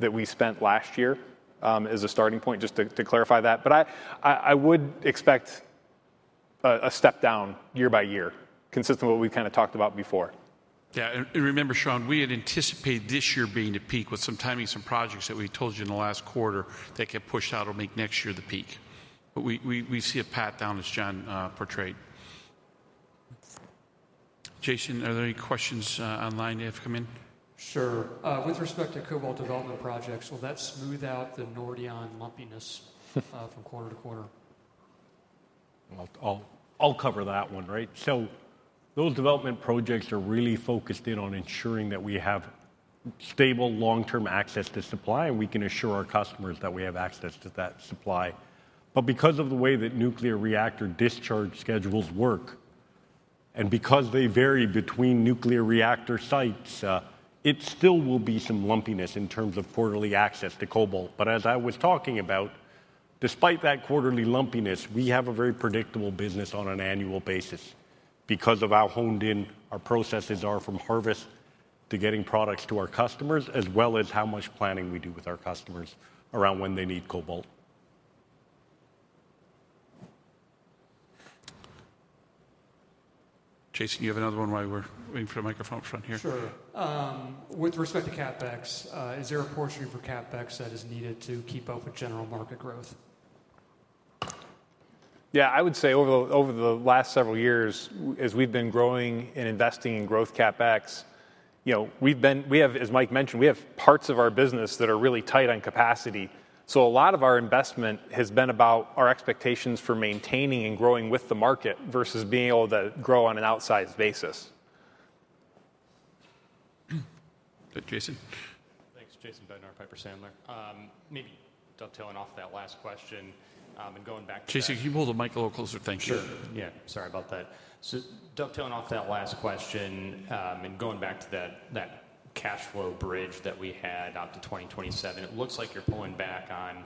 that we spent last year as a starting point, just to clarify that. But I would expect a step down year-by-year, consistent with what we've kind of talked about before. Yeah. And remember, Sean, we had anticipated this year being the peak with some timings, some projects that we told you in the last quarter that get pushed out will make next year the peak. But we see a path down, as Jon portrayed. Jason, are there any questions online that have come in? Sure. With respect to cobalt development projects, will that smooth out the Nordion lumpiness from quarter to quarter? I'll cover that one, right? So those development projects are really focused in on ensuring that we have stable long-term access to supply. And we can assure our customers that we have access to that supply. But because of the way that nuclear reactor discharge schedules work, and because they vary between nuclear reactor sites, it still will be some lumpiness in terms of quarterly access to cobalt. But as I was talking about, despite that quarterly lumpiness, we have a very predictable business on an annual basis because of how honed in our processes are from harvest to getting products to our customers, as well as how much planning we do with our customers around when they need cobalt. Jason, you have another one while we're waiting for the microphone front here. Sure. With respect to CapEx, is there a portion for CapEx that is needed to keep up with general market growth? Yeah. I would say over the last several years, as we've been growing and investing in growth CapEx, we have, as Mike mentioned, we have parts of our business that are really tight on capacity. So a lot of our investment has been about our expectations for maintaining and growing with the market versus being able to grow on an outsized basis. Jason? Thanks. Jason Bednar, Piper Sandler. Maybe dovetailing off that last question and going back to. Jason, can you hold the mic a little closer? Thank you. Sure. Yeah. Sorry about that. So dovetailing off that last question and going back to that cash flow bridge that we had out to 2027, it looks like you're pulling back on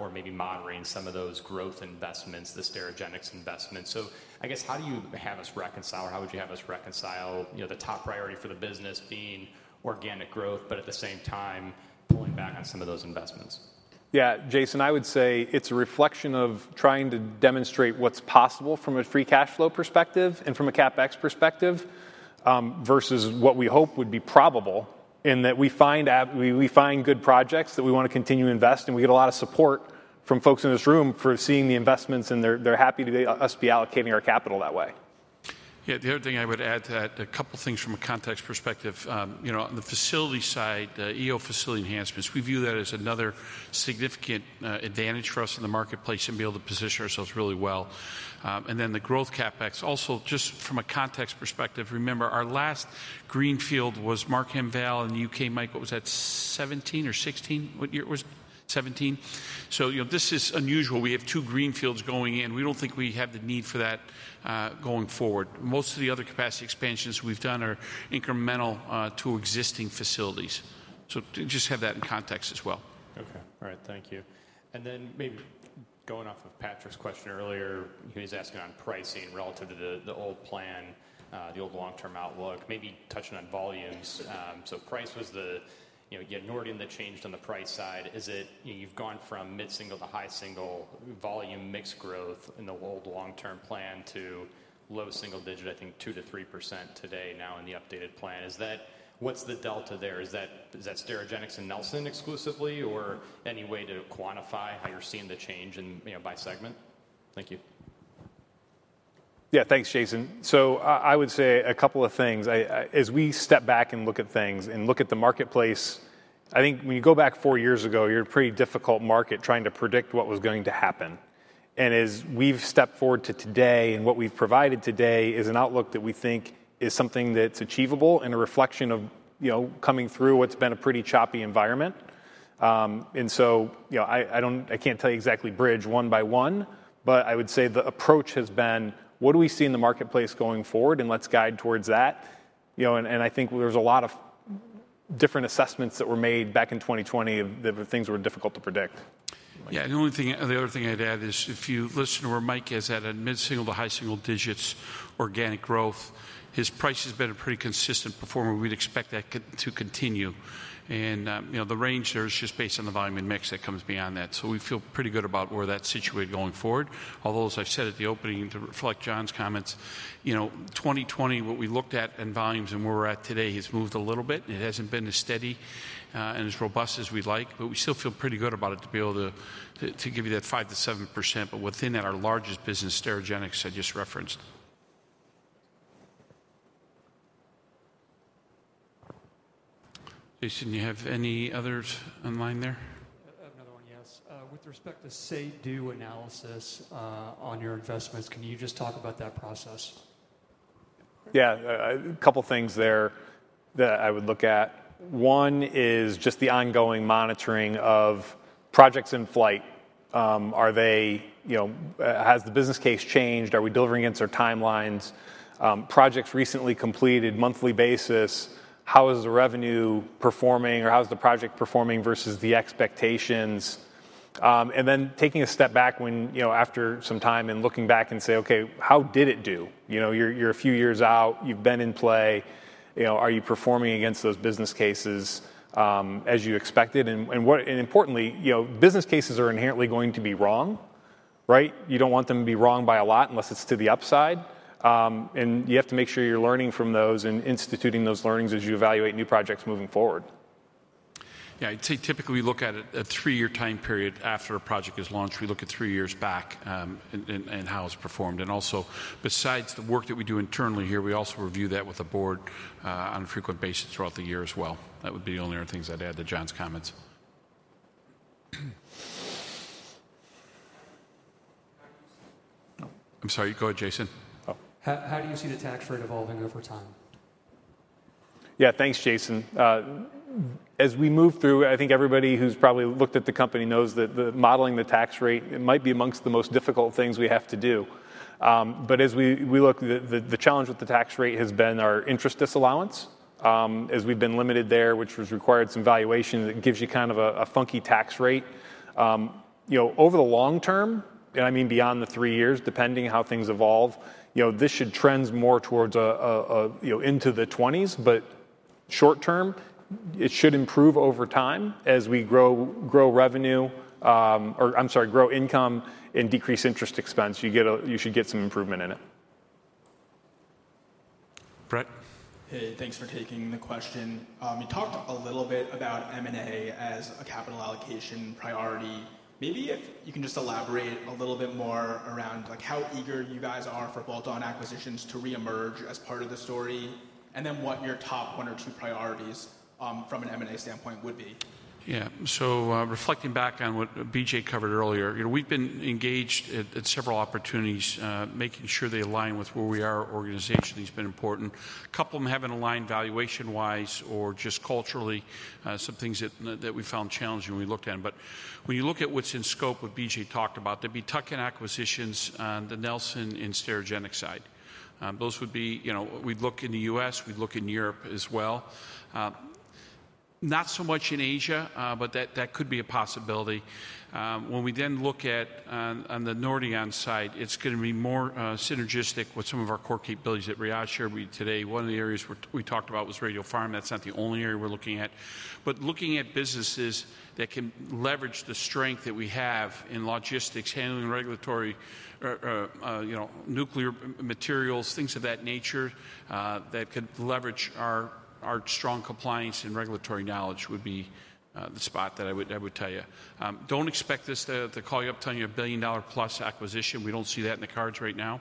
or maybe moderating some of those growth investments, the Sterigenics investments. So I guess how do you have us reconcile? Or how would you have us reconcile the top priority for the business being organic growth, but at the same time pulling back on some of those investments? Yeah. Jason, I would say it's a reflection of trying to demonstrate what's possible from a free cash flow perspective and from a CapEx perspective versus what we hope would be probable in that we find good projects that we want to continue to invest, and we get a lot of support from folks in this room for seeing the investments, and they're happy to us be allocating our capital that way. Yeah. The other thing I would add to that, a couple of things from a context perspective. On the facility side, EO facility enhancements, we view that as another significant advantage for us in the marketplace and be able to position ourselves really well. And then the growth CapEx, also just from a context perspective, remember our last greenfield was Markham Vale in the U.K., Mike, what was that, 2017 or 2016? What year was it? 2017. So this is unusual. We have two greenfields going in. We don't think we have the need for that going forward. Most of the other capacity expansions we've done are incremental to existing facilities. So just have that in context as well. Okay. All right. Thank you. And then maybe going off of Patrick's question earlier, he's asking on pricing relative to the old plan, the old long-term outlook, maybe touching on volumes. So price was the, again, Nordion that changed on the price side. Is it you've gone from mid-single to high-single volume mixed growth in the old long-term plan to low single digit, I think 2%-3% today now in the updated plan. What's the delta there? Is that Sterigenics and Nelson exclusively or any way to quantify how you're seeing the change by segment? Thank you. Yeah. Thanks, Jason. So I would say a couple of things. As we step back and look at things and look at the marketplace, I think when you go back four years ago, you're a pretty difficult market trying to predict what was going to happen. And as we've stepped forward to today and what we've provided today is an outlook that we think is something that's achievable and a reflection of coming through what's been a pretty choppy environment. And so I can't tell you exactly bridge one by one. But I would say the approach has been, what do we see in the marketplace going forward? And let's guide towards that. And I think there's a lot of different assessments that were made back in 2020 that things were difficult to predict. Yeah. And the only thing I'd add is if you listen to where Mike has had a mid-single- to high-single-digit organic growth, his price has been a pretty consistent performer. We'd expect that to continue. And the range there is just based on the volume and mix that comes beyond that. So we feel pretty good about where that's situated going forward. Although, as I said at the opening to reflect Jon's comments, 2020, what we looked at in volumes and where we're at today has moved a little bit. It hasn't been as steady and as robust as we'd like. But we still feel pretty good about it to be able to give you that 5%-7%. But within that, our largest business, Sterigenics, I just referenced. Jason, do you have any others online there? Another one, yes. With respect to say-do analysis on your investments, can you just talk about that process? Yeah. A couple of things there that I would look at. One is just the ongoing monitoring of projects in flight. Has the business case changed? Are we delivering against our timelines? Projects recently completed, monthly basis, how is the revenue performing? Or how is the project performing versus the expectations? And then taking a step back after some time and looking back and say, okay, how did it do? You're a few years out. You've been in play. Are you performing against those business cases as you expected? And importantly, business cases are inherently going to be wrong, right? You don't want them to be wrong by a lot unless it's to the upside. And you have to make sure you're learning from those and instituting those learnings as you evaluate new projects moving forward. Yeah. I'd say typically we look at a three-year time period after a project is launched. We look at three years back and how it's performed. And also, besides the work that we do internally here, we also review that with the board on a frequent basis throughout the year as well. That would be the only other things I'd add to Jon's comments. I'm sorry. Go ahead, Jason. How do you see the tax rate evolving over time? Yeah. Thanks, Jason. As we move through, I think everybody who's probably looked at the company knows that modeling the tax rate might be among the most difficult things we have to do. But as we look, the challenge with the tax rate has been our interest disallowance. As we've been limited there, which has required some valuation, it gives you kind of a funky tax rate. Over the long term, and I mean beyond the three years, depending on how things evolve, this should trend more towards into the 20s. But short term, it should improve over time as we grow revenue or, I'm sorry, grow income and decrease interest expense. You should get some improvement in it. Brett. Hey. Thanks for taking the question. You talked a little bit about M&A as a capital allocation priority. Maybe if you can just elaborate a little bit more around how eager you guys are for bolt-on acquisitions to reemerge as part of the story, and then what your top one or two priorities from an M&A standpoint would be? Yeah. So reflecting back on what B.J. covered earlier, we've been engaged at several opportunities making sure they align with where we are organizationally has been important. A couple of them haven't aligned valuation-wise or just culturally, some things that we found challenging when we looked at them. But when you look at what's in scope what B.J. talked about, there'd be tuck-in acquisitions on the Nelson and Sterigenics side. Those would be we'd look in the U.S. We'd look in Europe as well. Not so much in Asia, but that could be a possibility. When we then look at on the Nordion side, it's going to be more synergistic with some of our core capabilities that Riaz shared with you today. One of the areas we talked about was radiopharma. That's not the only area we're looking at. But looking at businesses that can leverage the strength that we have in logistics, handling regulatory, nuclear materials, things of that nature that could leverage our strong compliance and regulatory knowledge, would be the spot that I would tell you. Don't expect us to call you up telling you a $1 billion-plus acquisition. We don't see that in the cards right now.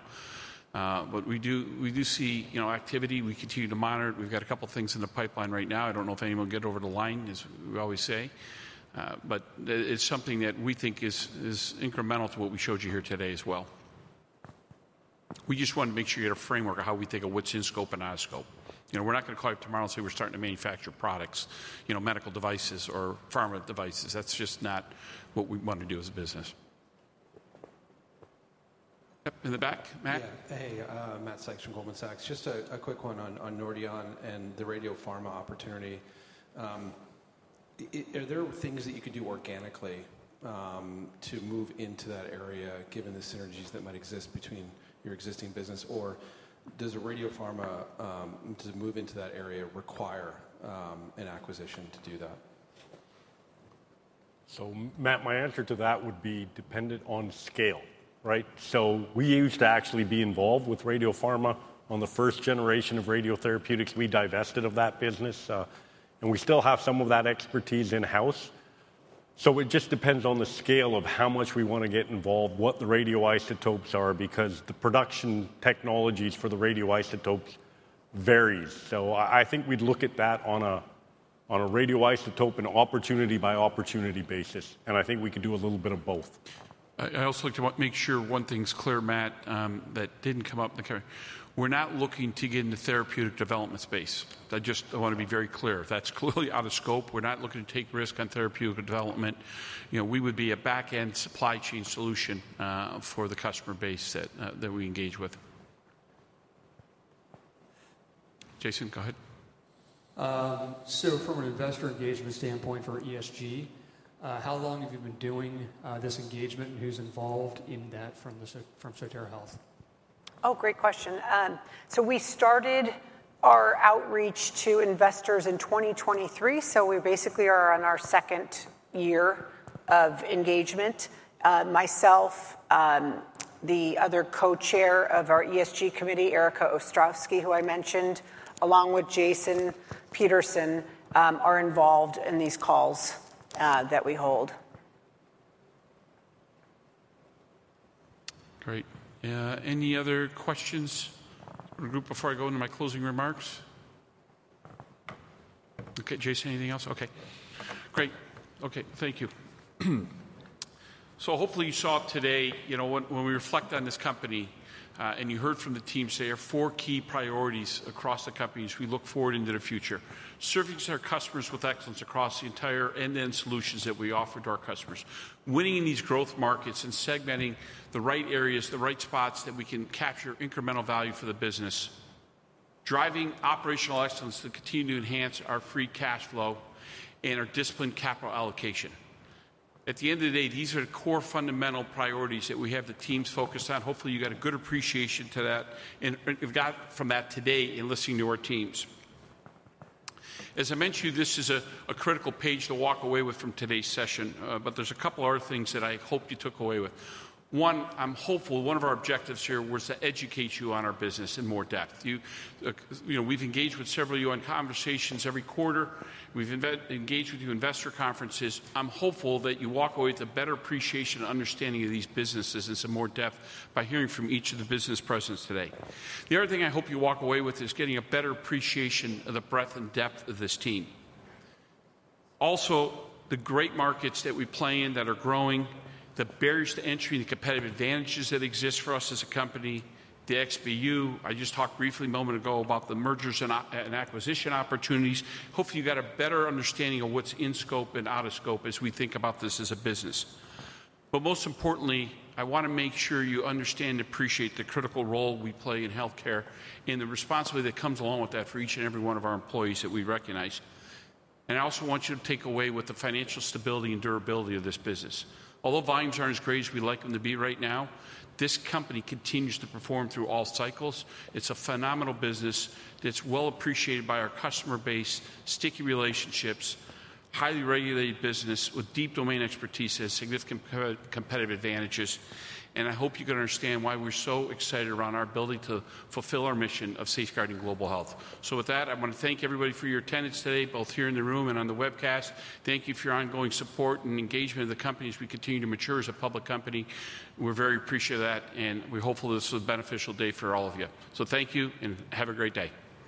But we do see activity. We continue to monitor it. We've got a couple of things in the pipeline right now. I don't know if anyone will get over the line, as we always say. But it's something that we think is incremental to what we showed you here today as well. We just want to make sure you get a framework of how we think of what's in scope and out of scope. We're not going to call you up tomorrow and say we're starting to manufacture products, medical devices, or pharma devices. That's just not what we want to do as a business. Yep. In the back, Matt. Yeah. Hey. Matt Sykes, Goldman Sachs. Just a quick one on Nordion and the radiopharma opportunity. Are there things that you could do organically to move into that area given the synergies that might exist between your existing business? Or does a radiopharma, to move into that area, require an acquisition to do that? Matt, my answer to that would be dependent on scale, right? We used to actually be involved with radiopharma. On the first generation of radiotherapeutics, we divested of that business. And we still have some of that expertise in-house. It just depends on the scale of how much we want to get involved, what the radioisotopes are, because the production technologies for the radioisotopes vary. I think we'd look at that on a radioisotope and opportunity-by-opportunity basis. And I think we could do a little bit of both. I also want to make sure one thing's clear, Matt, that didn't come up in the camera. We're not looking to get into therapeutic development space. I just want to be very clear. If that's clearly out of scope, we're not looking to take risk on therapeutic development. We would be a back-end supply chain solution for the customer base that we engage with. Jason, go ahead. So from an investor engagement standpoint for ESG, how long have you been doing this engagement? And who's involved in that from Sotera Health? Oh, great question. So we started our outreach to investors in 2023. So we basically are on our second year of engagement. Myself, the other co-chair of our ESG committee, Erica Ostrowski, who I mentioned, along with Jason Peterson, are involved in these calls that we hold. Great. Any other questions or group before I go into my closing remarks? Okay. Jason, anything else? Okay. Great. Okay. Thank you, so hopefully you saw today when we reflect on this company and you heard from the team say our four key priorities across the companies we look forward into the future. Serving our customers with excellence across the entire end-to-end solutions that we offer to our customers. Winning in these growth markets and segmenting the right areas, the right spots that we can capture incremental value for the business. Driving operational excellence to continue to enhance our free cash flow and our disciplined capital allocation. At the end of the day, these are the core fundamental priorities that we have the teams focused on. Hopefully, you got a good appreciation to that and got from that today in listening to our teams. As I mentioned, this is a critical page to walk away with from today's session. But there's a couple of other things that I hope you took away with. One, I'm hopeful one of our objectives here was to educate you on our business in more depth. We've engaged with several of you on conversations every quarter. We've engaged with you in investor conferences. I'm hopeful that you walk away with a better appreciation and understanding of these businesses in some more depth by hearing from each of the business presidents today. The other thing I hope you walk away with is getting a better appreciation of the breadth and depth of this team. Also, the great markets that we play in that are growing, the barriers to entry, the competitive advantages that exist for us as a company, the XPU. I just talked briefly a moment ago about the mergers and acquisitions opportunities. Hopefully, you got a better understanding of what's in scope and out of scope as we think about this as a business. But most importantly, I want to make sure you understand and appreciate the critical role we play in healthcare and the responsibility that comes along with that for each and every one of our employees that we recognize. And I also want you to take away with the financial stability and durability of this business. Although volumes aren't as great as we'd like them to be right now, this company continues to perform through all cycles. It's a phenomenal business that's well appreciated by our customer base, sticky relationships, highly regulated business with deep domain expertise, and significant competitive advantages. And I hope you can understand why we're so excited around our ability to fulfill our mission of safeguarding global health. So with that, I want to thank everybody for your attendance today, both here in the room and on the webcast. Thank you for your ongoing support and engagement of the companies. We continue to mature as a public company. We're very appreciative of that. And we're hopeful this was a beneficial day for all of you. So thank you and have a great day.